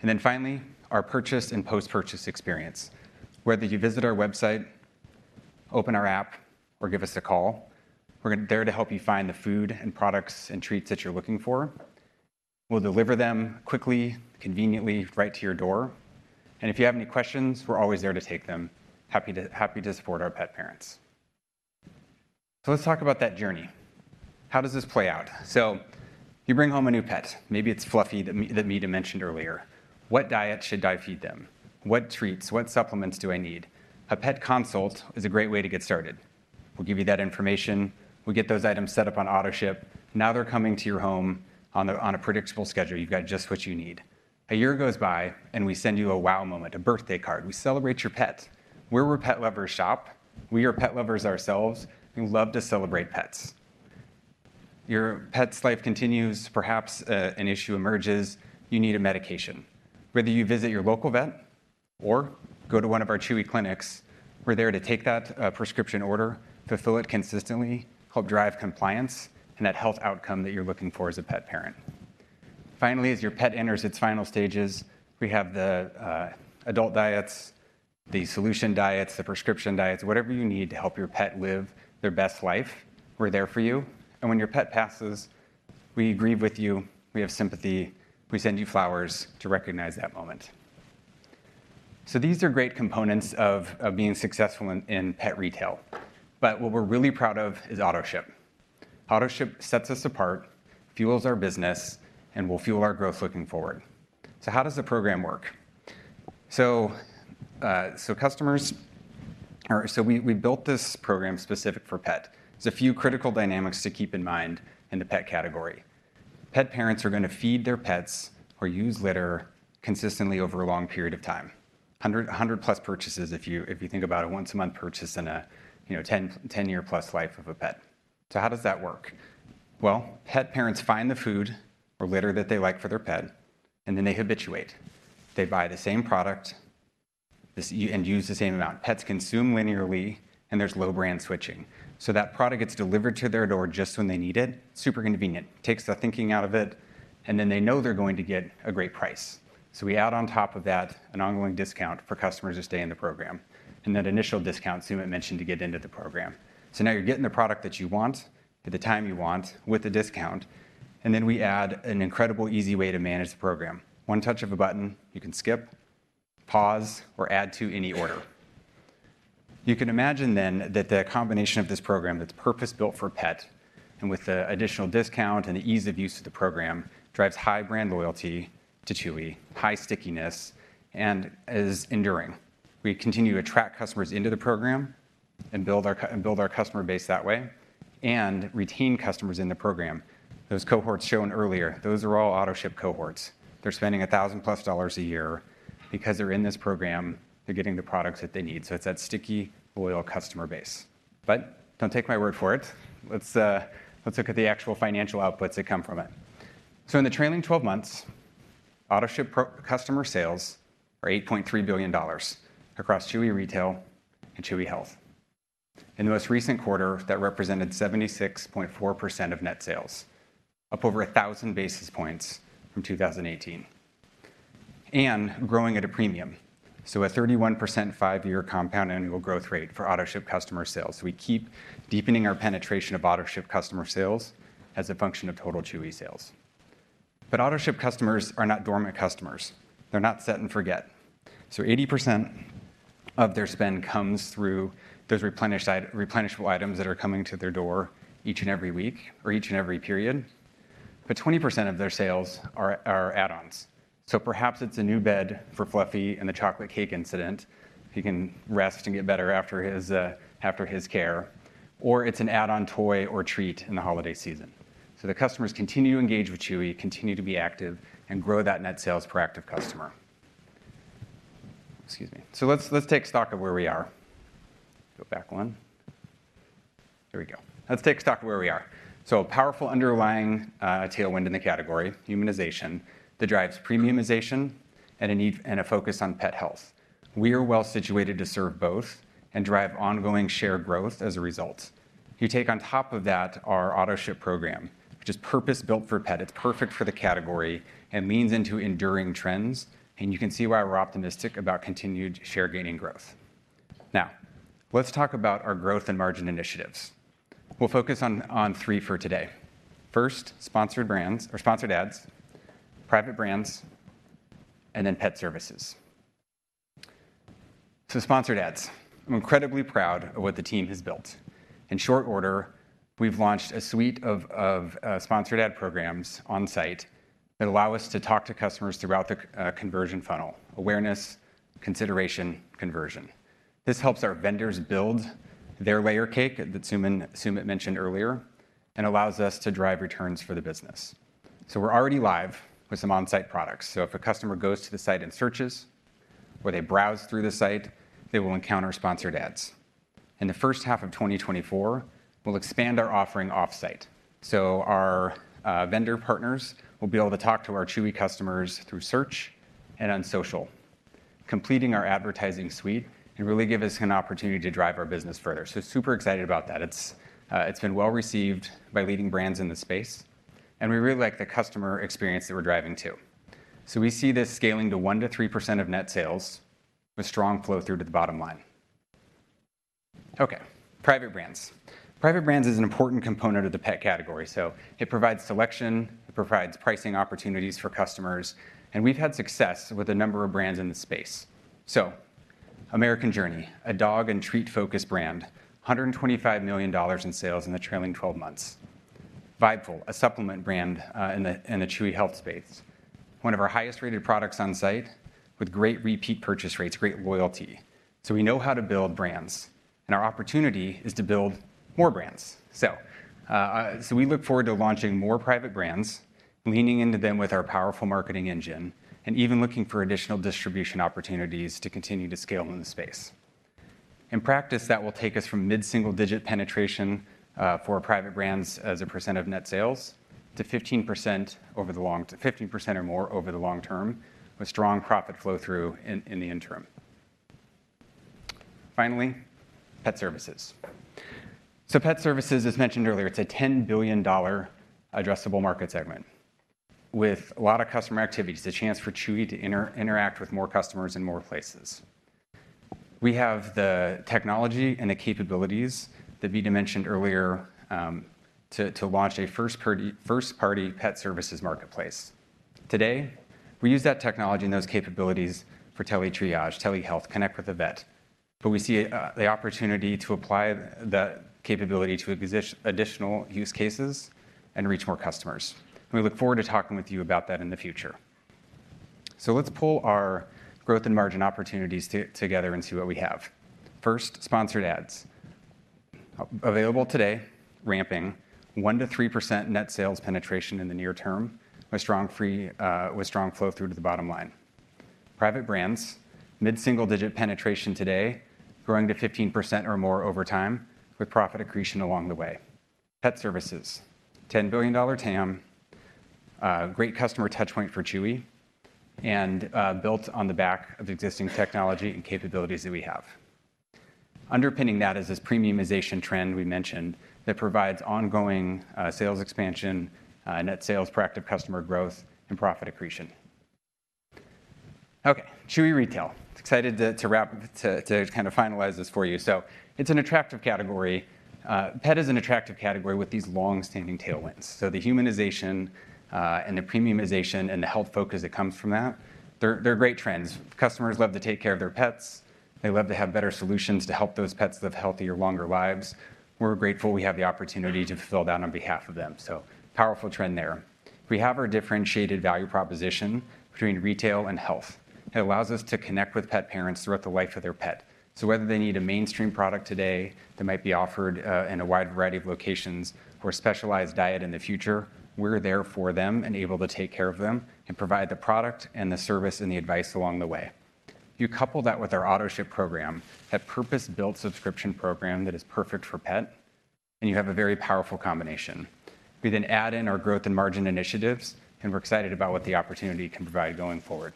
And then finally, our purchase and post-purchase experience. Whether you visit our website, open our app, or give us a call, we're there to help you find the food and products and treats that you're looking for. We'll deliver them quickly, conveniently, right to your door. And if you have any questions, we're always there to take them. Happy to, happy to support our pet parents. So let's talk about that journey. How does this play out? So you bring home a new pet. Maybe it's Fluffy that Mita mentioned earlier. What diet should I feed them? What treats, what supplements do I need? A pet consult is a great way to get started. We'll give you that information. We get those items set up on Autoship. Now, they're coming to your home on a, on a predictable schedule. You've got just what you need. A year goes by, and we send you a wow moment, a birthday card. We celebrate your pet. We're where pet lovers shop. We are pet lovers ourselves. We love to celebrate pets. Your pet's life continues. Perhaps, an issue emerges. You need a medication. Whether you visit your local vet or go to one of our Chewy clinics, we're there to take that, prescription order, fulfill it consistently, help drive compliance, and that health outcome that you're looking for as a pet parent. Finally, as your pet enters its final stages, we have the, adult diets, the solution diets, the prescription diets. Whatever you need to help your pet live their best life, we're there for you. And when your pet passes, we grieve with you, we have sympathy, we send you flowers to recognize that moment. So these are great components of being successful in pet retail, but what we're really proud of is Autoship. Autoship sets us apart, fuels our business, and will fuel our growth looking forward. So how does the program work? So, so customers—so we, we built this program specific for pet. There's a few critical dynamics to keep in mind in the pet category. Pet parents are going to feed their pets or use litter consistently over a long period of time. 100, 100+ purchases if you think about a once-a-month purchase in a you know 10, +10-year life of a pet. So how does that work? Well, pet parents find the food or litter that they like for their pet, and then they habituate. They buy the same product, and use the same amount. Pets consume linearly, and there's low brand switching. So that product gets delivered to their door just when they need it, super convenient, takes the thinking out of it, and then they know they're going to get a great price. So we add on top of that an ongoing discount for customers who stay in the program, and that initial discount Sumit mentioned to get into the program. So now you're getting the product that you want, at the time you want, with a discount, and then we add an incredible easy way to manage the program. One touch of a button, you can skip, pause, or add to any order. You can imagine then that the combination of this program that's purpose-built for pet, and with the additional discount and the ease of use of the program, drives high brand loyalty to Chewy, high stickiness, and is enduring. We continue to attract customers into the program and build our customer base that way, and retain customers in the program. Those cohorts shown earlier, those are all Autoship cohorts. They're spending $1,000+ a year. Because they're in this program, they're getting the products that they need, so it's that sticky, loyal customer base. But don't take my word for it. Let's look at the actual financial outputs that come from it. So in the trailing 12 months, Autoship customer sales are $8.3 billion across Chewy Retail and Chewy Health. In the most recent quarter, that represented 76.4% of net sales, up over a 1000 basis points from 2018, and growing at a premium, so a 31% five-year compound annual growth rate for Autoship customer sales. We keep deepening our penetration of Autoship customer sales as a function of total Chewy sales. But Autoship customers are not dormant customers. They're not set and forget. So 80% of their spend comes through those replenishable items that are coming to their door each and every week, or each and every period, but 20% of their sales are add-ons. So perhaps it's a new bed for Fluffy and the chocolate cake incident. He can rest and get better after his care, or it's an add-on toy or treat in the holiday season. So the customers continue to engage with Chewy, continue to be active, and grow that net sales per active customer. Excuse me. So let's, let's take stock of where we are. Go back one. There we go. Let's take stock of where we are. So a powerful underlying tailwind in the category, humanization, that drives premiumization and a need and a focus on pet health. We are well-situated to serve both and drive ongoing share growth as a result. If you take on top of that our Autoship program, which is purpose-built for pet, it's perfect for the category and leans into enduring trends, and you can see why we're optimistic about continued share gaining growth. Now, let's talk about our growth and margin initiatives. We'll focus on three for today. First, Sponsored Brands or Sponsored Ads, private brands, and then pet services. So Sponsored Ads. I'm incredibly proud of what the team has built. In short order, we've launched a suite of sponsored ad programs on site that allow us to talk to customers throughout the conversion funnel: awareness, consideration, conversion. This helps our vendors build their layer cake that Sumit mentioned earlier, and allows us to drive returns for the business. So we're already live with some on-site products. So if a customer goes to the site and searches, or they browse through the site, they will encounter sponsored ads. In the first half of 2024, we'll expand our offering off-site. So our vendor partners will be able to talk to our Chewy customers through search and on social, completing our advertising suite, and really give us an opportunity to drive our business further. So super excited about that. It's, it's been well-received by leading brands in the space, and we really like the customer experience that we're driving, too. So we see this scaling to 1%-3% of net sales with strong flow-through to the bottom line. Okay, private brands. Private brands is an important component of the pet category. So it provides selection, it provides pricing opportunities for customers, and we've had success with a number of brands in the space. So American Journey, a dog and treat-focused brand, $125 million in sales in the trailing 12 months. Vibeful, a supplement brand, in the Chewy Health space, one of our highest-rated products on site with great repeat purchase rates, great loyalty. So we know how to build brands, and our opportunity is to build more brands. So we look forward to launching more private brands, leaning into them with our powerful marketing engine, and even looking for additional distribution opportunities to continue to scale in the space. In practice, that will take us from mid-single-digit penetration for private brands as a percent of net sales to 15% or more over the long term, with strong profit flow-through in the interim. Finally, pet services. So pet services, as mentioned earlier, it's a $10 billion addressable market segment with a lot of customer activities, the chance for Chewy to interact with more customers in more places. We have the technology and the capabilities that Mita mentioned earlier to launch a first-party pet services marketplace. Today, we use that technology and those capabilities for teletriage, telehealth, Connect with a Vet, but we see the opportunity to apply the capability to additional use cases and reach more customers. We look forward to talking with you about that in the future. Let's pull our growth and margin opportunities together and see what we have. First, Sponsored Ads. Available today, ramping 1%-3% net sales penetration in the near term, with strong flow-through to the bottom line. Private brands, mid-single-digit penetration today, growing to 15% or more over time, with profit accretion along the way. Pet services, $10 billion TAM, a great customer touchpoint for Chewy, and built on the back of existing technology and capabilities that we have. Underpinning that is this premiumization trend we mentioned that provides ongoing sales expansion, net sales per active customer growth, and profit accretion. Okay, Chewy Retail. Excited to wrap to kind of finalize this for you. So it's an attractive category. Pet is an attractive category with these long-standing tailwinds. So the humanization and the premiumization, and the health focus that comes from that, they're great trends. Customers love to take care of their pets, they love to have better solutions to help those pets live healthier, longer lives. We're grateful we have the opportunity to fulfill that on behalf of them, so powerful trend there. We have our differentiated value proposition between retail and health. It allows us to connect with pet parents throughout the life of their pet. So whether they need a mainstream product today that might be offered in a wide variety of locations or a specialized diet in the future, we're there for them and able to take care of them and provide the product and the service and the advice along the way. You couple that with our Autoship program, that purpose-built subscription program that is perfect for pet, and you have a very powerful combination. We then add in our growth and margin initiatives, and we're excited about what the opportunity can provide going forward.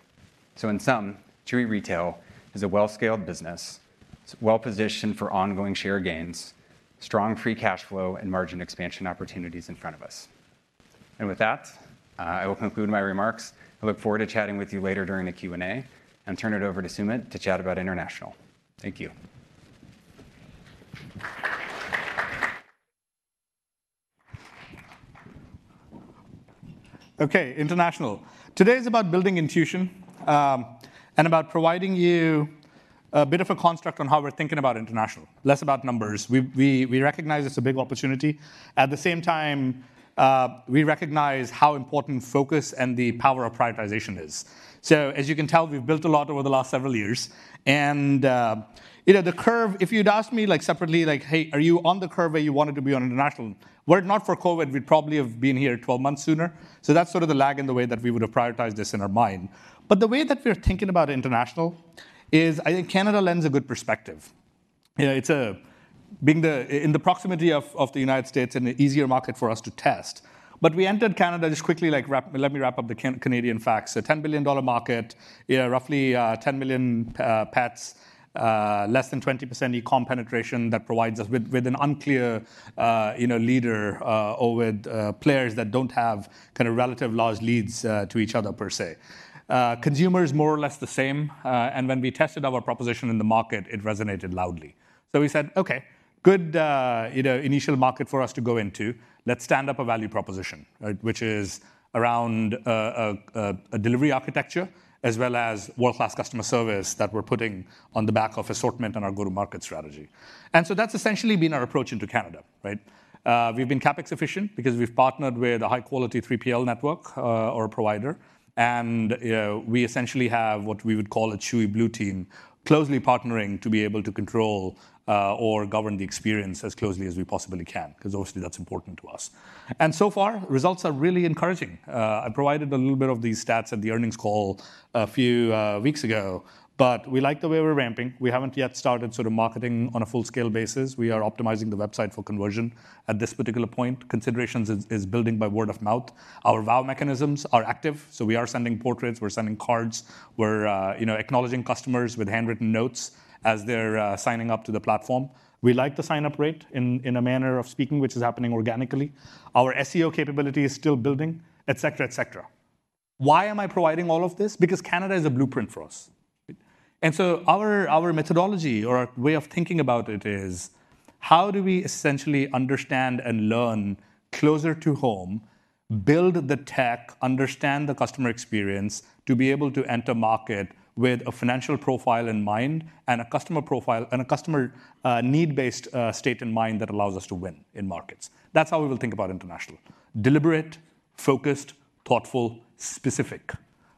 So in sum, Chewy Retail is a well-scaled business, it's well-positioned for ongoing share gains, strong free cash flow, and margin expansion opportunities in front of us. And with that, I will conclude my remarks. I look forward to chatting with you later during the Q&A, and turn it over to Sumit to chat about international. Thank you. Okay, international. Today is about building intuition, and about providing you a bit of a construct on how we're thinking about international, less about numbers. We recognize it's a big opportunity. At the same time, we recognize how important focus and the power of prioritization is. So as you can tell, we've built a lot over the last several years. And, you know, the curve, if you'd asked me, like, separately, like, "Hey, are you on the curve where you wanted to be on international?" Were it not for COVID, we'd probably have been here 12 months sooner. So that's sort of the lag in the way that we would have prioritized this in our mind. But the way that we're thinking about international is, I think Canada lends a good perspective. You know, it's being in the proximity of the United States and an easier market for us to test. But we entered Canada. Just quickly, like, let me wrap up the Canadian facts. A $10 billion market, yeah, roughly, 10 million pets, less than 20% e-com penetration that provides us with an unclear, you know, leader, or with players that don't have kind of relative large leads to each other, per se. Consumer is more or less the same, and when we tested our proposition in the market, it resonated loudly. So we said, "Okay, good, you know, initial market for us to go into. Let's stand up a value proposition," right? Which is around a delivery architecture, as well as world-class customer service that we're putting on the back of assortment on our go-to-market strategy. And so that's essentially been our approach into Canada, right? We've been CapEx efficient because we've partnered with a high-quality 3PL network, or a provider, and, you know, we essentially have what we would call a Chewy Blue Team, closely partnering to be able to control, or govern the experience as closely as we possibly can, because obviously, that's important to us. And so far, results are really encouraging. I provided a little bit of these stats at the earnings call a few weeks ago, but we like the way we're ramping. We haven't yet started sort of marketing on a full-scale basis. We are optimizing the website for conversion. At this particular point, considerations is building by word of mouth. Our wow mechanisms are active, so we are sending portraits, we're sending cards, we're, you know, acknowledging customers with handwritten notes as they're signing up to the platform. We like the sign-up rate, in a manner of speaking, which is happening organically. Our SEO capability is still building, et cetera, et cetera. Why am I providing all of this? Because Canada is a blueprint for us. And so our methodology or our way of thinking about it is, how do we essentially understand and learn closer to home, build the tech, understand the customer experience, to be able to enter market with a financial profile in mind and a customer profile, and a customer need-based state in mind that allows us to win in markets? That's how we will think about international. Deliberate, focused, thoughtful, specific,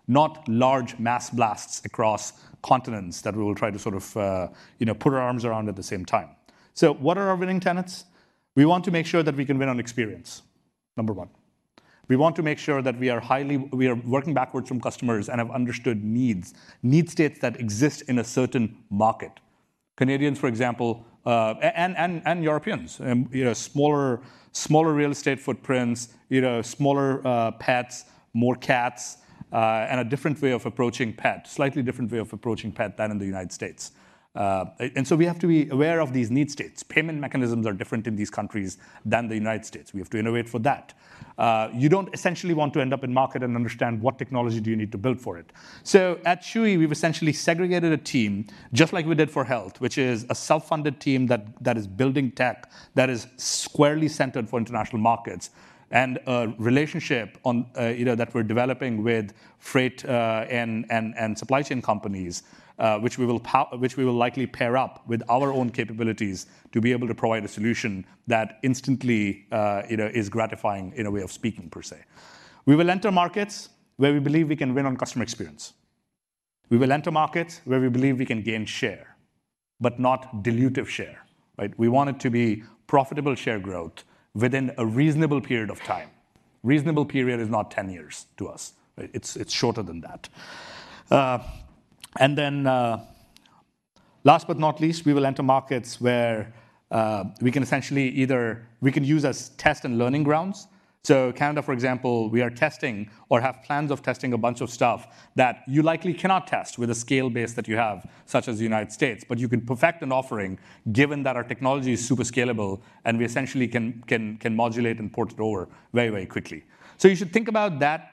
not large mass blasts across continents that we will try to sort of, you know, put our arms around at the same time. So what are our winning tenets? We want to make sure that we can win on experience, number one. We want to make sure that we are highly, we are working backwards from customers and have understood needs, need states that exist in a certain market. Canadians, for example, and Europeans, you know, smaller, smaller real estate footprints, you know, smaller pets, more cats, and a different way of approaching pet, slightly different way of approaching pet than in the United States. And so we have to be aware of these need states. Payment mechanisms are different in these countries than the United States. We have to innovate for that. You don't essentially want to end up in market and understand what technology do you need to build for it. So at Chewy, we've essentially segregated a team, just like we did for health, which is a self-funded team that, that is building tech, that is squarely centered for international markets. And a relationship on, you know, that we're developing with freight, and supply chain companies, which we will likely pair up with our own capabilities to be able to provide a solution that instantly, you know, is gratifying in a way of speaking, per se. We will enter markets where we believe we can win on customer experience. We will enter markets where we believe we can gain share, but not dilutive share, right? We want it to be profitable share growth within a reasonable period of time. Reasonable period is not 10 years to us. It's, it's shorter than that. And then, last but not least, we will enter markets where we can essentially use as test and learning grounds. So Canada, for example, we are testing or have plans of testing a bunch of stuff that you likely cannot test with a scale base that you have, such as the United States, but you can perfect an offering given that our technology is super scalable and we essentially can modulate and port it over very, very quickly. So you should think about that,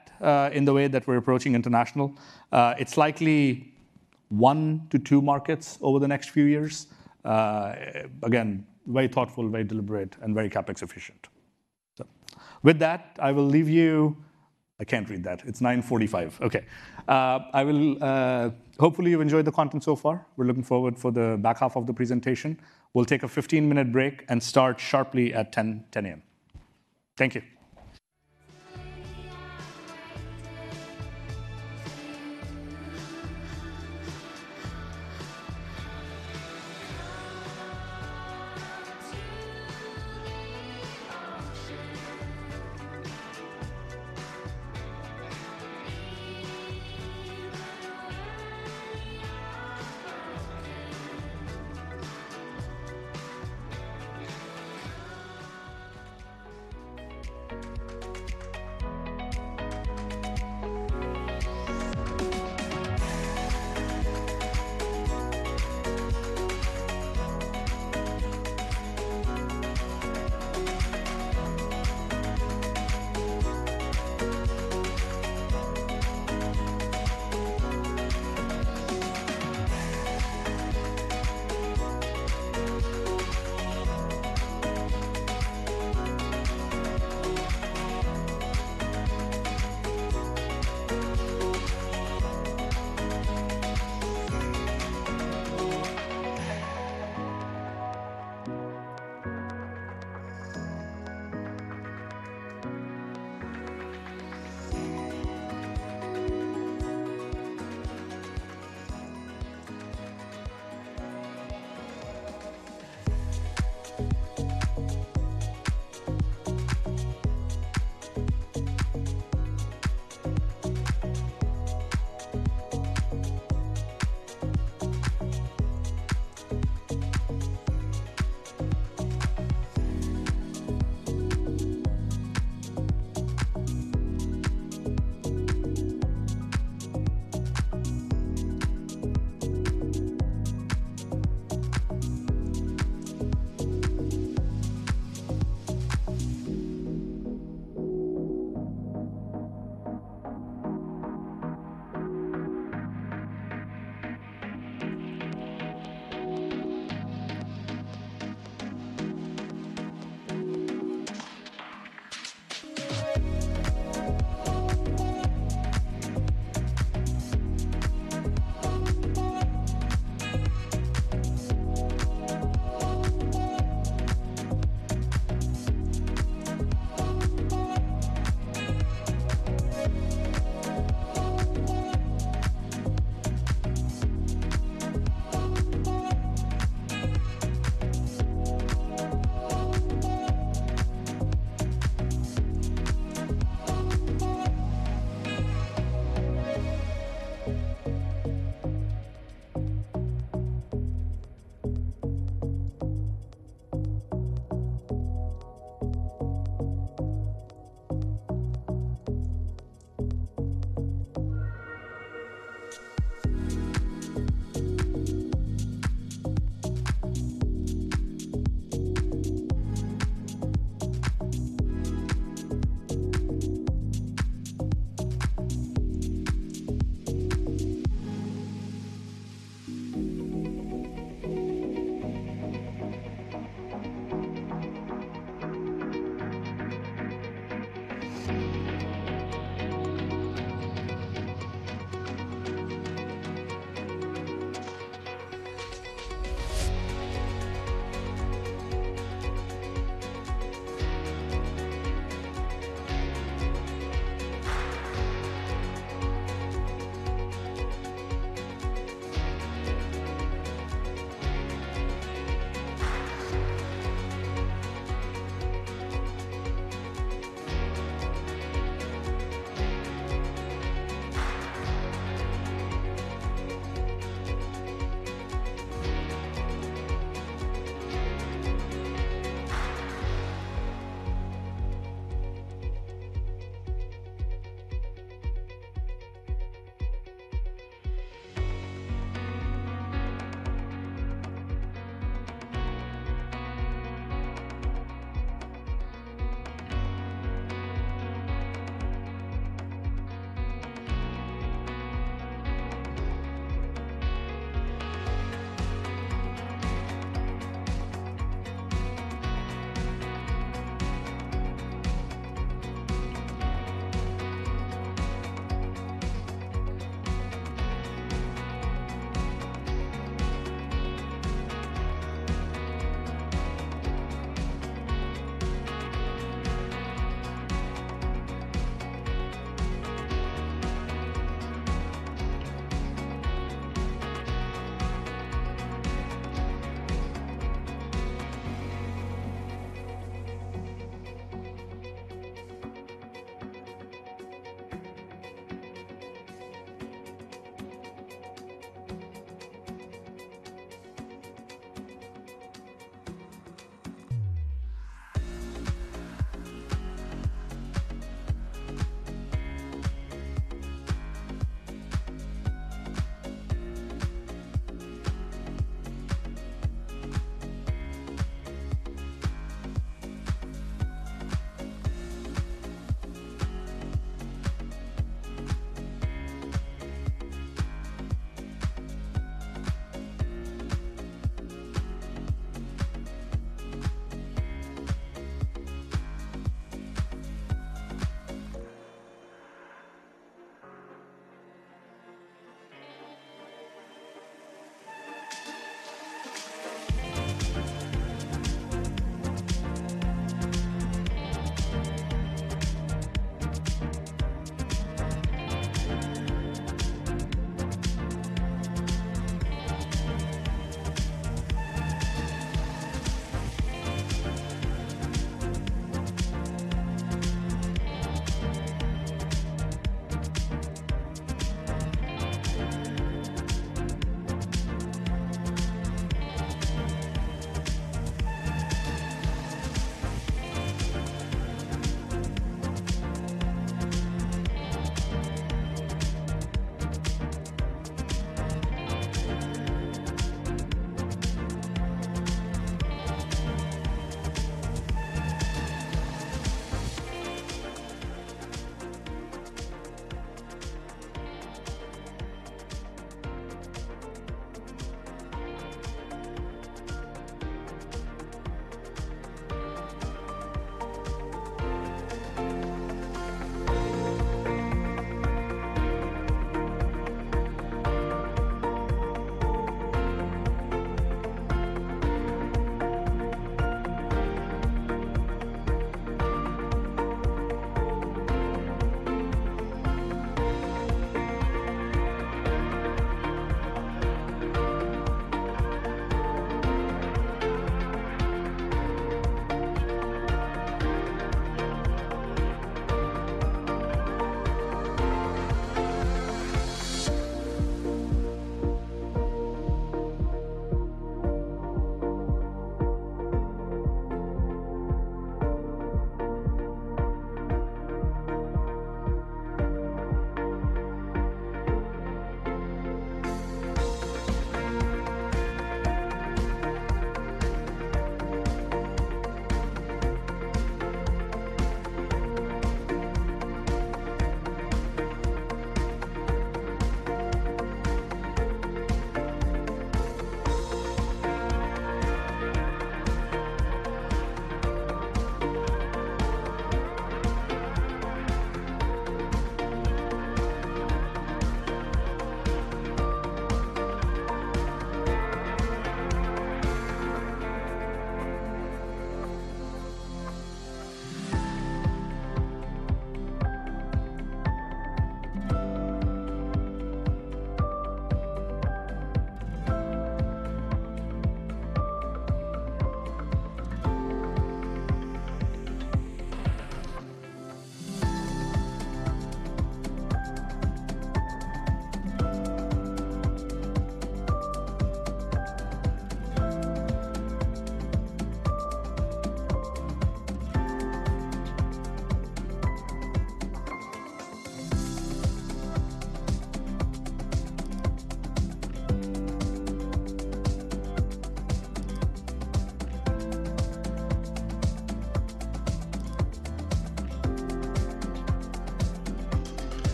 in the way that we're approaching international. It's likely one-two markets over the next few years. Again, very thoughtful, very deliberate, and very CapEx efficient. So with that, I will leave you. I can't read that. It's 9:45. Okay. Hopefully, you've enjoyed the content so far. We're looking forward for the back half of the presentation. We'll take a 15-minute break and start sharply at 10:10 A.M. Thank you.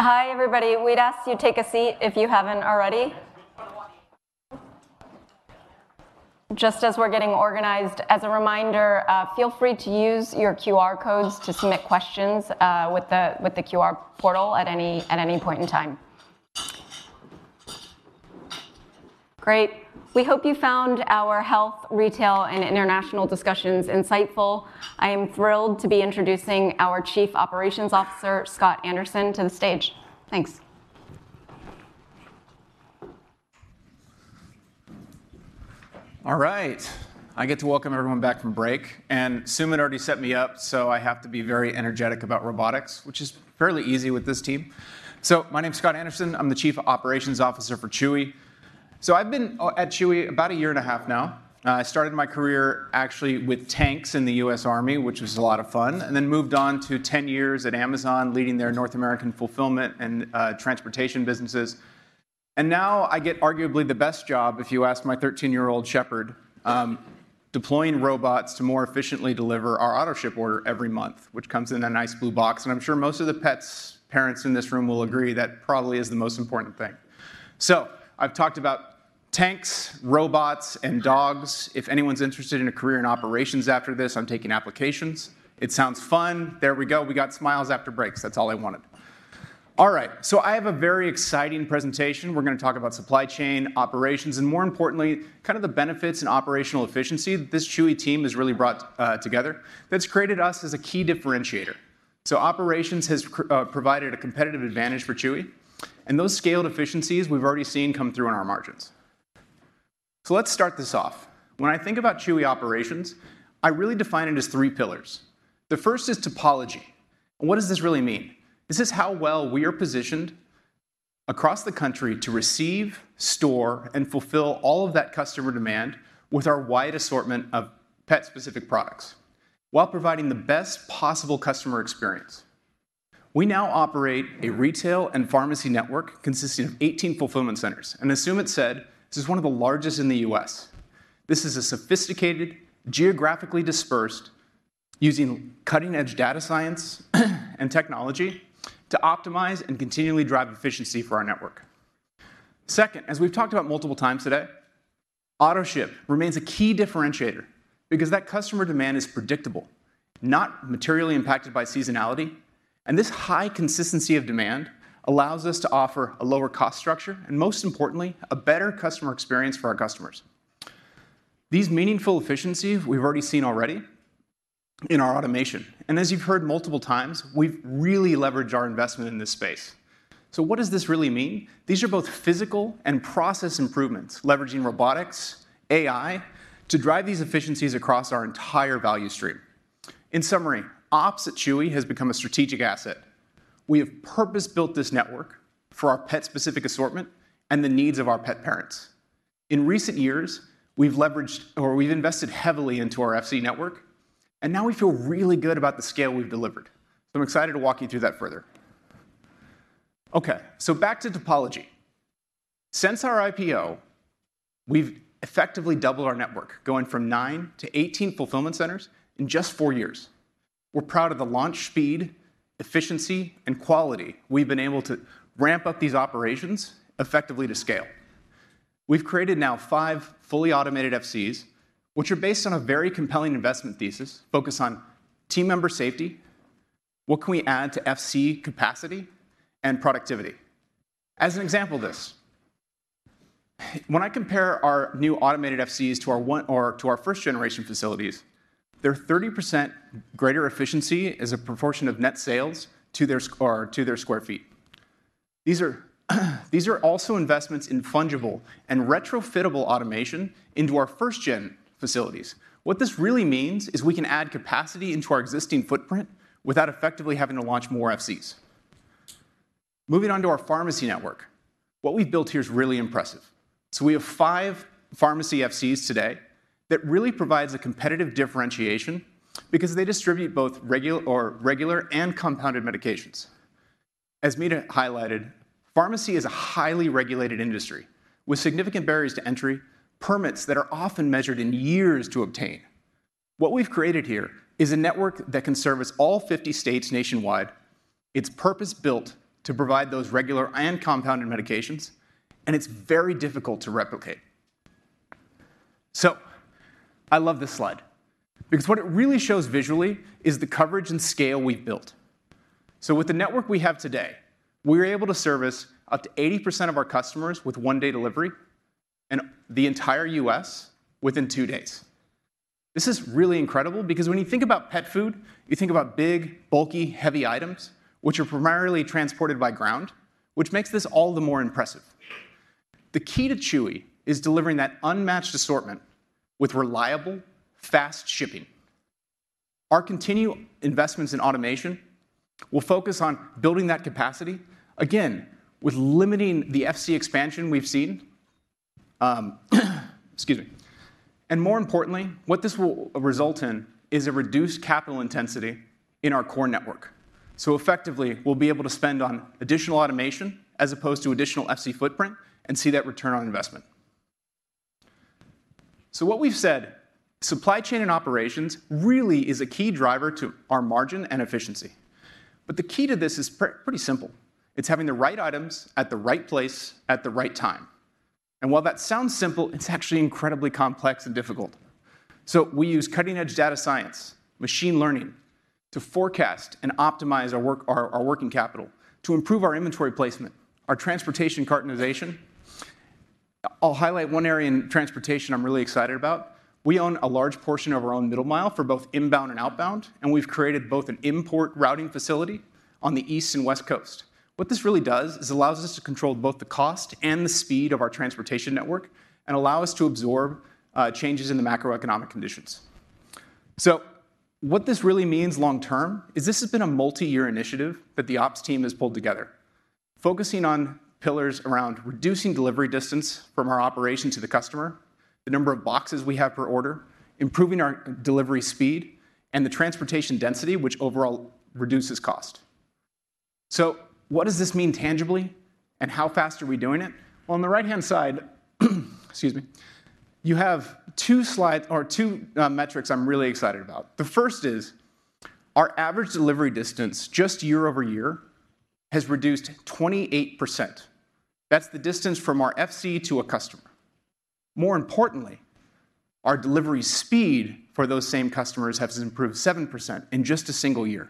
Hi, everybody. We'd ask you to take a seat if you haven't already. Just as we're getting organized, as a reminder, feel free to use your QR codes to submit questions with the QR portal at any point in time. Great. We hope you found our health, retail, and international discussions insightful. I am thrilled to be introducing our Chief Operations Officer, Scott Anderson, to the stage. Thanks. All right. I get to welcome everyone back from break, and Sumit already set me up, so I have to be very energetic about robotics, which is fairly easy with this team. So my name is Scott Anderson. I'm the Chief Operations Officer for Chewy. So I've been at Chewy about a year and a half now. I started my career actually with tanks in the U.S. Army, which was a lot of fun, and then moved on to 10 years at Amazon, leading their North American fulfillment and transportation businesses. And now I get arguably the best job, if you ask my 13-year-old shepherd, deploying robots to more efficiently deliver our Autoship order every month, which comes in a nice blue box. And I'm sure most of the pets' parents in this room will agree that probably is the most important thing. So I've talked about tanks, robots, and dogs. If anyone's interested in a career in operations after this, I'm taking applications. It sounds fun. There we go. We got smiles after breaks. That's all I wanted. All right, so I have a very exciting presentation. We're going to talk about supply chain, operations, and more importantly, kind of the benefits and operational efficiency that this Chewy team has really brought together, that's created us as a key differentiator. So operations has provided a competitive advantage for Chewy, and those scaled efficiencies we've already seen come through in our margins. So let's start this off. When I think about Chewy operations, I really define it as three pillars. The first is topology. What does this really mean? This is how well we are positioned across the country to receive, store, and fulfill all of that customer demand with our wide assortment of pet-specific products, while providing the best possible customer experience. We now operate a retail and pharmacy network consisting of 18 fulfillment centers, and as Sumit said, this is one of the largest in the U.S. This is a sophisticated, geographically dispersed, using cutting-edge data science and technology to optimize and continually drive efficiency for our network. Second, as we've talked about multiple times today, Autoship remains a key differentiator because that customer demand is predictable, not materially impacted by seasonality, and this high consistency of demand allows us to offer a lower cost structure, and most importantly, a better customer experience for our customers. These meaningful efficiencies we've already seen already in our automation, and as you've heard multiple times, we've really leveraged our investment in this space. So what does this really mean? These are both physical and process improvements, leveraging robotics, AI, to drive these efficiencies across our entire value stream. In summary, ops at Chewy has become a strategic asset. We have purpose-built this network for our pet-specific assortment and the needs of our pet parents. In recent years, we've leveraged or we've invested heavily into our FC network, and now we feel really good about the scale we've delivered. So I'm excited to walk you through that further. Okay, so back to topology. Since our IPO, we've effectively doubled our network, going from 9 to 18 fulfillment centers in just four years. We're proud of the launch speed, efficiency, and quality we've been able to ramp up these operations effectively to scale. We've created now five fully automated FCs, which are based on a very compelling investment thesis, focused on team member safety, what can we add to FC capacity, and productivity. As an example of this, when I compare our new automated FCs to our one or to our first generation facilities, they're 30% greater efficiency as a proportion of net sales to their square or to their square feet. These are, these are also investments in fungible and retrofittable automation into our first gen facilities. What this really means is we can add capacity into our existing footprint without effectively having to launch more FCs. Moving on to our pharmacy network. What we've built here is really impressive. We have five pharmacy FCs today that really provides a competitive differentiation because they distribute both regular, or regular and compounded medications. As Mita highlighted, pharmacy is a highly regulated industry with significant barriers to entry, permits that are often measured in years to obtain. What we've created here is a network that can service all 50 states nationwide. It's purpose-built to provide those regular and compounded medications, and it's very difficult to replicate. I love this slide because what it really shows visually is the coverage and scale we've built. With the network we have today, we're able to service up to 80% of our customers with one-day delivery and the entire U.S. within two days. This is really incredible because when you think about pet food, you think about big, bulky, heavy items, which are primarily transported by ground, which makes this all the more impressive. The key to Chewy is delivering that unmatched assortment with reliable, fast shipping. Our continued investments in automation will focus on building that capacity, again, with limiting the FC expansion we've seen. Excuse me. And more importantly, what this will result in is a reduced capital intensity in our core network. So effectively, we'll be able to spend on additional automation as opposed to additional FC footprint and see that return on investment. So what we've said, supply chain and operations really is a key driver to our margin and efficiency. But the key to this is pretty simple: It's having the right items at the right place at the right time. And while that sounds simple, it's actually incredibly complex and difficult. We use cutting-edge data science, machine learning, to forecast and optimize our working capital, to improve our inventory placement, our transportation cartonization. I'll highlight one area in transportation I'm really excited about. We own a large portion of our own middle mile for both inbound and outbound, and we've created both an import routing facility on the East and West Coast. What this really does is allows us to control both the cost and the speed of our transportation network and allow us to absorb changes in the macroeconomic conditions. So what this really means long term is this has been a multi-year initiative that the ops team has pulled together, focusing on pillars around reducing delivery distance from our operation to the customer, the number of boxes we have per order, improving our delivery speed, and the transportation density, which overall reduces cost. So what does this mean tangibly, and how fast are we doing it? On the right-hand side, excuse me, you have two slides or two metrics I'm really excited about. The first is our average delivery distance, just year-over-year, has reduced 28%. That's the distance from our FC to a customer. More importantly, our delivery speed for those same customers has improved 7% in just a single year,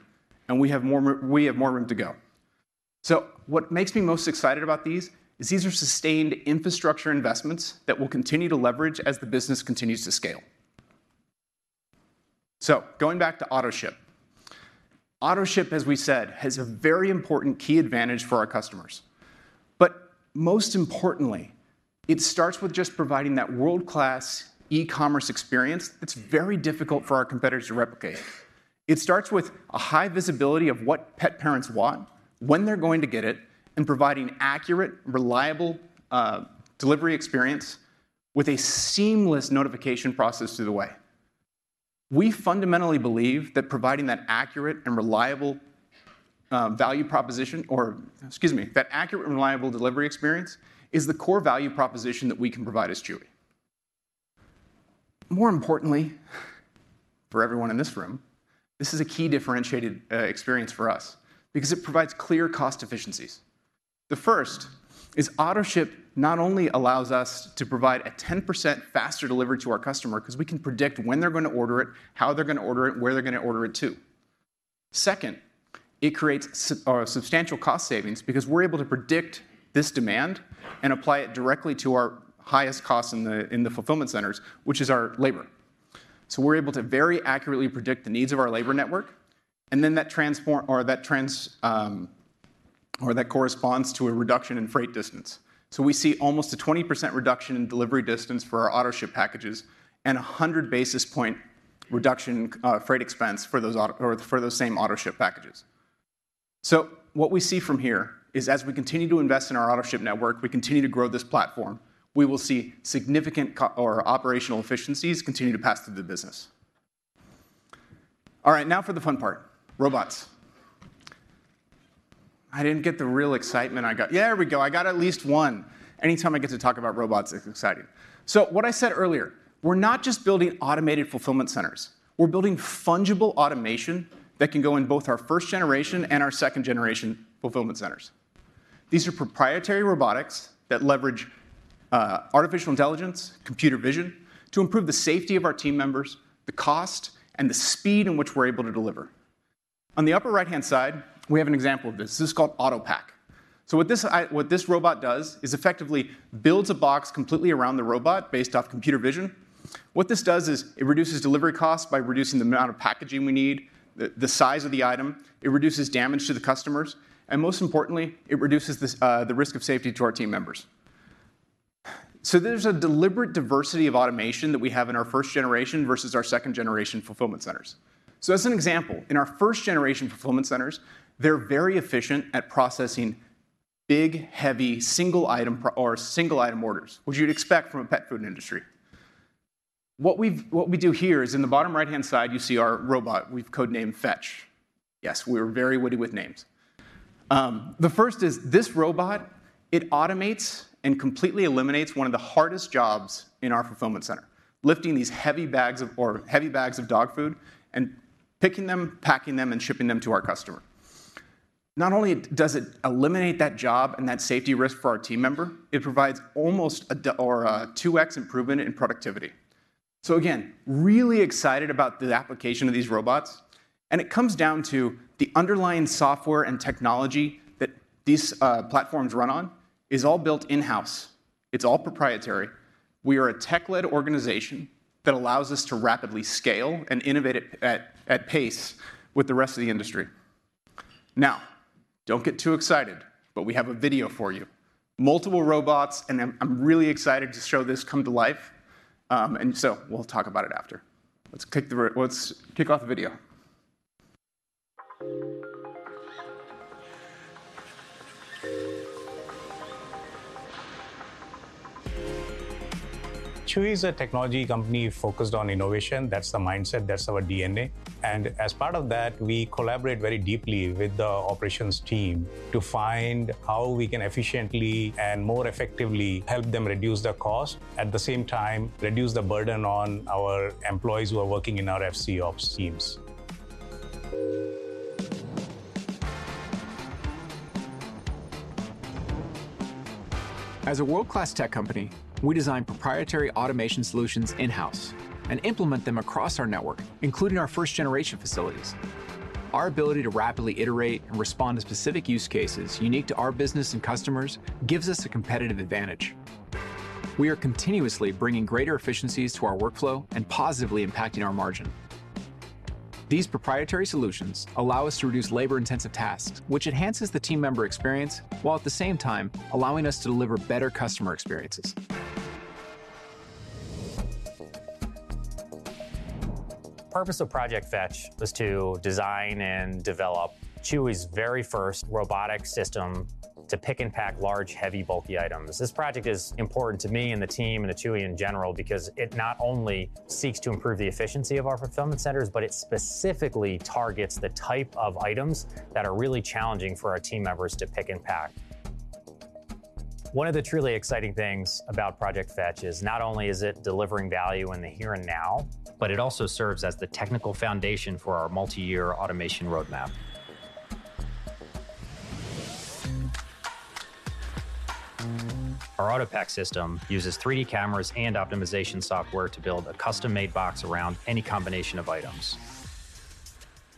and we have more room to go. So what makes me most excited about these is these are sustained infrastructure investments that we'll continue to leverage as the business continues to scale. So going back to Autoship. Autoship, as we said, has a very important key advantage for our customers. But most importantly, it starts with just providing that world-class e-commerce experience that's very difficult for our competitors to replicate. It starts with a high visibility of what pet parents want, when they're going to get it, and providing accurate, reliable delivery experience with a seamless notification process through the way. We fundamentally believe that providing that accurate and reliable value proposition or, excuse me, that accurate and reliable delivery experience is the core value proposition that we can provide as Chewy. More importantly, for everyone in this room, this is a key differentiated experience for us because it provides clear cost efficiencies. The first is Autoship not only allows us to provide a 10% faster delivery to our customer, 'cause we can predict when they're going to order it, how they're going to order it, where they're going to order it to. Second, it creates substantial cost savings because we're able to predict this demand and apply it directly to our highest costs in the, in the fulfillment centers, which is our labor. So we're able to very accurately predict the needs of our labor network, and then that transport or that corresponds to a reduction in freight distance. So we see almost a 20% reduction in delivery distance for our Autoship packages and a 100 basis point reduction in freight expense for those same Autoship packages. So what we see from here is, as we continue to invest in our Autoship network, we continue to grow this platform, we will see significant co- or operational efficiencies continue to pass through the business. All right, now for the fun part, robots. I didn't get the real excitement I got-- There we go! I got at least one. Anytime I get to talk about robots, it's exciting. So what I said earlier, we're not just building automated fulfillment centers. We're building fungible automation that can go in both our first generation and our second generation fulfillment centers. These are proprietary robotics that leverage artificial intelligence, computer vision, to improve the safety of our team members, the cost, and the speed in which we're able to deliver. On the upper right-hand side, we have an example of this. This is called Autopack. So what this robot does is effectively builds a box completely around the robot based off computer vision. What this does is it reduces delivery costs by reducing the amount of packaging we need, the size of the item. It reduces damage to the customers, and most importantly, it reduces the risk of safety to our team members. So there's a deliberate diversity of automation that we have in our first generation versus our second generation fulfillment centers. So as an example, in our first generation fulfillment centers, they're very efficient at processing big, heavy, single item or single item orders, which you'd expect from a pet food industry. What we do here is in the bottom right-hand side, you see our robot. We've code-named Fetch. Yes, we're very witty with names. The first is this robot, it automates and completely eliminates one of the hardest jobs in our fulfillment center, lifting these heavy bags of dog food and picking them, packing them, and shipping them to our customer. Not only does it eliminate that job and that safety risk for our team member, it provides almost a 2x improvement in productivity. So again, really excited about the application of these robots, and it comes down to the underlying software and technology that these platforms run on is all built in-house. It's all proprietary. We are a tech-led organization that allows us to rapidly scale and innovate at pace with the rest of the industry. Now, don't get too excited, but we have a video for you. Multiple robots, and I'm really excited to show this come to life. And so we'll talk about it after. Let's kick off the video. Chewy is a technology company focused on innovation. That's the mindset, that's our DNA. As part of that, we collaborate very deeply with the operations team to find how we can efficiently and more effectively help them reduce their cost, at the same time, reduce the burden on our employees who are working in our FC ops teams. As a world-class tech company, we design proprietary automation solutions in-house and implement them across our network, including our first-generation facilities. Our ability to rapidly iterate and respond to specific use cases unique to our business and customers gives us a competitive advantage. We are continuously bringing greater efficiencies to our workflow and positively impacting our margin. These proprietary solutions allow us to reduce labor-intensive tasks, which enhances the team member experience, while at the same time, allowing us to deliver better customer experiences. The purpose of Project Fetch was to design and develop Chewy's very first robotic system to pick and pack large, heavy, bulky items. This project is important to me and the team and to Chewy in general because it not only seeks to improve the efficiency of our fulfillment centers, but it specifically targets the type of items that are really challenging for our team members to pick and pack. One of the truly exciting things about Project Fetch is not only is it delivering value in the here and now, but it also serves as the technical foundation for our multi-year automation roadmap. Our Autopack system uses 3D cameras and optimization software to build a custom-made box around any combination of items.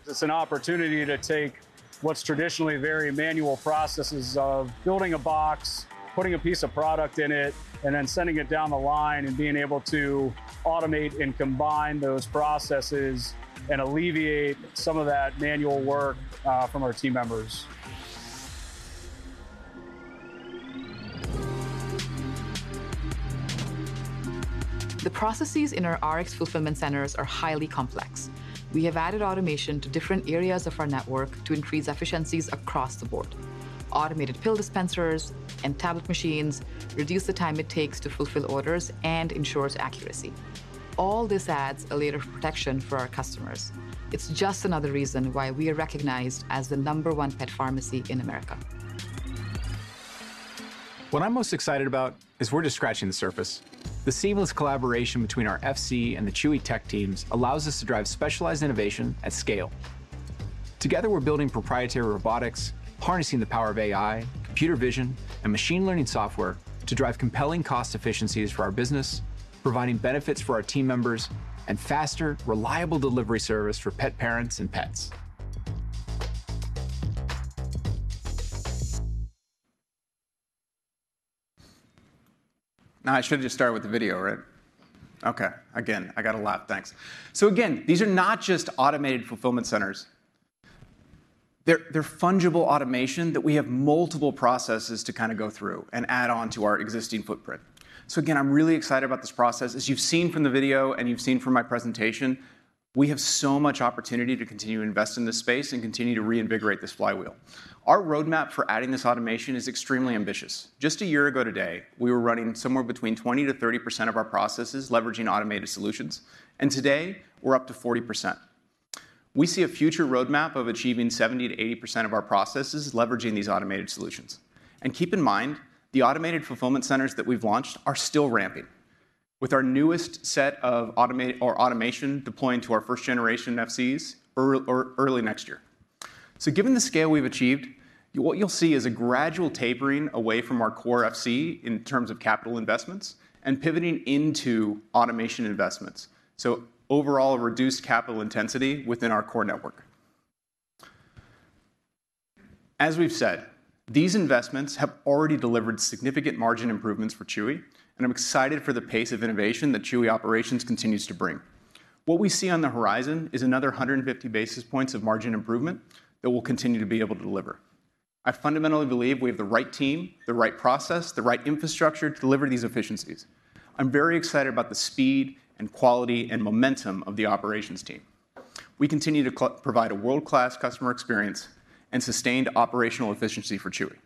It's an opportunity to take what's traditionally very manual processes of building a box, putting a piece of product in it, and then sending it down the line, and being able to automate and combine those processes and alleviate some of that manual work from our team members. The processes in our Rx fulfillment centers are highly complex. We have added automation to different areas of our network to increase efficiencies across the board. Automated pill dispensers and tablet machines reduce the time it takes to fulfill orders and ensures accuracy. All this adds a layer of protection for our customers. It's just another reason why we are recognized as the number one pet pharmacy in America. What I'm most excited about is we're just scratching the surface. The seamless collaboration between our FC and the Chewy tech teams allows us to drive specialized innovation at scale. Together, we're building proprietary robotics, harnessing the power of AI, computer vision, and machine learning software to drive compelling cost efficiencies for our business, providing benefits for our team members, and faster, reliable delivery service for pet parents and pets. Now, I should have just started with the video, right? Okay. Again, I got a lot. Thanks. So again, these are not just automated fulfillment centers. They're fungible automation that we have multiple processes to kind of go through and add on to our existing footprint. So again, I'm really excited about this process. As you've seen from the video and you've seen from my presentation, we have so much opportunity to continue to invest in this space and continue to reinvigorate this flywheel. Our roadmap for adding this automation is extremely ambitious. Just a year ago today, we were running somewhere between 20%-30% of our processes leveraging automated solutions, and today, we're up to 40%. We see a future roadmap of achieving 70%-80% of our processes leveraging these automated solutions. Keep in mind, the automated fulfillment centers that we've launched are still ramping, with our newest set of automation deploying to our first-generation FCs early next year. Given the scale we've achieved, what you'll see is a gradual tapering away from our core FC in terms of capital investments and pivoting into automation investments. So overall, a reduced capital intensity within our core network. As we've said, these investments have already delivered significant margin improvements for Chewy, and I'm excited for the pace of innovation that Chewy Operations continues to bring. What we see on the horizon is another 150 basis points of margin improvement that we'll continue to be able to deliver. I fundamentally believe we have the right team, the right process, the right infrastructure to deliver these efficiencies. I'm very excited about the speed, and quality, and momentum of the operations team. We continue to provide a world-class customer experience and sustained operational efficiency for Chewy.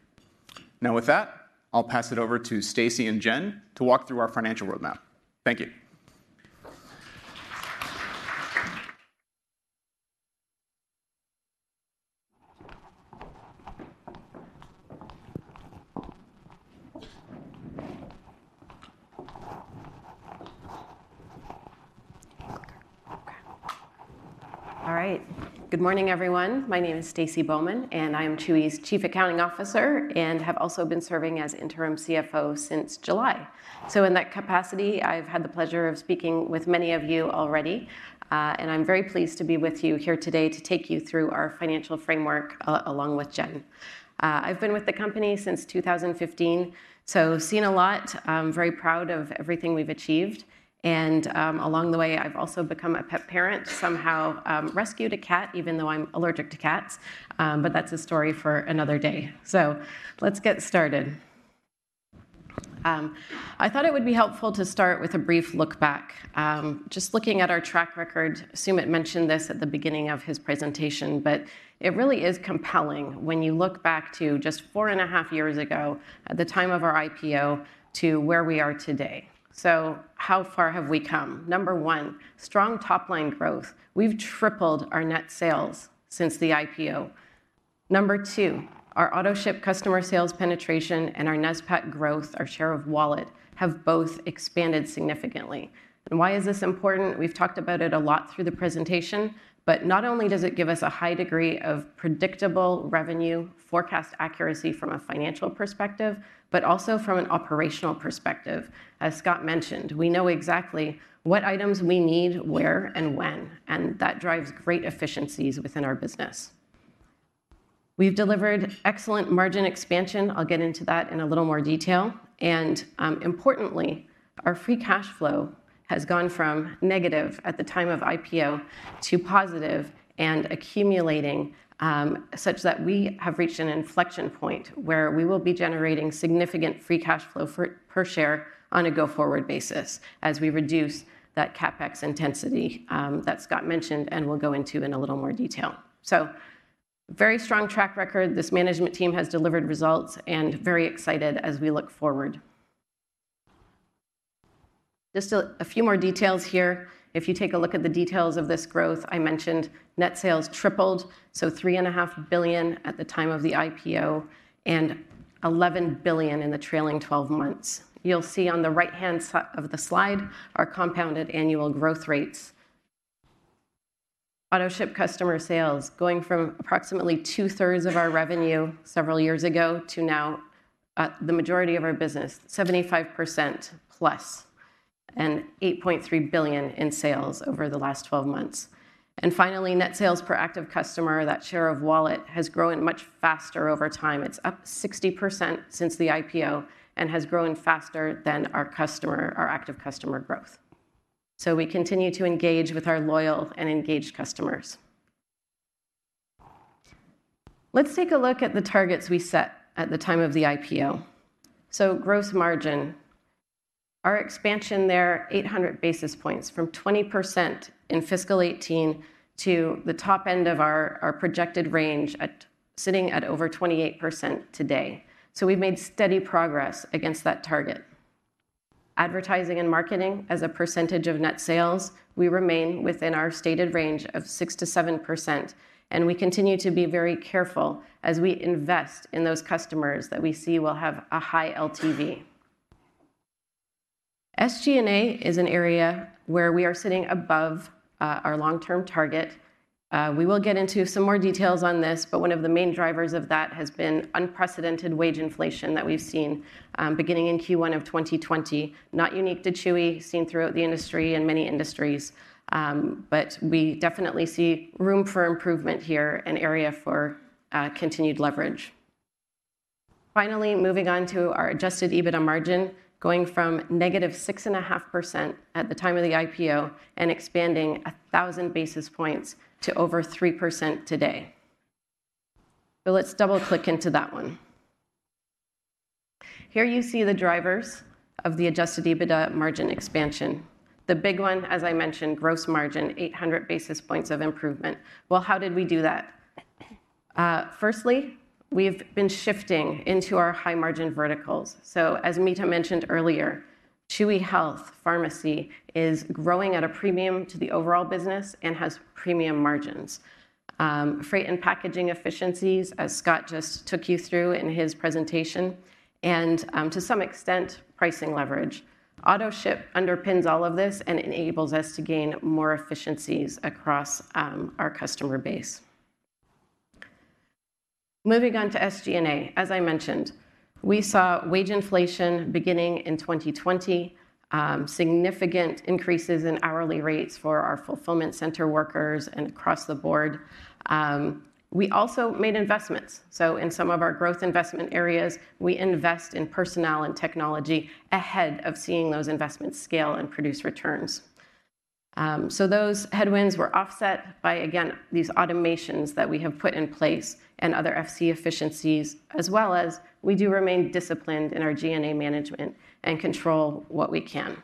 Now, with that, I'll pass it over to Stacy and Jen to walk through our financial roadmap. Thank you. All right. Good morning, everyone. My name is Stacy Bowman, and I am Chewy's Chief Accounting Officer, and have also been serving as Interim CFO since July. So in that capacity, I've had the pleasure of speaking with many of you already, and I'm very pleased to be with you here today to take you through our financial framework along with Jen. I've been with the company since 2015, so seen a lot. I'm very proud of everything we've achieved, and along the way, I've also become a pet parent, somehow, rescued a cat, even though I'm allergic to cats, but that's a story for another day. So let's get started. I thought it would be helpful to start with a brief look back. Just looking at our track record, Sumit mentioned this at the beginning of his presentation, but it really is compelling when you look back to just 4.5 years ago at the time of our IPO to where we are today. So how far have we come? Number one, strong top-line growth. We've tripled our net sales since the IPO. Number two, our Autoship customer sales penetration and our NSPAC growth, our share of wallet, have both expanded significantly. And why is this important? We've talked about it a lot through the presentation, but not only does it give us a high degree of predictable revenue forecast accuracy from a financial perspective, but also from an operational perspective. As Scott mentioned, we know exactly what items we need, where, and when, and that drives great efficiencies within our business. We've delivered excellent margin expansion. I'll get into that in a little more detail. Importantly, our free cash flow has gone from negative at the time of IPO to positive and accumulating, such that we have reached an inflection point where we will be generating significant free cash flow per share on a go-forward basis as we reduce that CapEx intensity that Scott mentioned, and we'll go into in a little more detail. Very strong track record. This management team has delivered results, and very excited as we look forward. Just a few more details here. If you take a look at the details of this growth, I mentioned net sales tripled, so $3.5 billion at the time of the IPO and $11 billion in the trailing 12 months. You'll see on the right-hand side of the slide, our compounded annual growth rates. Autoship customer sales going from approximately two-thirds of our revenue several years ago to now, the majority of our business, +75%, and $8.3 billion in sales over the last 12 months. And finally, net sales per active customer, that share of wallet, has grown much faster over time. It's up 60% since the IPO and has grown faster than our active customer growth. So we continue to engage with our loyal and engaged customers. Let's take a look at the targets we set at the time of the IPO. So gross margin, our expansion there, 800 basis points, from 20% in fiscal 2018 to the top end of our projected range at sitting at over 28% today. So we've made steady progress against that target. Advertising and marketing as a percentage of net sales, we remain within our stated range of 6%-7%, and we continue to be very careful as we invest in those customers that we see will have a high LTV. SG&A is an area where we are sitting above our long-term target. We will get into some more details on this, but one of the main drivers of that has been unprecedented wage inflation that we've seen beginning in Q1 of 2020, not unique to Chewy, seen throughout the industry and many industries. But we definitely see room for improvement here and area for continued leverage. Finally, moving on to our adjusted EBITDA margin, going from negative 6.5% at the time of the IPO and expanding 1,000 basis points to over 3% today. But let's double-click into that one. Here you see the drivers of the adjusted EBITDA margin expansion. The big one, as I mentioned, gross margin, 800 basis points of improvement. Well, how did we do that? Firstly, we've been shifting into our high-margin verticals. So as Mita mentioned earlier, Chewy Health Pharmacy is growing at a premium to the overall business and has premium margins. Freight and packaging efficiencies, as Scott just took you through in his presentation, and, to some extent, pricing leverage. Autoship underpins all of this and enables us to gain more efficiencies across our customer base. Moving on to SG&A, as I mentioned, we saw wage inflation beginning in 2020, significant increases in hourly rates for our fulfillment center workers and across the board. We also made investments, so in some of our growth investment areas, we invest in personnel and technology ahead of seeing those investments scale and produce returns. So those headwinds were offset by, again, these automations that we have put in place and other FC efficiencies, as well as we do remain disciplined in our G&A management and control what we can.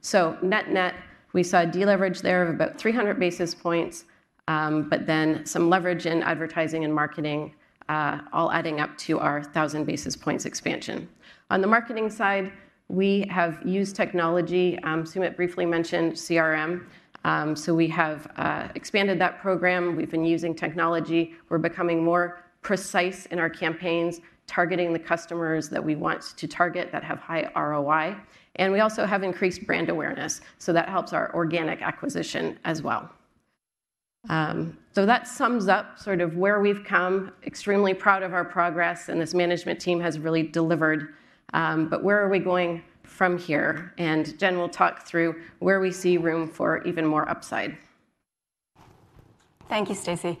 So net-net, we saw a deleverage there of about 300 basis points, but then some leverage in advertising and marketing, all adding up to our 1,000 basis points expansion. On the marketing side, we have used technology, Sumit briefly mentioned CRM. So we have expanded that program. We've been using technology. We're becoming more precise in our campaigns, targeting the customers that we want to target that have high ROI, and we also have increased brand awareness, so that helps our organic acquisition as well. So that sums up sort of where we've come. Extremely proud of our progress, and this management team has really delivered, but where are we going from here? And Jen will talk through where we see room for even more upside. Thank you, Stacy.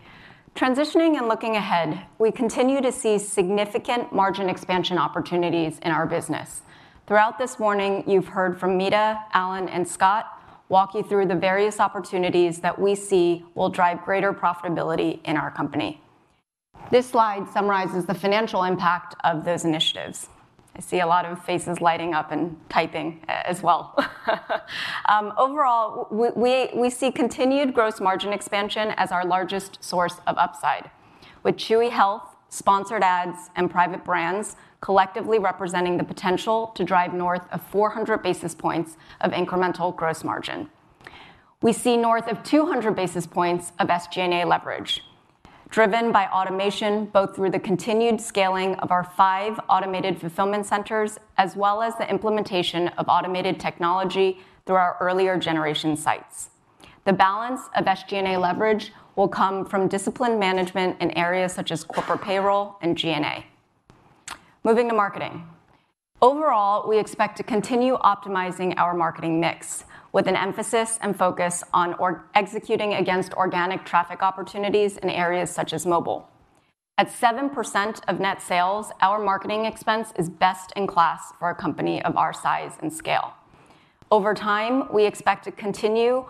Transitioning and looking ahead, we continue to see significant margin expansion opportunities in our business. Throughout this morning, you've heard from Mita, Allen, and Scott walk you through the various opportunities that we see will drive greater profitability in our company. This slide summarizes the financial impact of those initiatives. I see a lot of faces lighting up and typing as well. Overall, we see continued gross margin expansion as our largest source of upside, with Chewy Health, Sponsored Ads, and private brands collectively representing the potential to drive north of 400 basis points of incremental gross margin. We see north of 200 basis points of SG&A leverage, driven by automation, both through the continued scaling of our five automated fulfillment centers, as well as the implementation of automated technology through our earlier generation sites. The balance of SG&A leverage will come from disciplined management in areas such as corporate payroll and G&A. Moving to marketing. Overall, we expect to continue optimizing our marketing mix, with an emphasis and focus on executing against organic traffic opportunities in areas such as mobile. At 7% of net sales, our marketing expense is best-in-class for a company of our size and scale. Over time, we expect to continue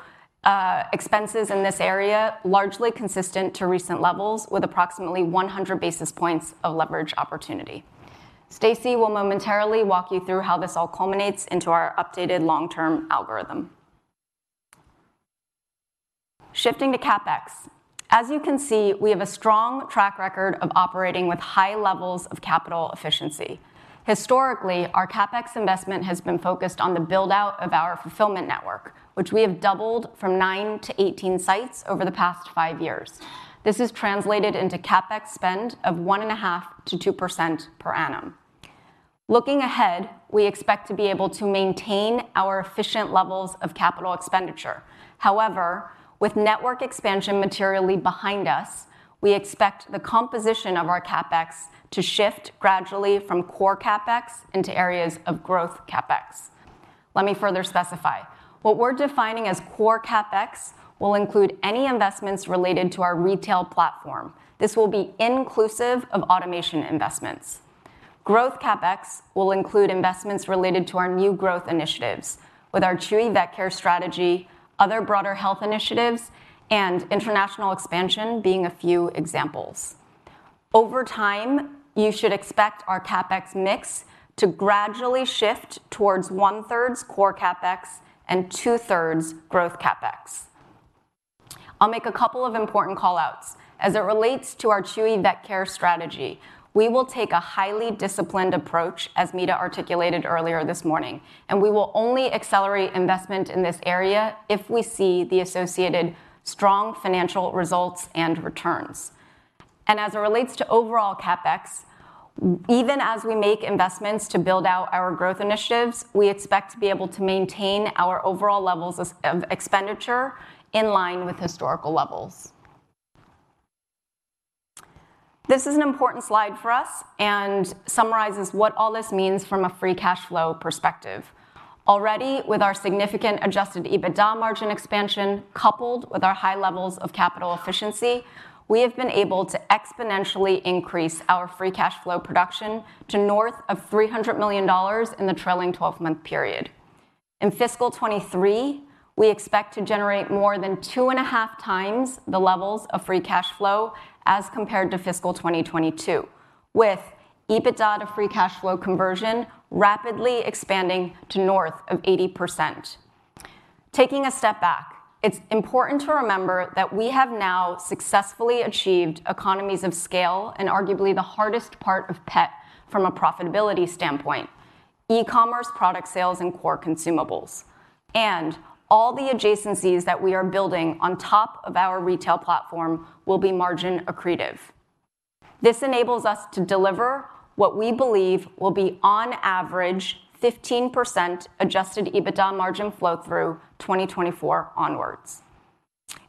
expenses in this area, largely consistent to recent levels, with approximately 100 basis points of leverage opportunity. Stacy will momentarily walk you through how this all culminates into our updated long-term algorithm. Shifting to CapEx. As you can see, we have a strong track record of operating with high levels of capital efficiency. Historically, our CapEx investment has been focused on the build-out of our fulfillment network, which we have doubled from 9 to 18 sites over the past five years. This has translated into CapEx spend of 1.5%-2% per annum. Looking ahead, we expect to be able to maintain our efficient levels of capital expenditure. However, with network expansion materially behind us, we expect the composition of our CapEx to shift gradually from core CapEx into areas of growth CapEx. Let me further specify. What we're defining as core CapEx will include any investments related to our retail platform. This will be inclusive of automation investments. Growth CapEx will include investments related to our new growth initiatives, with our Chewy Vet Care strategy, other broader health initiatives, and international expansion being a few examples. Over time, you should expect our CapEx mix to gradually shift towards 1/3 core CapEx and 2/3 growth CapEx. I'll make a couple of important call-outs. As it relates to our Chewy Vet Care strategy, we will take a highly disciplined approach, as Mita articulated earlier this morning, and we will only accelerate investment in this area if we see the associated strong financial results and returns. As it relates to overall CapEx, even as we make investments to build out our growth initiatives, we expect to be able to maintain our overall levels of expenditure in line with historical levels. This is an important slide for us, and summarizes what all this means from a free cash flow perspective. Already, with our significant adjusted EBITDA margin expansion, coupled with our high levels of capital efficiency, we have been able to exponentially increase our free cash flow production to north of $300 million in the trailing 12-month period. In fiscal 2023, we expect to generate more than 2.5x the levels of free cash flow as compared to fiscal 2022, with EBITDA to free cash flow conversion rapidly expanding to north of 80%. Taking a step back, it's important to remember that we have now successfully achieved economies of scale in arguably the hardest part of pet from a profitability standpoint: e-commerce product sales and core consumables. All the adjacencies that we are building on top of our retail platform will be margin accretive. This enables us to deliver what we believe will be, on average, 15% adjusted EBITDA margin flow through 2024 onwards.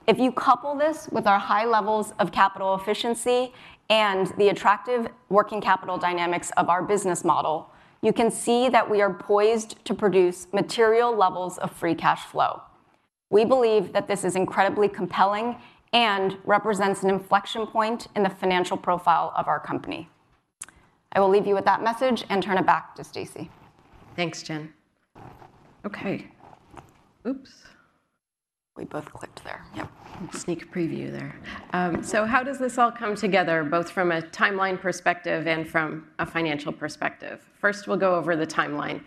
If you couple this with our high levels of capital efficiency and the attractive working capital dynamics of our business model, you can see that we are poised to produce material levels of free cash flow. We believe that this is incredibly compelling and represents an inflection point in the financial profile of our company. I will leave you with that message and turn it back to Stacy. Thanks, Jen. Okay. Oops, we both clicked there. Sneak preview there. So how does this all come together, both from a timeline perspective and from a financial perspective? First, we'll go over the timeline.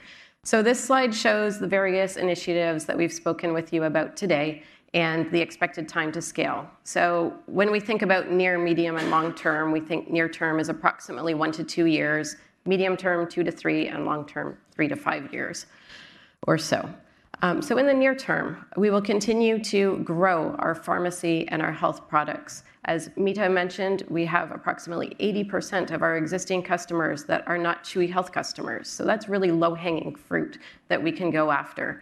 So this slide shows the various initiatives that we've spoken with you about today and the expected time to scale. So when we think about near, medium, and long term, we think near term is approximately one-two years, medium term, two-three, and long term, three-five years or so. So in the near term, we will continue to grow our pharmacy and our health products. As Mita mentioned, we have approximately 80% of our existing customers that are not Chewy Health customers, so that's really low-hanging fruit that we can go after.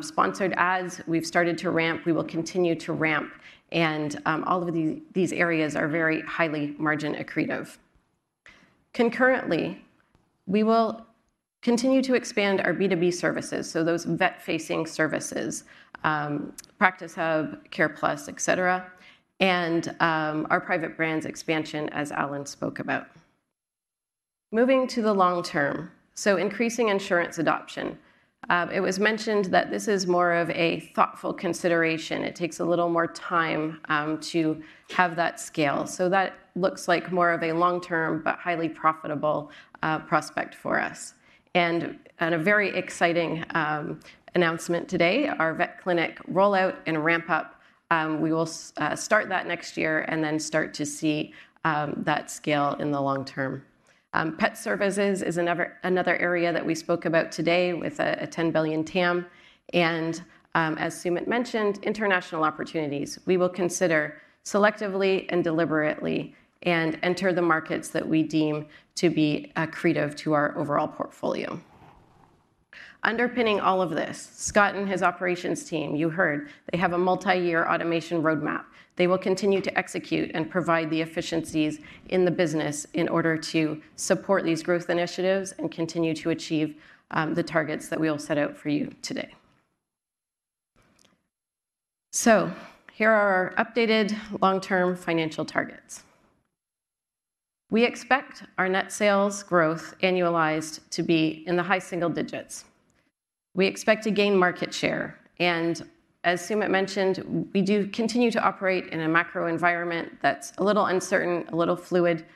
Sponsored Ads, we've started to ramp, we will continue to ramp, and, all of these, these areas are very highly margin accretive. Concurrently, we will continue to expand our B2B services, so those vet-facing services, Practice Hub, CarePlus, et cetera, and our private brands expansion, as Allen spoke about. Moving to the long term, so increasing insurance adoption. It was mentioned that this is more of a thoughtful consideration. It takes a little more time to have that scale. So that looks like more of a long-term, but highly profitable prospect for us. And a very exciting announcement today, our vet clinic rollout and ramp-up, we will start that next year and then start to see that scale in the long term. Pet services is another area that we spoke about today with a $10 billion TAM, and as Sumit mentioned, international opportunities. We will consider selectively and deliberately and enter the markets that we deem to be accretive to our overall portfolio. Underpinning all of this, Scott and his operations team, you heard, they have a multi-year automation roadmap. They will continue to execute and provide the efficiencies in the business in order to support these growth initiatives and continue to achieve the targets that we all set out for you today. So here are our updated long-term financial targets. We expect our net sales growth annualized to be in the high single digits. We expect to gain market share, and as Sumit mentioned, we do continue to operate in a macro environment that's a little uncertain, a little fluid.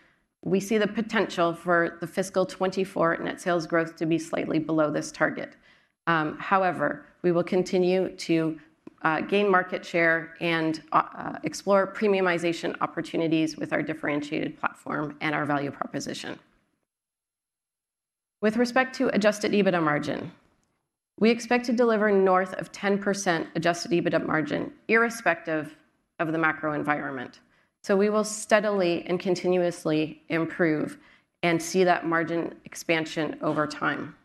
We see the potential for the fiscal 2024 net sales growth to be slightly below this target. However, we will continue to gain market share and explore premiumization opportunities with our differentiated platform and our value proposition. With respect to adjusted EBITDA margin, we expect to deliver north of 10% adjusted EBITDA margin, irrespective of the macro environment. So we will steadily and continuously improve and see that margin expansion over time.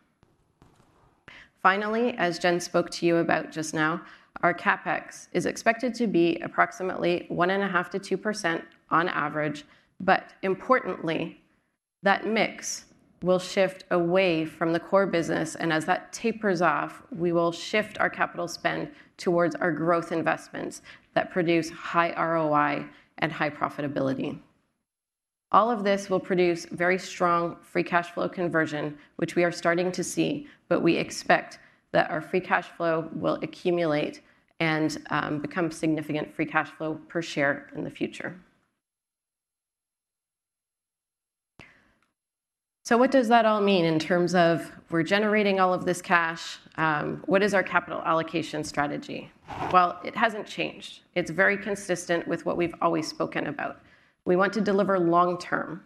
Finally, as Jen spoke to you about just now, our CapEx is expected to be approximately 1.5%-2% on average, but importantly, that mix will shift away from the core business, and as that tapers off, we will shift our capital spend towards our growth investments that produce high ROI and high profitability. All of this will produce very strong free cash flow conversion, which we are starting to see, but we expect that our free cash flow will accumulate and become significant free cash flow per share in the future. So what does that all mean in terms of we're generating all of this cash, what is our capital allocation strategy? Well, it hasn't changed. It's very consistent with what we've always spoken about. We want to deliver long-term,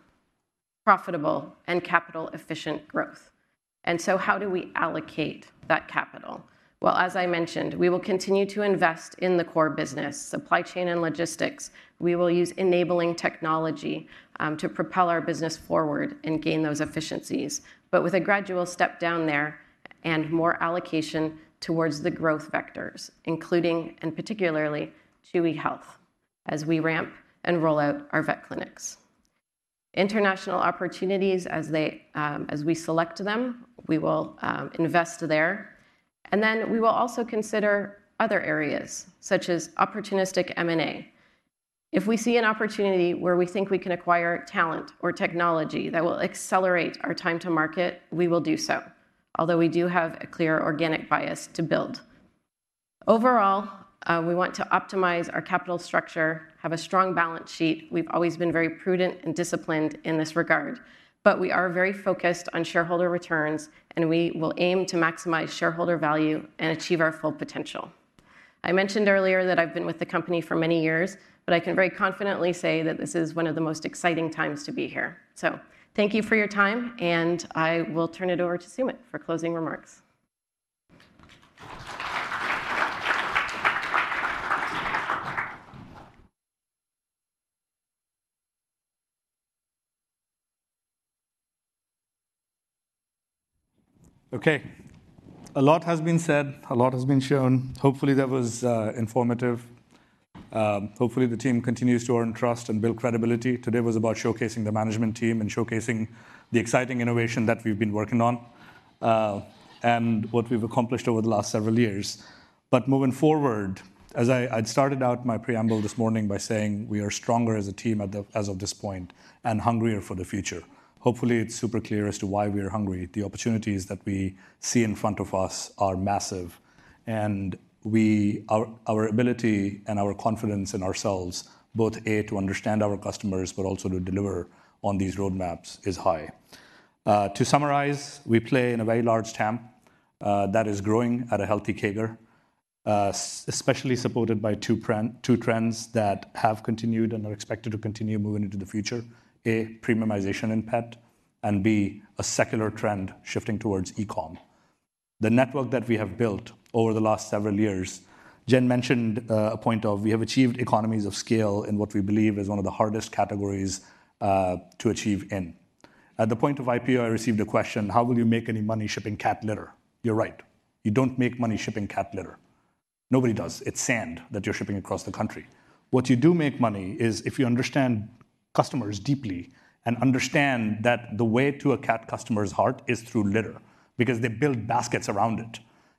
profitable, and capital-efficient growth. And so how do we allocate that capital? Well, as I mentioned, we will continue to invest in the core business, supply chain, and logistics. We will use enabling technology to propel our business forward and gain those efficiencies, but with a gradual step down there and more allocation towards the growth vectors, including, and particularly, Chewy Health, as we ramp and roll out our vet clinics. International opportunities as we select them, we will invest there. And then we will also consider other areas, such as opportunistic M&A. If we see an opportunity where we think we can acquire talent or technology that will accelerate our time to market, we will do so, although we do have a clear organic bias to build. Overall, we want to optimize our capital structure, have a strong balance sheet. We've always been very prudent and disciplined in this regard, but we are very focused on shareholder returns, and we will aim to maximize shareholder value and achieve our full potential. I mentioned earlier that I've been with the company for many years, but I can very confidently say that this is one of the most exciting times to be here. Thank you for your time, and I will turn it over to Sumit for closing remarks. Okay. A lot has been said, a lot has been shown. Hopefully, that was informative. Hopefully, the team continues to earn trust and build credibility. Today was about showcasing the management team and showcasing the exciting innovation that we've been working on, and what we've accomplished over the last several years. But moving forward, as I'd started out my preamble this morning by saying we are stronger as a team as of this point and hungrier for the future. Hopefully, it's super clear as to why we are hungry. The opportunities that we see in front of us are massive, and our ability and our confidence in ourselves, both, A, to understand our customers, but also to deliver on these roadmaps is high. To summarize, we play in a very large TAM that is growing at a healthy CAGR, especially supported by two trends that have continued and are expected to continue moving into the future: A, premiumization in pet, and B, a secular trend shifting towards e-com. The network that we have built over the last several years, Jen mentioned a point of we have achieved economies of scale in what we believe is one of the hardest categories to achieve in. At the point of IPO, I received a question: How will you make any money shipping cat litter? You're right. You don't make money shipping cat litter. Nobody does. It's sand that you're shipping across the country. What you do make money is if you understand customers deeply and understand that the way to a cat customer's heart is through litter because they build baskets around it,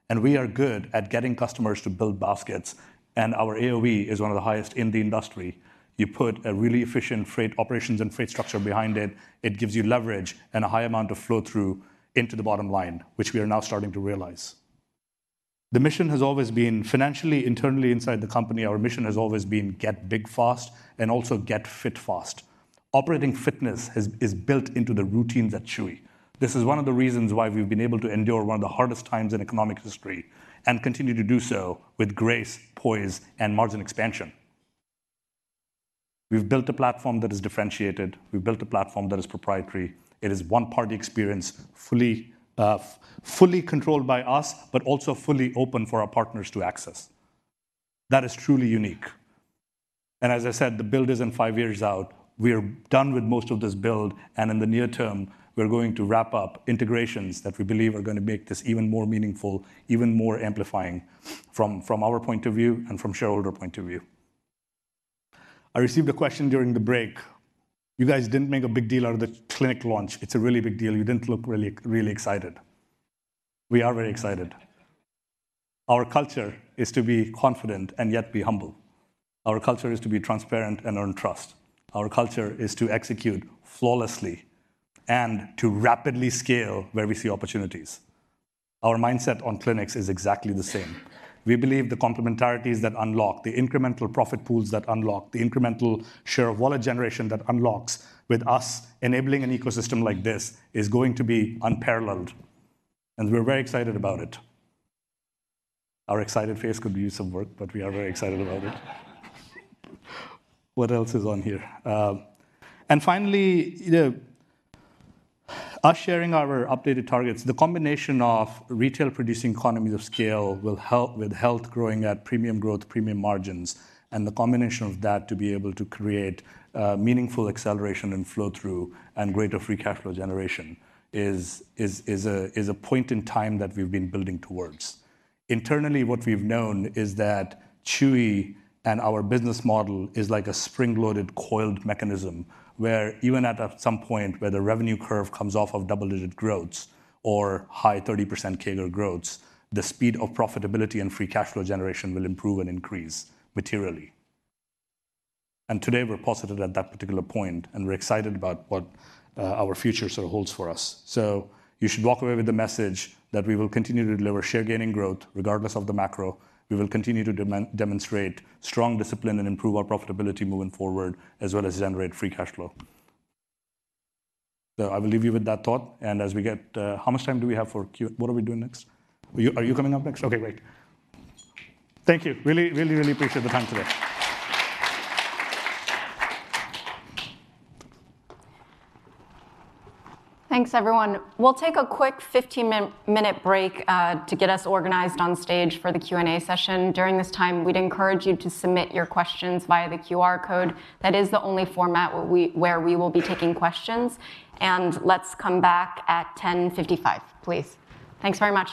and we are good at getting customers to build baskets, and our AOV is one of the highest in the industry. You put a really efficient freight operations and freight structure behind it. It gives you leverage and a high amount of flow-through into the bottom line, which we are now starting to realize. The mission has always been-- Financially, internally, inside the company, our mission has always been get big fast and also get fit fast. Operating fitness is built into the routines at Chewy. This is one of the reasons why we've been able to endure one of the hardest times in economic history and continue to do so with grace, poise, and margin expansion. We've built a platform that is differentiated. We've built a platform that is proprietary. It is 1P experience, fully, fully controlled by us, but also fully open for our partners to access. That is truly unique. And as I said, the build isn't five years out. We are done with most of this build, and in the near term, we're going to wrap up integrations that we believe are gonna make this even more meaningful, even more amplifying from, from our point of view and from shareholder point of view. I received a question during the break: "You guys didn't make a big deal out of the clinic launch. It's a really big deal. You didn't look really, really excited." We are very excited. Our culture is to be confident and yet be humble. Our culture is to be transparent and earn trust. Our culture is to execute flawlessly and to rapidly scale where we see opportunities. Our mindset on clinics is exactly the same. We believe the complementarities that unlock, the incremental profit pools that unlock, the incremental share of wallet generation that unlocks with us enabling an ecosystem like this is going to be unparalleled, and we're very excited about it. Our excited face could use some work, but we are very excited about it. What else is on here? And finally, us sharing our updated targets, the combination of retail-producing economies of scale will help with health growing at premium growth, premium margins, and the combination of that to be able to create meaningful acceleration and flow-through and greater free cash flow generation is a point in time that we've been building towards. Internally, what we've known is that Chewy and our business model is like a spring-loaded, coiled mechanism, where even at some point where the revenue curve comes off of double-digit growths or high 30% CAGR growths, the speed of profitability and free cash flow generation will improve and increase materially. And today, we're positive at that particular point, and we're excited about what our future sort of holds for us. So you should walk away with the message that we will continue to deliver share gaining growth regardless of the macro. We will continue to demonstrate strong discipline and improve our profitability moving forward, as well as generate free cash flow. So I will leave you with that thought, and as we get—how much time do we have for Q&A—What are we doing next? Are you coming up next? Okay, great. Thank you. Really, really, really appreciate the time today. Thanks, everyone. We'll take a quick 15-minute break to get us organized on stage for the Q&A session. During this time, we'd encourage you to submit your questions via the QR code. That is the only format where we, where we will be taking questions, and let's come back at 10:55, please. Thanks very much.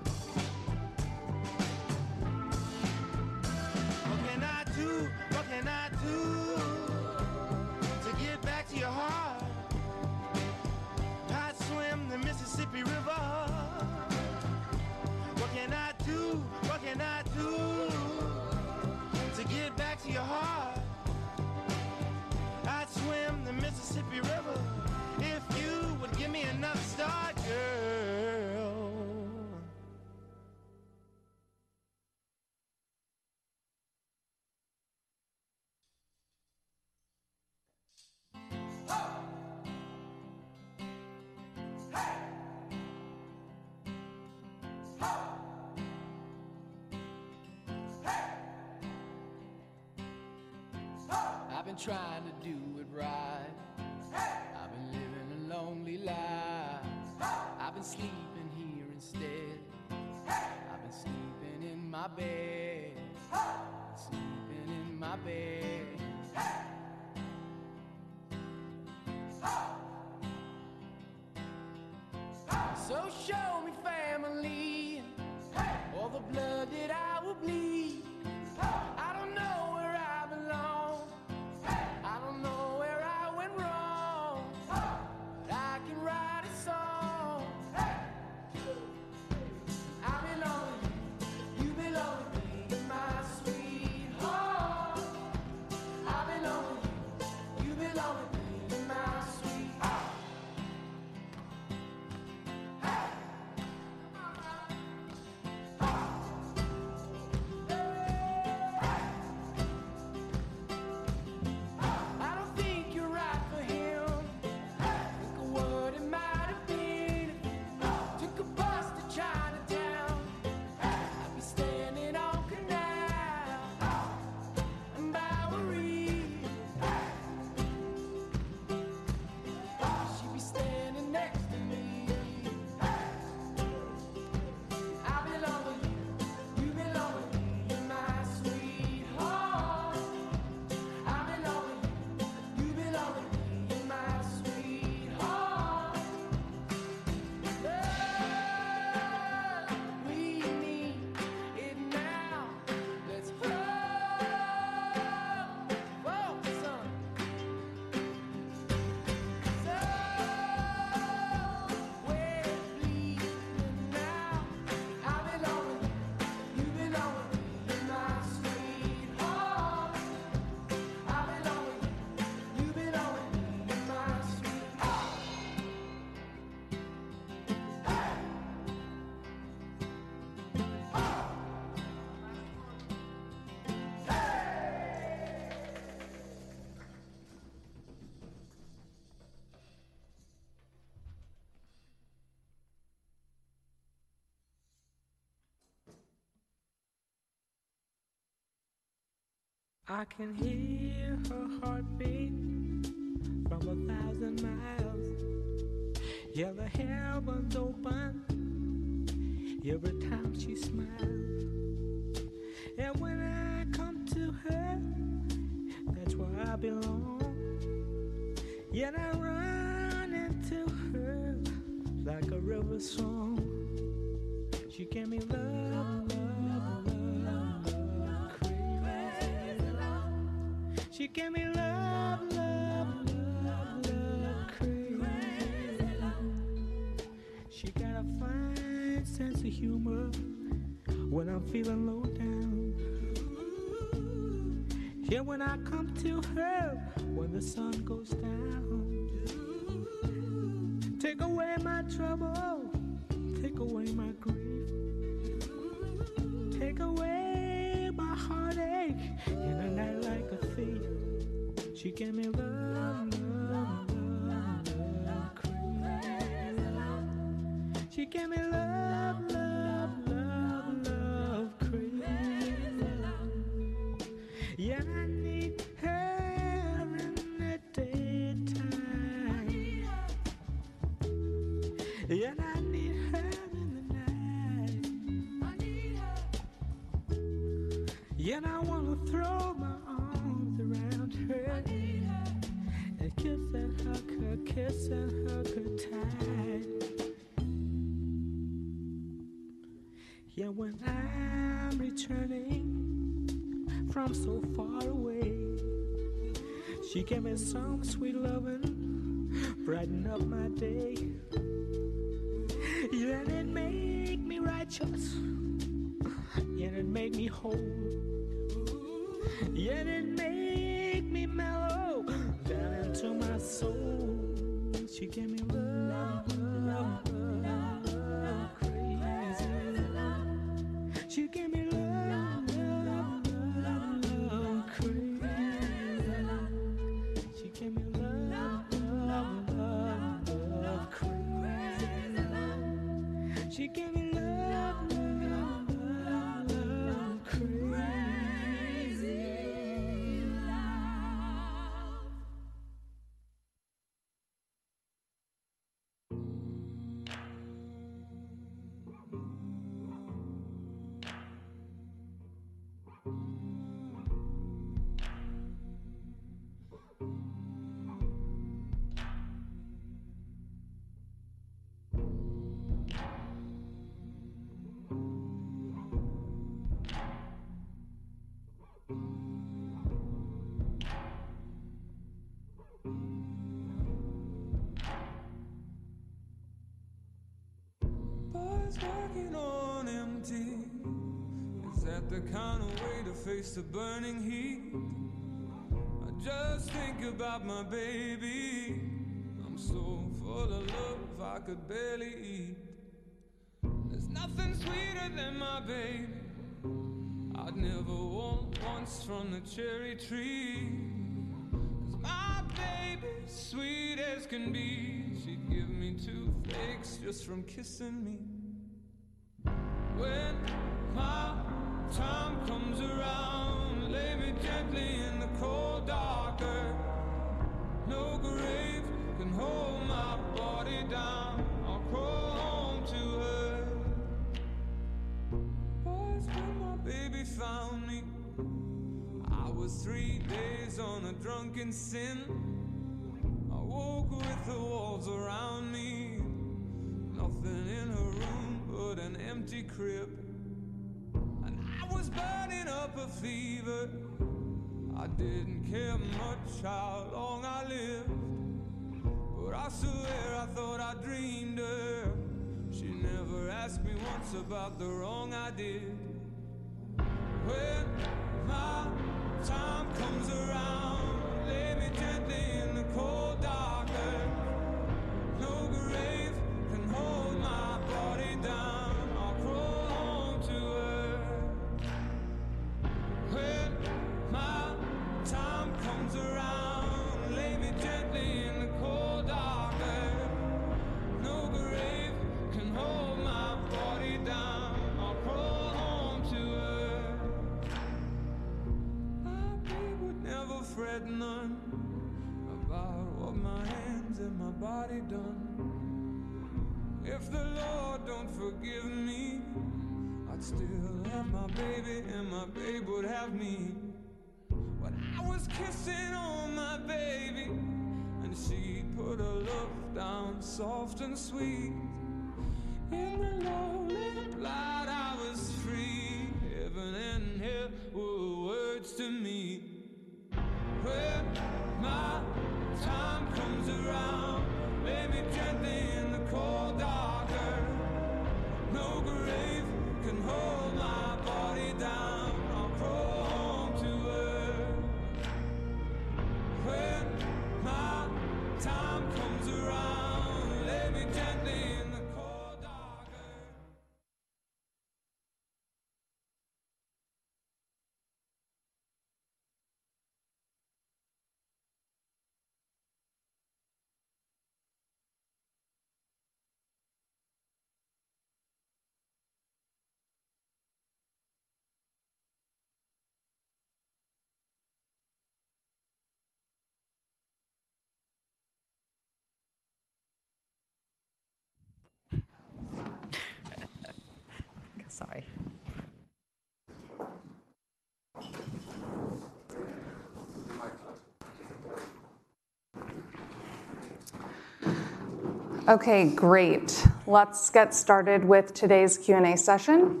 Okay, great. Let's get started with today's Q&A session.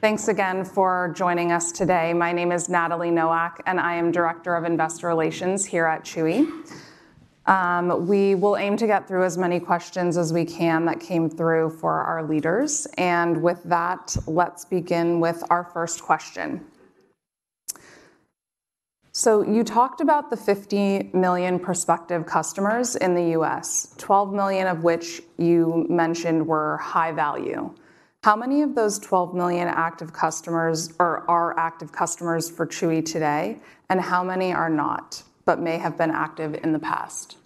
Thanks again for joining us today. My name is Natalie Nowak, and I am Director of Investor Relations here at Chewy. We will aim to get through as many questions as we can that came through for our leaders. And with that, let's begin with our first question. So you talked about the 50 million prospective customers in the U.S., 12 million of which you mentioned were high value. How many of those 12 million active customers are, are active customers for Chewy today, and how many are not, but may have been active in the past?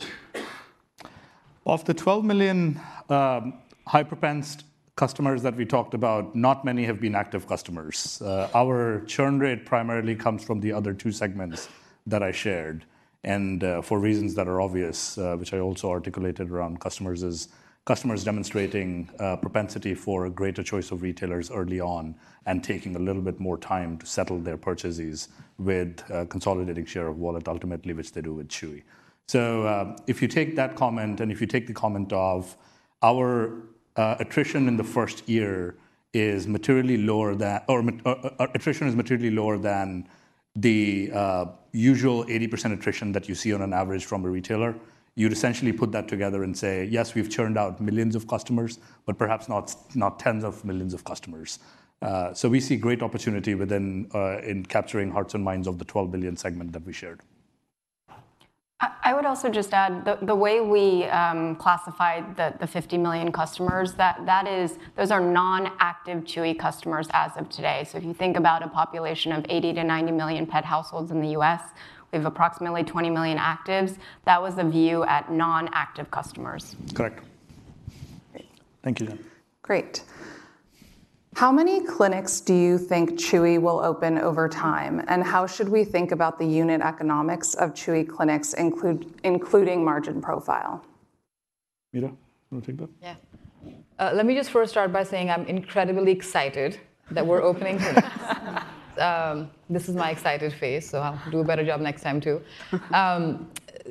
Of the 12 million high-propensed customers that we talked about, not many have been active customers. Our churn rate primarily comes from the other two segments that I shared, and for reasons that are obvious, which I also articulated around customers, is customers demonstrating propensity for a greater choice of retailers early on, and taking a little bit more time to settle their purchases with consolidating share of wallet ultimately, which they do with Chewy. So, if you take that comment, and if you take the comment of our attrition in the first year is materially lower than-- Attrition is materially lower than the usual 80% attrition that you see on an average from a retailer, you'd essentially put that together and say: yes, we've churned out millions of customers, but perhaps not tens of millions of customers. So we see great opportunity within in capturing hearts and minds of the $12 billion segment that we shared. I would also just add, the way we classified the 50 million customers, that is—those are non-active Chewy customers as of today. So if you think about a population of 80 million-90 million pet households in the U.S., we have approximately 20 million actives. That was the view at non-active customers. Correct. Thank you, Jen. Great. How many clinics do you think Chewy will open over time, and how should we think about the unit economics of Chewy clinics, including margin profile? Mita, you want to take that? Yeah. Let me just first start by saying I'm incredibly excited that we're opening clinics. This is my excited face, so I'll do a better job next time, too.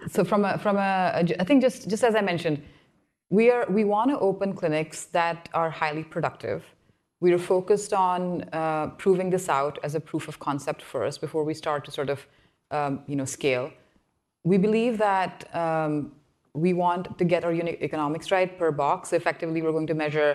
So from a, I think just, just as I mentioned, we are -- we want to open clinics that are highly productive. We are focused on proving this out as a proof of concept first before we start to sort of, you know, scale. We believe that we want to get our unit economics right per box. Effectively, we're going to measure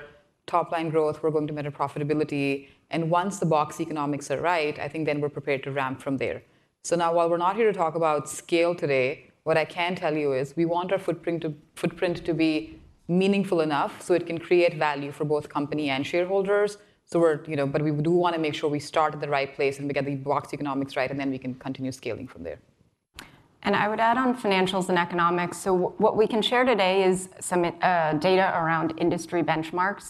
top-line growth, we're going to measure profitability, and once the box economics are right, I think then we're prepared to ramp from there. So now, while we're not here to talk about scale today, what I can tell you is, we want our footprint to, footprint to be meaningful enough so it can create value for both company and shareholders. So we're, you know-- But we do want to make sure we start at the right place and we get the box economics right, and then we can continue scaling from there. I would add on financials and economics. What, what we can share today is some data around industry benchmarks.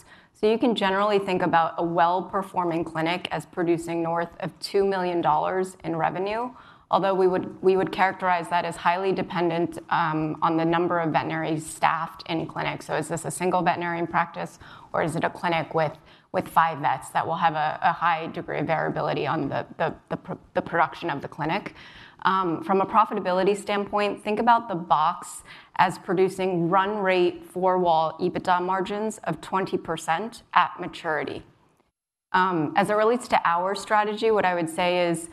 You can generally think about a well-performing clinic as producing north of $2 million in revenue. Although we would characterize that as highly dependent on the number of veterinarians staffed in clinic. Is this a single veterinarian practice, or is it a clinic with five vets? That will have a high degree of variability on the production of the clinic. From a profitability standpoint, think about the box as producing run rate four-wall EBITDA margins of 20% at maturity. As it relates to our strategy, what I would say is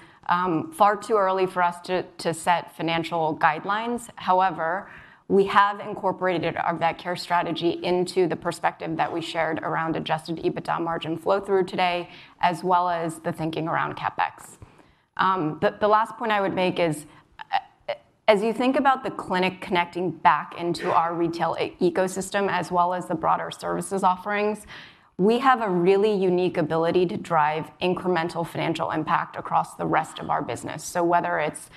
far too early for us to set financial guidelines. However, we have incorporated our vet care strategy into the perspective that we shared around adjusted EBITDA margin flow-through today, as well as the thinking around CapEx. The last point I would make is, as you think about the clinic connecting back into our retail ecosystem, as well as the broader services offerings, we have a really unique ability to drive incremental financial impact across the rest of our business. So whether it's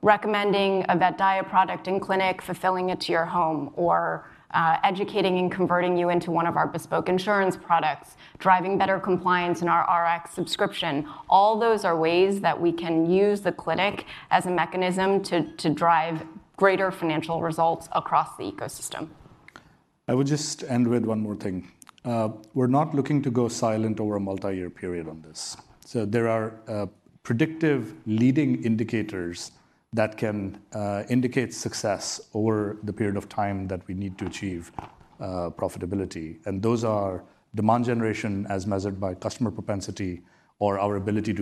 recommending a vet diet product in clinic, fulfilling it to your home, or educating and converting you into one of our bespoke insurance products, driving better compliance in our Rx subscription, all those are ways that we can use the clinic as a mechanism to drive greater financial results across the ecosystem. I would just end with one more thing. We're not looking to go silent over a multi-year period on this. There are predictive leading indicators that can indicate success over the period of time that we need to achieve profitability. And those are demand generation as measured by customer propensity or our ability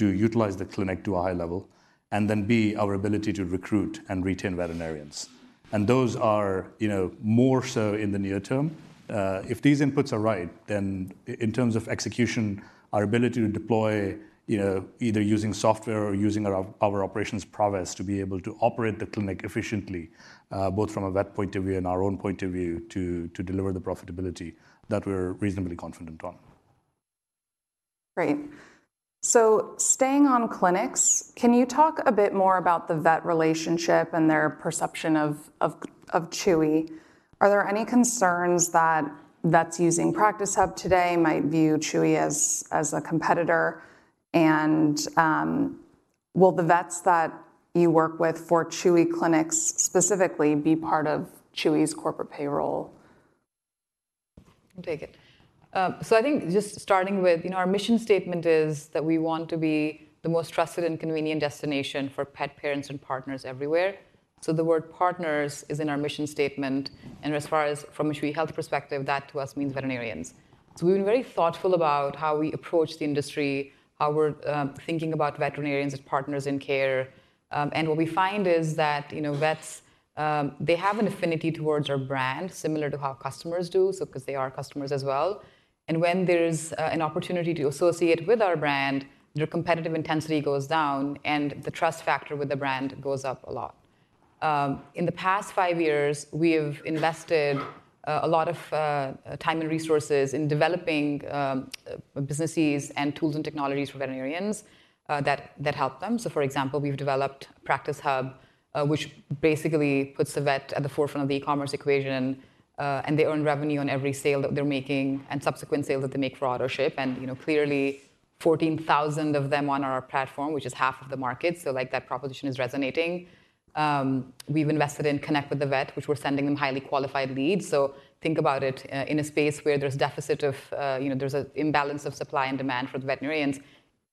to utilize the clinic to a high level, and then, B, our ability to recruit and retain veterinarians. And those are, you know, more so in the near term. If these inputs are right, then in terms of execution, our ability to deploy, you know, either using software or using our operations prowess to be able to operate the clinic efficiently, both from a vet point of view and our own point of view, to deliver the profitability that we're reasonably confident on. Great. So staying on clinics, can you talk a bit more about the vet relationship and their perception of Chewy? Are there any concerns that vets using Practice Hub today might view Chewy as a competitor? And will the vets that you work with for Chewy Clinics specifically be part of Chewy's corporate payroll? I'll take it. So I think just starting with, you know, our mission statement is that we want to be the most trusted and convenient destination for pet parents and partners everywhere. So the word partners is in our mission statement, and as far as from a Chewy Health perspective, that to us means veterinarians. So we've been very thoughtful about how we approach the industry, how we're thinking about veterinarians as partners in care. And what we find is that, you know, vets, they have an affinity towards our brand, similar to how customers do, so because they are customers as well. And when there's an opportunity to associate with our brand, their competitive intensity goes down, and the trust factor with the brand goes up a lot. In the past five years, we've invested a lot of time and resources in developing businesses and tools and technologies for veterinarians that help them. So, for example, we've developed Practice Hub, which basically puts the vet at the forefront of the e-commerce equation, and they earn revenue on every sale that they're making and subsequent sales that they make for Autoship. And, you know, clearly, 14,000 of them on our platform, which is half of the market, so, like, that proposition is resonating. We've invested in Connect with a Vet, which we're sending them highly qualified leads. So think about it in a space where there's deficit of, you know, there's an imbalance of supply and demand for the veterinarians.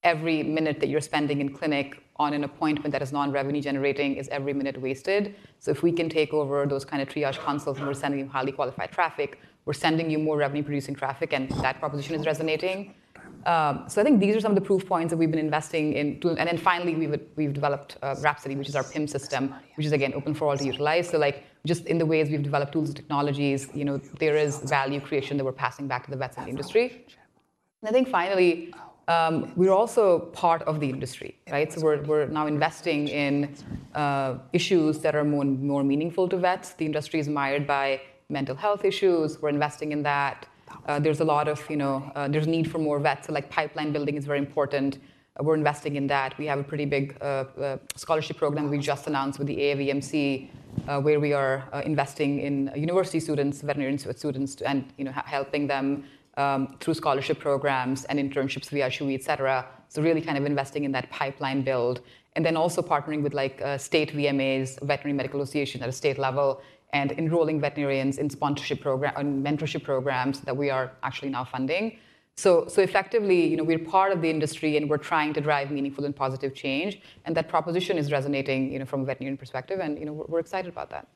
Every minute that you're spending in clinic on an appointment that is non-revenue generating is every minute wasted. So if we can take over those kind of triage consults, and we're sending you highly qualified traffic, we're sending you more revenue-producing traffic, and that proposition is resonating. So I think these are some of the proof points that we've been investing in tools. And then finally, we've developed Rhapsody, which is our PIMS, which is again open for all to utilize. So, like, just in the ways we've developed tools and technologies, you know, there is value creation that we're passing back to the vet industry. And I think finally, we're also part of the industry, right? So we're now investing in issues that are more meaningful to vets. The industry is mired by mental health issues. We're investing in that. There's a lot of, you know, there's a need for more vets, so, like, pipeline building is very important, and we're investing in that. We have a pretty big scholarship program we just announced with the AAVMC, where we are investing in university students, veterinarian students, and, you know, helping them through scholarship programs and internships via Chewy, et cetera. So really kind of investing in that pipeline build, and then also partnering with, like, state VMAs, Veterinary Medical Association at a state level, and enrolling veterinarians in sponsorship program and mentorship programs that we are actually now funding. So effectively, you know, we're part of the industry, and we're trying to drive meaningful and positive change, and that proposition is resonating, you know, from a veterinarian perspective, and, you know, we're excited about that.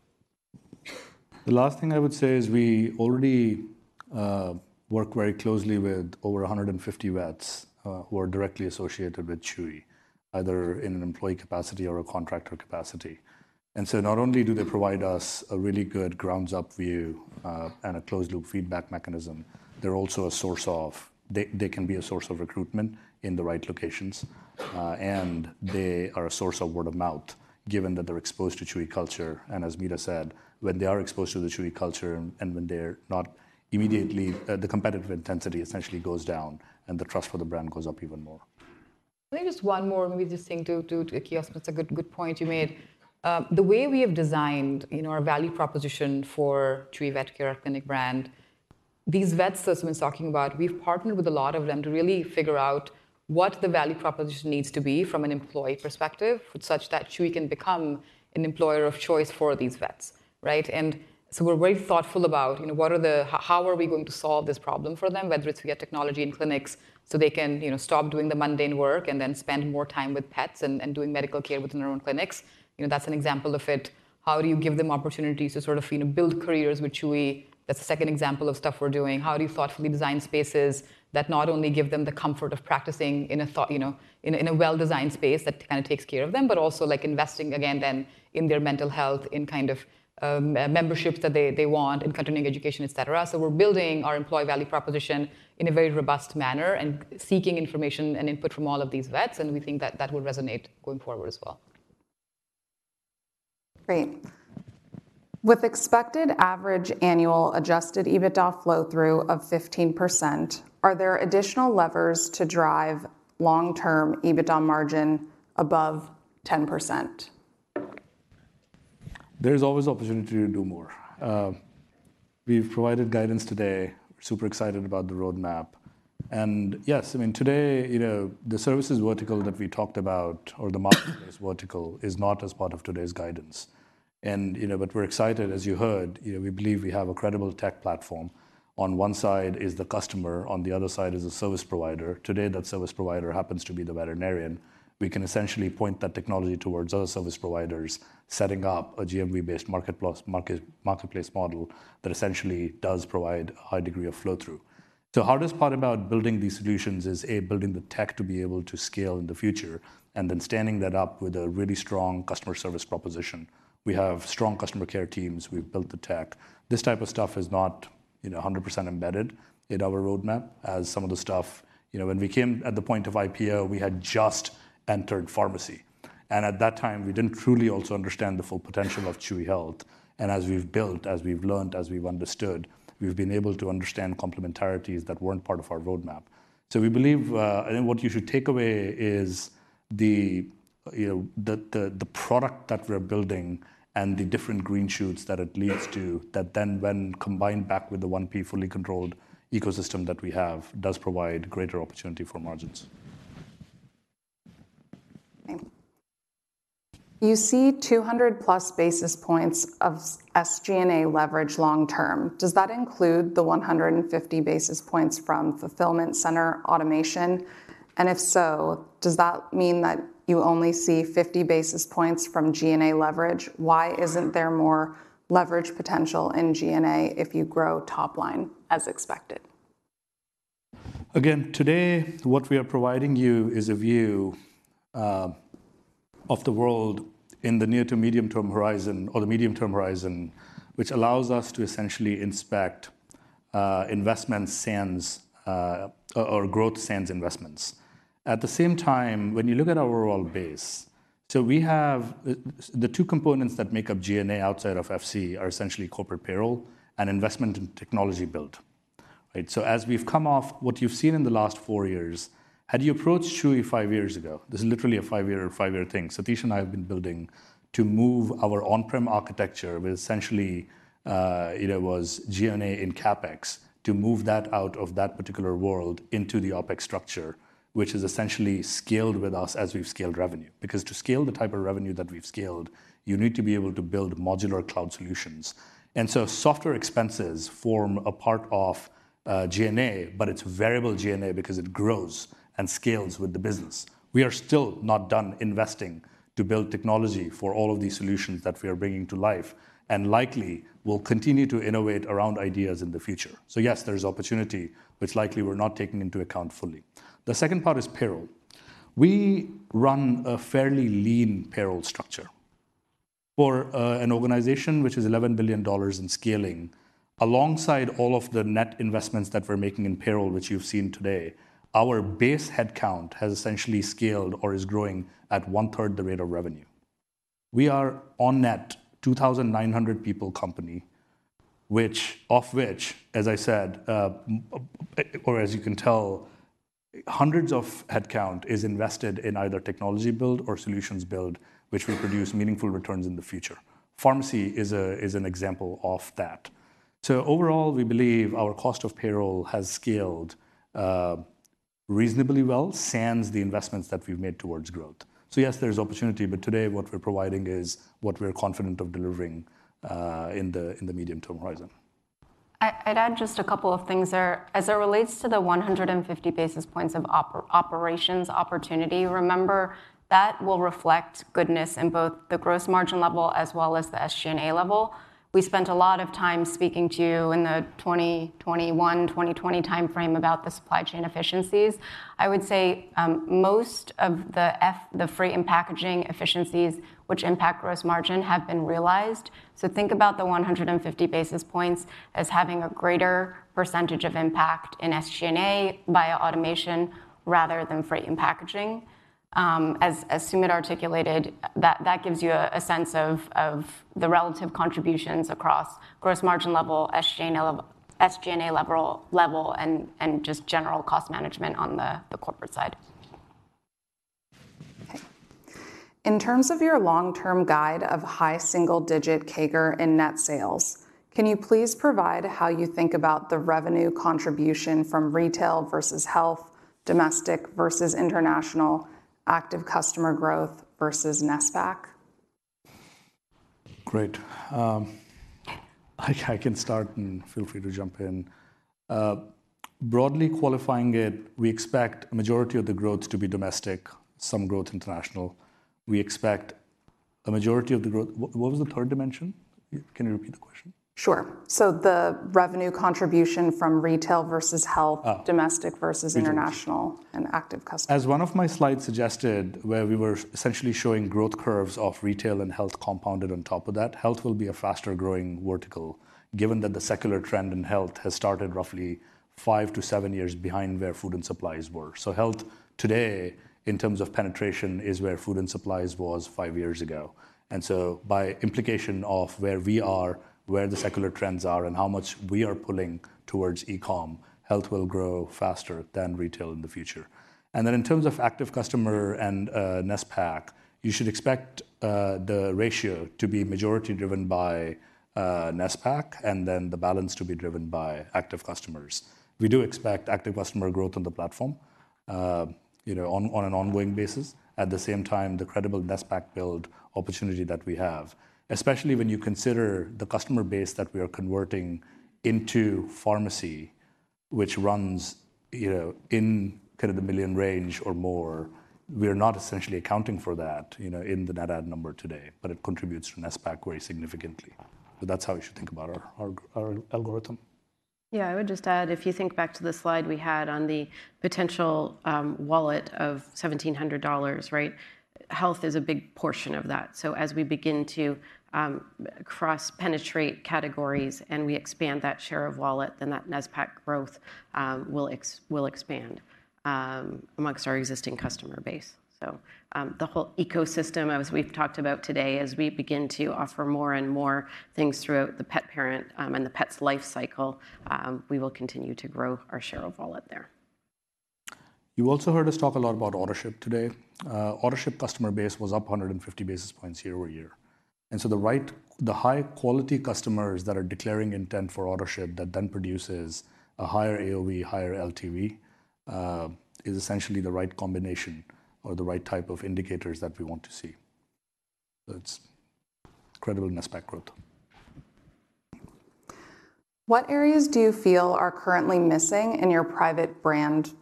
The last thing I would say is we already work very closely with over 150 vets who are directly associated with Chewy, either in an employee capacity or a contractor capacity. And so not only do they provide us a really good grounds-up view and a closed-loop feedback mechanism, they're also a source of recruitment in the right locations and they are a source of word-of-mouth, given that they're exposed to Chewy culture. And as Mita said, when they are exposed to the Chewy culture and when they're not, immediately the competitive intensity essentially goes down, and the trust for the brand goes up even more. Maybe just one more thing to-- Sumit, that's a good point you made. The way we have designed, you know, our value proposition for Chewy Vet Care Clinic brand. These vets that Sumit's talking about, we've partnered with a lot of them to really figure out what the value proposition needs to be from an employee perspective, such that Chewy can become an employer of choice for these vets, right? And so we're very thoughtful about, you know, what are the, how are we going to solve this problem for them, whether it's to get technology in clinics so they can, you know, stop doing the mundane work and then spend more time with pets and doing medical care within their own clinics. You know, that's an example of it. How do you give them opportunities to sort of, you know, build careers with Chewy? That's the second example of stuff we're doing. How do you thoughtfully design spaces that not only give them the comfort of practicing in a, you know, in a well-designed space that kind of takes care of them, but also, like, investing again then in their mental health, in kind of, memberships that they, they want, in continuing education, et cetera. So we're building our employee value proposition in a very robust manner and seeking information and input from all of these vets, and we think that that will resonate going forward as well. Great. With expected average annual adjusted EBITDA flow-through of 15%, are there additional levers to drive long-term EBITDA margin above 10%? There's always opportunity to do more. We've provided guidance today. Super excited about the roadmap. And yes, I mean, today, you know, the services vertical that we talked about or the marketplace vertical is not a part of today's guidance. And, you know, but we're excited, as you heard, you know, we believe we have a credible tech platform. On one side is the customer, on the other side is the service provider. Today, that service provider happens to be the veterinarian. We can essentially point that technology towards other service providers, setting up a GMV-based marketplace model that essentially does provide a high degree of flow-through. So hardest part about building these solutions is, A, building the tech to be able to scale in the future, and then standing that up with a really strong customer service proposition. We have strong customer care teams. We've built the tech. This type of stuff is not, you know, 100% embedded in our roadmap as some of the stuff. You know, when we came at the point of IPO, we had just entered pharmacy, and at that time, we didn't truly also understand the full potential of Chewy Health. And as we've built, as we've learned, as we've understood, we've been able to understand complementarities that weren't part of our roadmap. So we believe, I think what you should take away is the, you know, the, the, the product that we're building and the different green shoots that it leads to, that then when combined back with the 1P fully controlled ecosystem that we have, does provide greater opportunity for margins. Thank you. You see +200 basis points of SG&A leverage long term. Does that include the 150 basis points from fulfillment center automation? And if so, does that mean that you only see 50 basis points from G&A leverage? Why isn't there more leverage potential in G&A if you grow top line as expected? Again, today, what we are providing you is a view of the world in the near to medium-term horizon or the medium-term horizon, which allows us to essentially inspect investments sans or growth sans investments. At the same time, when you look at our overall base, so we have the two components that make up G&A outside of FC are essentially corporate payroll and investment in technology build, right? So as we've come off, what you've seen in the last four years, had you approached Chewy five years ago, this is literally a five-year, five-year thing. Satish and I have been building to move our on-prem architecture, which essentially you know was G&A in CapEx, to move that out of that particular world into the OpEx structure, which has essentially scaled with us as we've scaled revenue. Because to scale the type of revenue that we've scaled, you need to be able to build modular cloud solutions. So software expenses form a part of G&A, but it's variable G&A because it grows and scales with the business. We are still not done investing to build technology for all of these solutions that we are bringing to life, and likely will continue to innovate around ideas in the future. So yes, there's opportunity, which likely we're not taking into account fully. The second part is payroll. We run a fairly lean payroll structure. For an organization which is $11 billion and scaling, alongside all of the net investments that we're making in payroll, which you've seen today, our base headcount has essentially scaled or is growing at 1/3 the rate of revenue. We are on net 2,900 people company, which, of which, as I said, or as you can tell, hundreds of headcount is invested in either technology build or solutions build, which will produce meaningful returns in the future. Pharmacy is a, is an example of that. So overall, we believe our cost of payroll has scaled, reasonably well, sans the investments that we've made towards growth. So yes, there's opportunity, but today what we're providing is what we're confident of delivering, in the, in the medium-term horizon. I'd add just a couple of things there. As it relates to the 150 basis points of operations opportunity, remember, that will reflect goodness in both the gross margin level as well as the SG&A level. We spent a lot of time speaking to you in the 2021, 2020 timeframe about the supply chain efficiencies. I would say, most of the the freight and packaging efficiencies, which impact gross margin, have been realized. So think about the 150 basis points as having a greater percentage of impact in SG&A via automation rather than freight and packaging. As Sumit articulated, that gives you a sense of the relative contributions across gross margin level, SG&A level, and just general cost management on the corporate side. In terms of your long-term guide of high single-digit CAGR in net sales, can you please provide how you think about the revenue contribution from retail versus health, domestic versus international, active customer growth versus NSPAC? Great. I can start, and feel free to jump in. Broadly qualifying it, we expect a majority of the growth to be domestic, some growth international. We expect a majority of the growth. What was the third dimension? Can you repeat the question? Sure. So the revenue contribution from retail versus health domestic versus international and active customer. As one of my slides suggested, where we were essentially showing growth curves of retail and health compounded on top of that, health will be a faster-growing vertical, given that the secular trend in health has started roughly five-seven years behind where food and supplies were. So health today, in terms of penetration, is where food and supplies was five years ago. And so by implication of where we are, where the secular trends are, and how much we are pulling towards e-com, health will grow faster than retail in the future. And then in terms of active customer and NSPAC, you should expect the ratio to be majority driven by NSPAC, and then the balance to be driven by active customers. We do expect active customer growth on the platform, you know, on an ongoing basis. At the same time, the credible NSPAC build opportunity that we have, especially when you consider the customer base that we are converting into pharmacy, which runs, you know, in kind of the 1 million range or more, we are not essentially accounting for that, you know, in the net add number today, but it contributes to NSPAC very significantly. But that's how you should think about our algorithm. Yeah. I would just add, if you think back to the slide we had on the potential wallet of $1,700, right? Health is a big portion of that. So as we begin to cross-penetrate categories, and we expand that share of wallet, then that NSPAC growth will expand amongst our existing customer base. So, the whole ecosystem, as we've talked about today, as we begin to offer more and more things throughout the pet parent and the pet's life cycle, we will continue to grow our share of wallet there. You also heard us talk a lot about Autoship today. Autoship customer base was up 150 basis points year-over-year. And so the right, the high-quality customers that are declaring intent for Autoship, that then produces a higher AOV, higher LTV, is essentially the right combination or the right type of indicators that we want to see. So it's incredible NSPAC growth. What areas do you feel are currently missing in your private brand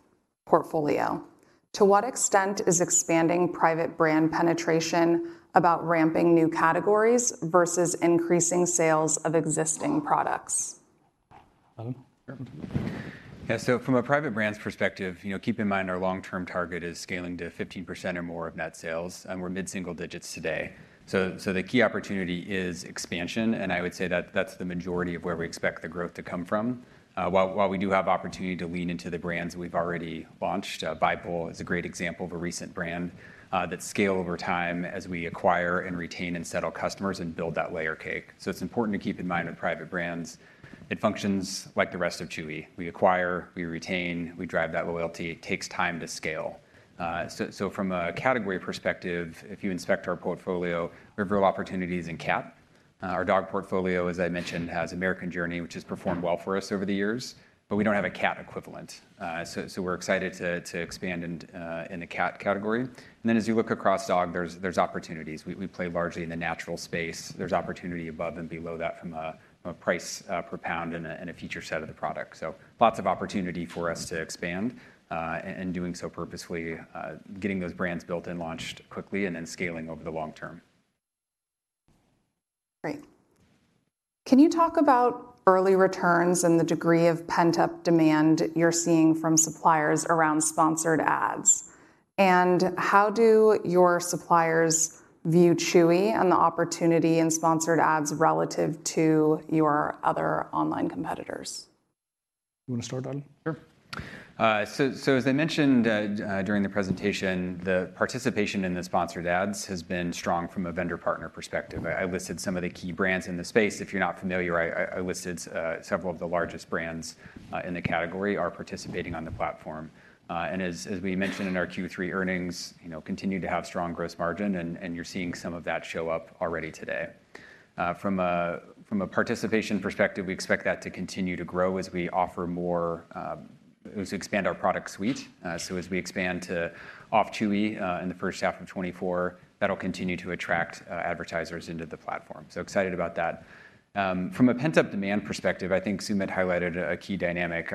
portfolio? To what extent is expanding private brand penetration about ramping new categories versus increasing sales of existing products? Allen? Yeah, so from a private brands perspective, you know, keep in mind, our long-term target is scaling to 15% or more of net sales, and we're mid-single digits today. So the key opportunity is expansion, and I would say that that's the majority of where we expect the growth to come from. While we do have opportunity to lean into the brands we've already launched, Vibeful is a great example of a recent brand that scale over time as we acquire and retain and settle customers and build that layer cake. So it's important to keep in mind with private brands, it functions like the rest of Chewy. We acquire, we retain, we drive that loyalty. It takes time to scale. So from a category perspective, if you inspect our portfolio, we have real opportunities in cat. Our dog portfolio, as I mentioned, has American Journey, which has performed well for us over the years, but we don't have a cat equivalent. So we're excited to expand in the cat category. And then as you look across dog, there's opportunities. We play largely in the natural space. There's opportunity above and below that from a price per pound and a feature set of the product. So lots of opportunity for us to expand and doing so purposefully, getting those brands built and launched quickly, and then scaling over the long term. Great. Can you talk about early returns and the degree of pent-up demand you're seeing from suppliers around Sponsored Ads? How do your suppliers view Chewy and the opportunity in Sponsored Ads relative to your other online competitors? You want to start, Allen? Sure. So as I mentioned, during the presentation, the participation in the Sponsored Ads has been strong from a vendor-partner perspective. I listed some of the key brands in the space. If you're not familiar, I listed several of the largest brands in the category are participating on the platform. And as we mentioned in our Q3 earnings, you know, continue to have strong gross margin, and you're seeing some of that show up already today. From a participation perspective, we expect that to continue to grow as we offer more, as we expand our product suite. So as we expand to off Chewy in the first half of 2024, that'll continue to attract advertisers into the platform. So excited about that. From a pent-up demand perspective, I think Sumit highlighted a key dynamic.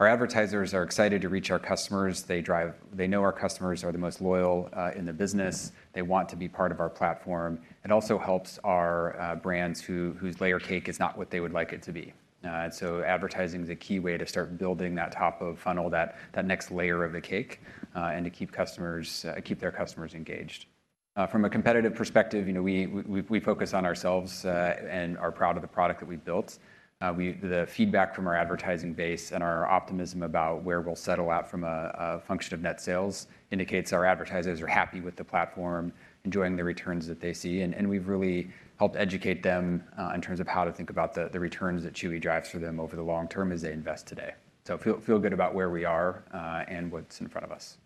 Our, our advertisers are excited to reach our customers. They drive-- They know our customers are the most loyal in the business. They want to be part of our platform. It also helps our brands whose layer cake is not what they would like it to be. And so advertising is a key way to start building that top of funnel, that next layer of the cake, and to keep customers keep their customers engaged. From a competitive perspective, you know, we focus on ourselves and are proud of the product that we've built. We, the feedback from our advertising base and our optimism about where we'll settle out from a function of net sales indicates our advertisers are happy with the platform, enjoying the returns that they see, and we've really helped educate them in terms of how to think about the returns that Chewy drives for them over the long term as they invest today. So feel good about where we are and what's in front of us.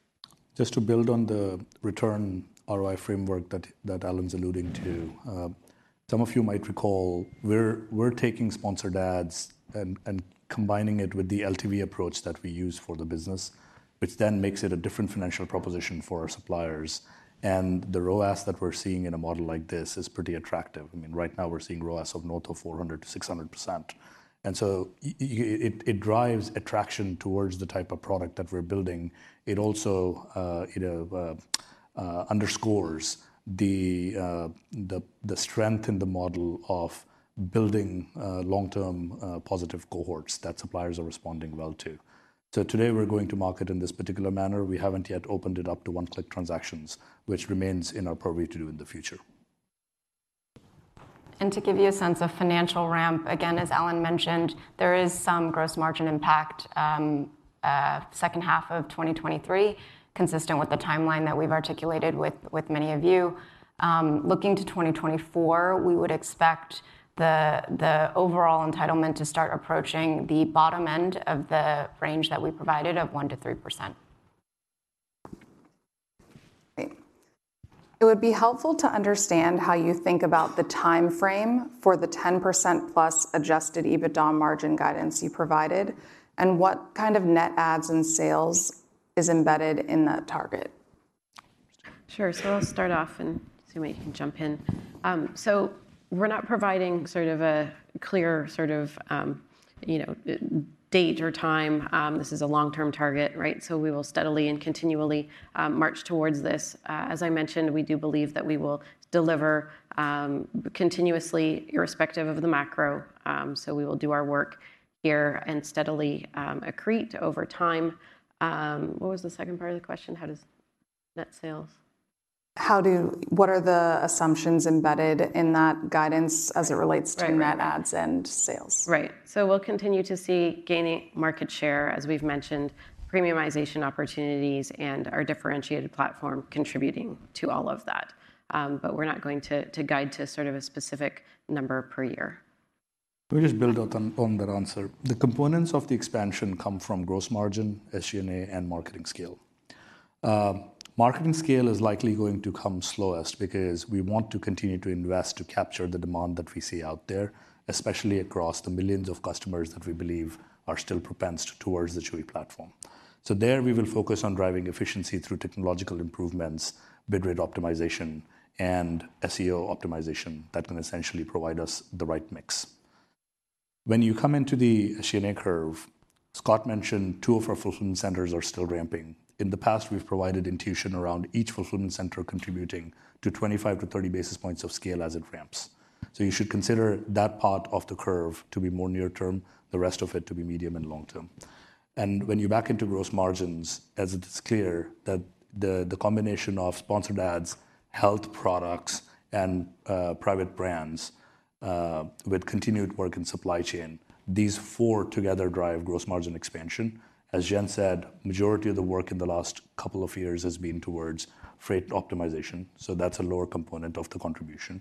Just to build on the return ROI framework that Allen's alluding to, some of you might recall, we're taking sponsored ads and combining it with the LTV approach that we use for the business, which then makes it a different financial proposition for our suppliers. And the ROAS that we're seeing in a model like this is pretty attractive. I mean, right now, we're seeing ROAS of north of 400%-600%. And so it drives attraction towards the type of product that we're building. It also, you know, underscores the strength in the model of building long-term positive cohorts that suppliers are responding well to. So today, we're going to market in this particular manner. We haven't yet opened it up to one-click transactions, which remains in our priority to do in the future. And to give you a sense of financial ramp, again, as Allen mentioned, there is some gross margin impact second half of 2023, consistent with the timeline that we've articulated with many of you. Looking to 2024, we would expect the overall entitlement to start approaching the bottom end of the range that we provided of 1%-3%. Great. It would be helpful to understand how you think about the timeframe for the +10% adjusted EBITDA margin guidance you provided, and what kind of net adds and sales is embedded in that target? Sure. So I'll start off, and Sumit, you can jump in. So we're not providing sort of a clear, sort of, you know, date or time. This is a long-term target, right? So we will steadily and continually march towards this. As I mentioned, we do believe that we will deliver continuously, irrespective of the macro. So we will do our work here and steadily accrete over time. What was the second part of the question? How does net sales-- What are the assumptions embedded in that guidance as it relates to net adds and sales? Right. So we'll continue to see gaining market share, as we've mentioned, premiumization opportunities, and our differentiated platform contributing to all of that. But we're not going to guide to sort of a specific number per year. Let me just build on that answer. The components of the expansion come from gross margin, SG&A, and marketing scale. Marketing scale is likely going to come slowest because we want to continue to invest to capture the demand that we see out there, especially across the millions of customers that we believe are still propensed towards the Chewy platform. So there, we will focus on driving efficiency through technological improvements, bid rate optimization, and SEO optimization that can essentially provide us the right mix. When you come into the SG&A curve, Scott mentioned two of our fulfillment centers are still ramping. In the past, we've provided intuition around each fulfillment center contributing to 25-30 basis points of scale as it ramps. So you should consider that part of the curve to be more near term, the rest of it to be medium and long term. And when you back into gross margins, as it is clear, that the combination of Sponsored Ads, health products, and private brands with continued work in supply chain, these four together drive gross margin expansion. As Jen said, majority of the work in the last couple of years has been towards freight optimization, so that's a lower component of the contribution.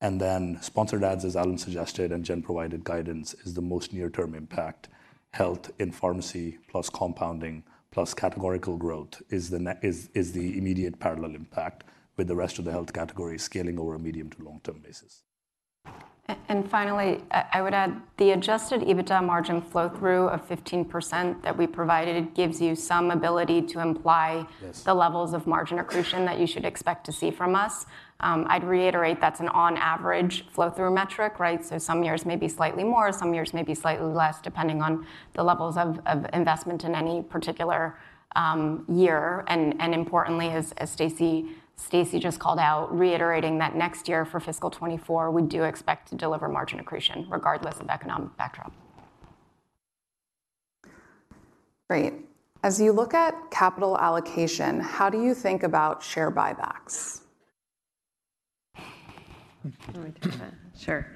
And then Sponsored Ads, as Allen suggested, and Jen provided guidance, is the most near-term impact. Health and pharmacy, plus compounding, plus categorical growth is the immediate parallel impact, with the rest of the health category scaling over a medium- to long-term basis. And finally, I would add, the adjusted EBITDA margin flow-through of 15% that we provided gives you some ability to imply the levels of margin accretion that you should expect to see from us. I'd reiterate, that's an on average flow-through metric, right? So some years may be slightly more, some years may be slightly less, depending on the levels of investment in any particular year. And importantly, as Stacy just called out, reiterating that next year, for fiscal 2024, we do expect to deliver margin accretion, regardless of economic backdrop. Great. As you look at capital allocation, how do you think about share buybacks? You want me to take that? Sure.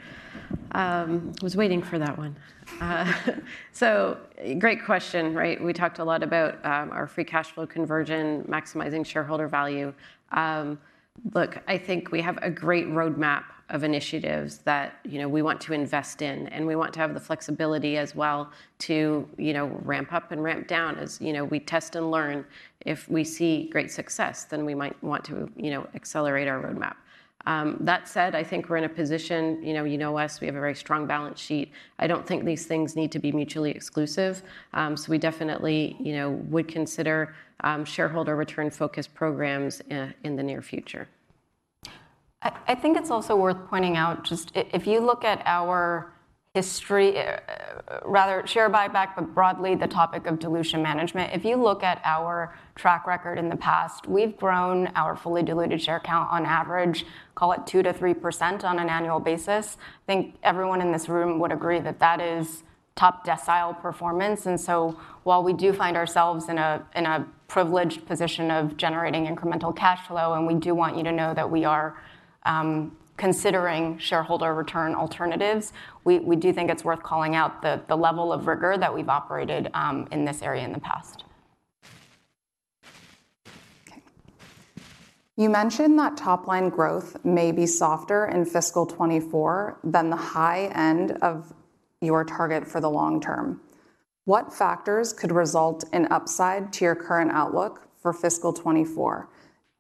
I was waiting for that one. So great question, right? We talked a lot about our free cash flow conversion, maximizing shareholder value. Look, I think we have a great roadmap of initiatives that, you know, we want to invest in, and we want to have the flexibility as well to, you know, ramp up and ramp down, as, you know, we test and learn. If we see great success, then we might want to, you know, accelerate our roadmap. That said, I think we're in a position. You know, you know us, we have a very strong balance sheet. I don't think these things need to be mutually exclusive, so we definitely, you know, would consider shareholder return-focused programs in the near future. I think it's also worth pointing out, just if you look at our history, rather share buyback, but broadly, the topic of dilution management, if you look at our track record in the past, we've grown our fully diluted share count on average, call it 2%-3% on an annual basis. I think everyone in this room would agree that that is top decile performance. And so while we do find ourselves in a privileged position of generating incremental cash flow, and we do want you to know that we are considering shareholder return alternatives, we do think it's worth calling out the level of rigor that we've operated in this area in the past. You mentioned that top-line growth may be softer in fiscal 2024 than the high end of your target for the long term. What factors could result in upside to your current outlook for fiscal 2024?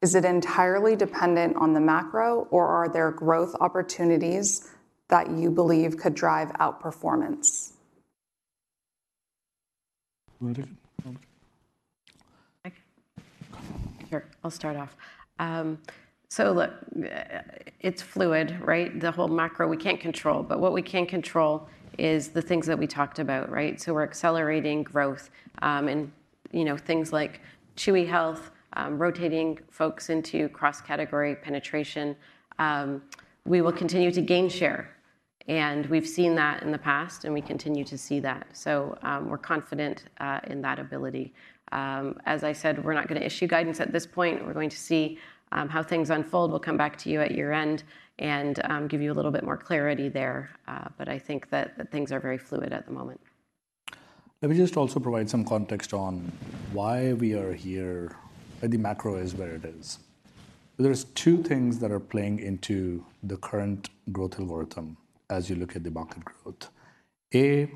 Is it entirely dependent on the macro, or are there growth opportunities that you believe could drive outperformance? Want to? I'll start off. So look, it's fluid, right? The whole macro, we can't control, but what we can control is the things that we talked about, right? So we're accelerating growth, and, you know, things like Chewy Health, rotating folks into cross-category penetration. We will continue to gain share, and we've seen that in the past, and we continue to see that. So, we're confident in that ability. As I said, we're not going to issue guidance at this point. We're going to see how things unfold. We'll come back to you at year-end and give you a little bit more clarity there, but I think that things are very fluid at the moment. Let me just also provide some context on why we are here, and the macro is where it is. There's two things that are playing into the current growth algorithm as you look at the market growth. A,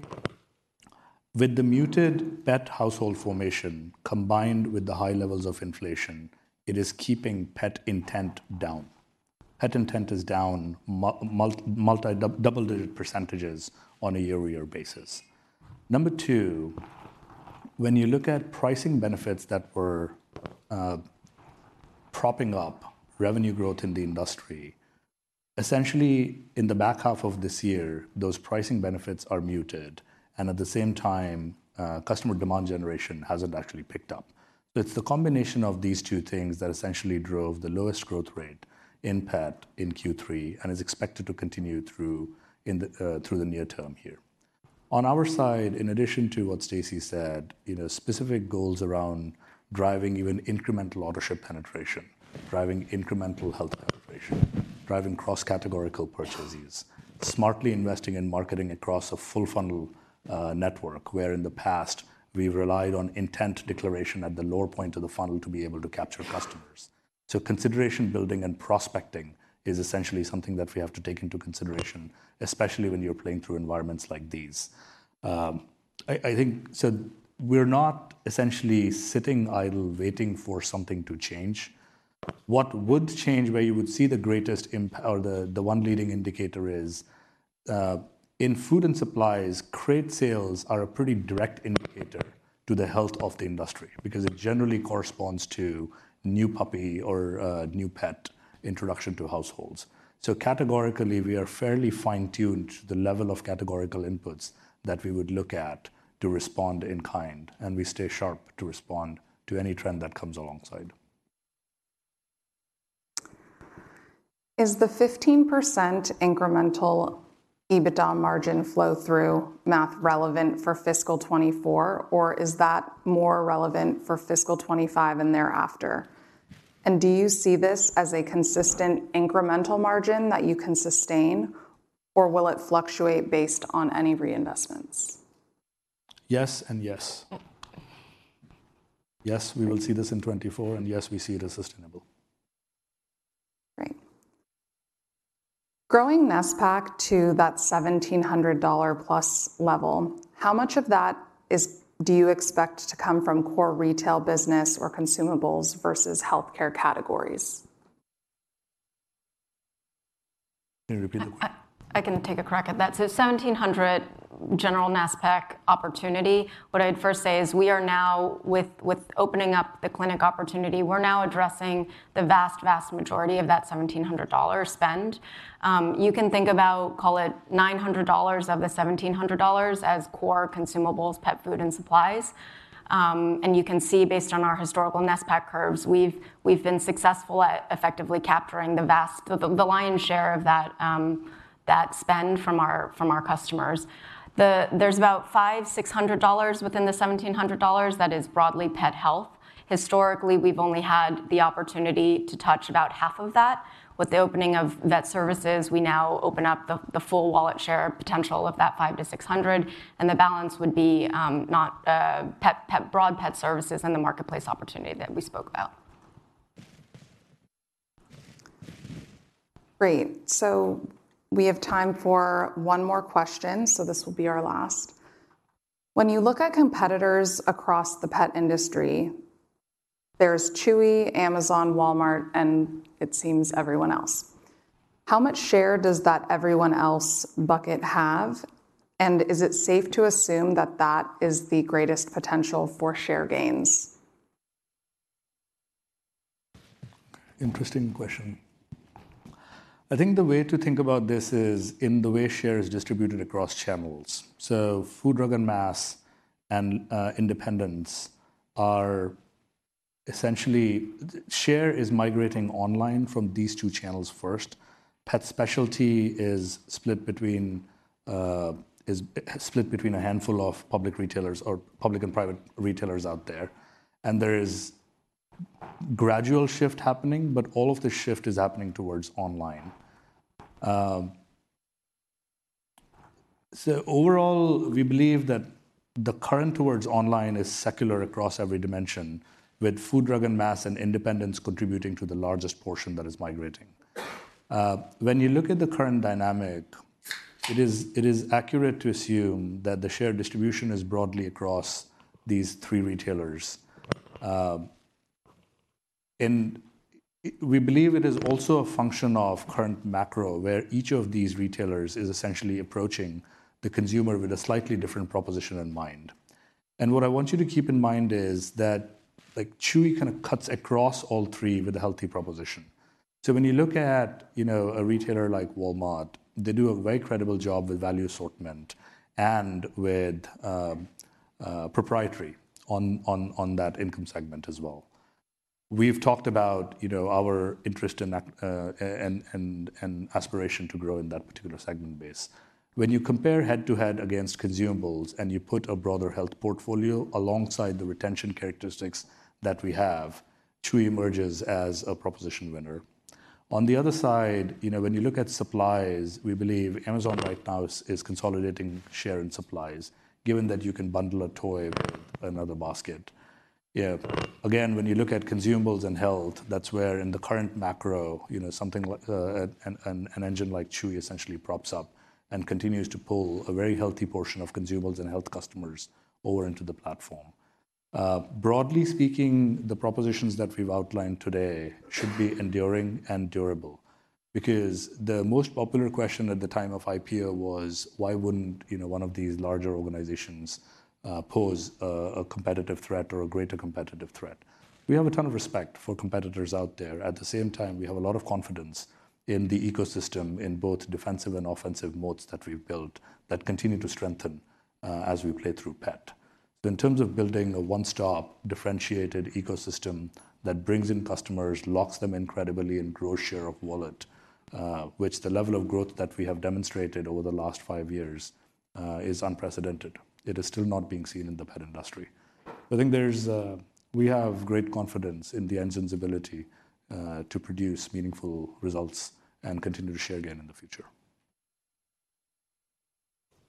with the muted pet household formation, combined with the high levels of inflation, it is keeping pet intent down. Pet intent is down multi-double-digit percentages on a year-over-year basis. Number two, when you look at pricing benefits that were propping up revenue growth in the industry, essentially, in the back half of this year, those pricing benefits are muted, and at the same time, customer demand generation hasn't actually picked up. It's the combination of these two things that essentially drove the lowest growth rate in pet in Q3, and is expected to continue through the near term here. On our side, in addition to what Stacy said, you know, specific goals around driving even incremental ownership penetration, driving incremental health penetration, driving cross-categorical purchases, smartly investing in marketing across a full funnel network, where in the past, we've relied on intent declaration at the lower point of the funnel to be able to capture customers. So consideration building and prospecting is essentially something that we have to take into consideration, especially when you're playing through environments like these. I think. So we're not essentially sitting idle, waiting for something to change. What would change, where you would see the greatest impact, or the one leading indicator is in food and supplies, crate sales are a pretty direct indicator to the health of the industry because it generally corresponds to new puppy or new pet introduction to households. Categorically, we are fairly fine-tuned to the level of categorical inputs that we would look at to respond in kind, and we stay sharp to respond to any trend that comes alongside. Is the 15% incremental EBITDA margin flow-through math relevant for fiscal 2024, or is that more relevant for fiscal 2025 and thereafter? And do you see this as a consistent incremental margin that you can sustain, or will it fluctuate based on any reinvestments? Yes and yes. Yes, we will see this in 2024, and yes, we see it as sustainable. Great. Growing NSPC to that $1,700+ level, how much of that do you expect to come from core retail business or consumables versus healthcare categories? Can you repeat the question? I can take a crack at that. So $1,700 general NSPC opportunity, what I'd first say is we are now, with opening up the clinic opportunity, we're now addressing the vast majority of that $1,700 spend. You can think about, call it $900 of the $1,700 as core consumables, pet food, and supplies. And you can see, based on our historical NSPC curves, we've been successful at effectively capturing the lion's share of that spend from our customers. There's about $500-$600 within the $1,700 that is broadly pet health. Historically, we've only had the opportunity to touch about half of that. With the opening of vet services, we now open up the full wallet share potential of that $500-$600, and the balance would be non-pet broad pet services and the marketplace opportunity that we spoke about. Great. So we have time for one more question, so this will be our last. When you look at competitors across the pet industry, there's Chewy, Amazon, Walmart, and it seems everyone else. How much share does that everyone else bucket have? And is it safe to assume that that is the greatest potential for share gains? Interesting question. I think the way to think about this is in the way share is distributed across channels. So food, drug, and mass, and, independents are essentially. Share is migrating online from these two channels first. Pet specialty is split between, split between a handful of public retailers or public and private retailers out there, and there is gradual shift happening, but all of the shift is happening towards online. So overall, we believe that the current towards online is secular across every dimension, with food, drug, and mass, and independents contributing to the largest portion that is migrating. When you look at the current dynamic, it is, it is accurate to assume that the share distribution is broadly across these three retailers. We believe it is also a function of current macro, where each of these retailers is essentially approaching the consumer with a slightly different proposition in mind. And what I want you to keep in mind is that, like, Chewy kind of cuts across all three with a healthy proposition. So when you look at, you know, a retailer like Walmart, they do a very credible job with value assortment and with proprietary own that income segment as well. We've talked about, you know, our interest in that and aspiration to grow in that particular segment base. When you compare head-to-head against consumables, and you put a broader health portfolio alongside the retention characteristics that we have, Chewy emerges as a proposition winner. On the other side, you know, when you look at supplies, we believe Amazon right now is consolidating share in supplies, given that you can bundle a toy with another basket. Yeah, again, when you look at consumables and health, that's where in the current macro, you know, something like an engine like Chewy essentially props up and continues to pull a very healthy portion of consumables and health customers over into the platform. Broadly speaking, the propositions that we've outlined today should be enduring and durable. Because the most popular question at the time of IPO was: Why wouldn't, you know, one of these larger organizations pose a competitive threat or a greater competitive threat? We have a ton of respect for competitors out there. At the same time, we have a lot of confidence in the ecosystem, in both defensive and offensive modes that we've built, that continue to strengthen, as we play through pet. So in terms of building a one-stop, differentiated ecosystem that brings in customers, locks them incredibly, and grow share of wallet, which the level of growth that we have demonstrated over the last five years, is unprecedented. It is still not being seen in the pet industry. I think there's-- We have great confidence in the engine's ability, to produce meaningful results and continue to share again in the future.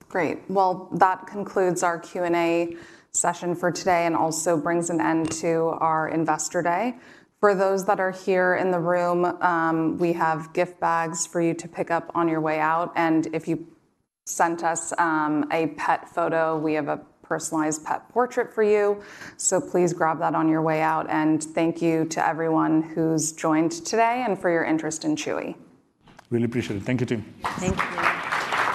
Great! Well, that concludes our Q&A session for today, and also brings an end to our Investor Day. For those that are here in the room, we have gift bags for you to pick up on your way out, and if you sent us a pet photo, we have a personalized pet portrait for you. So please grab that on your way out, and thank you to everyone who's joined today, and for your interest in Chewy. Really appreciate it. Thank you, team. Thank you.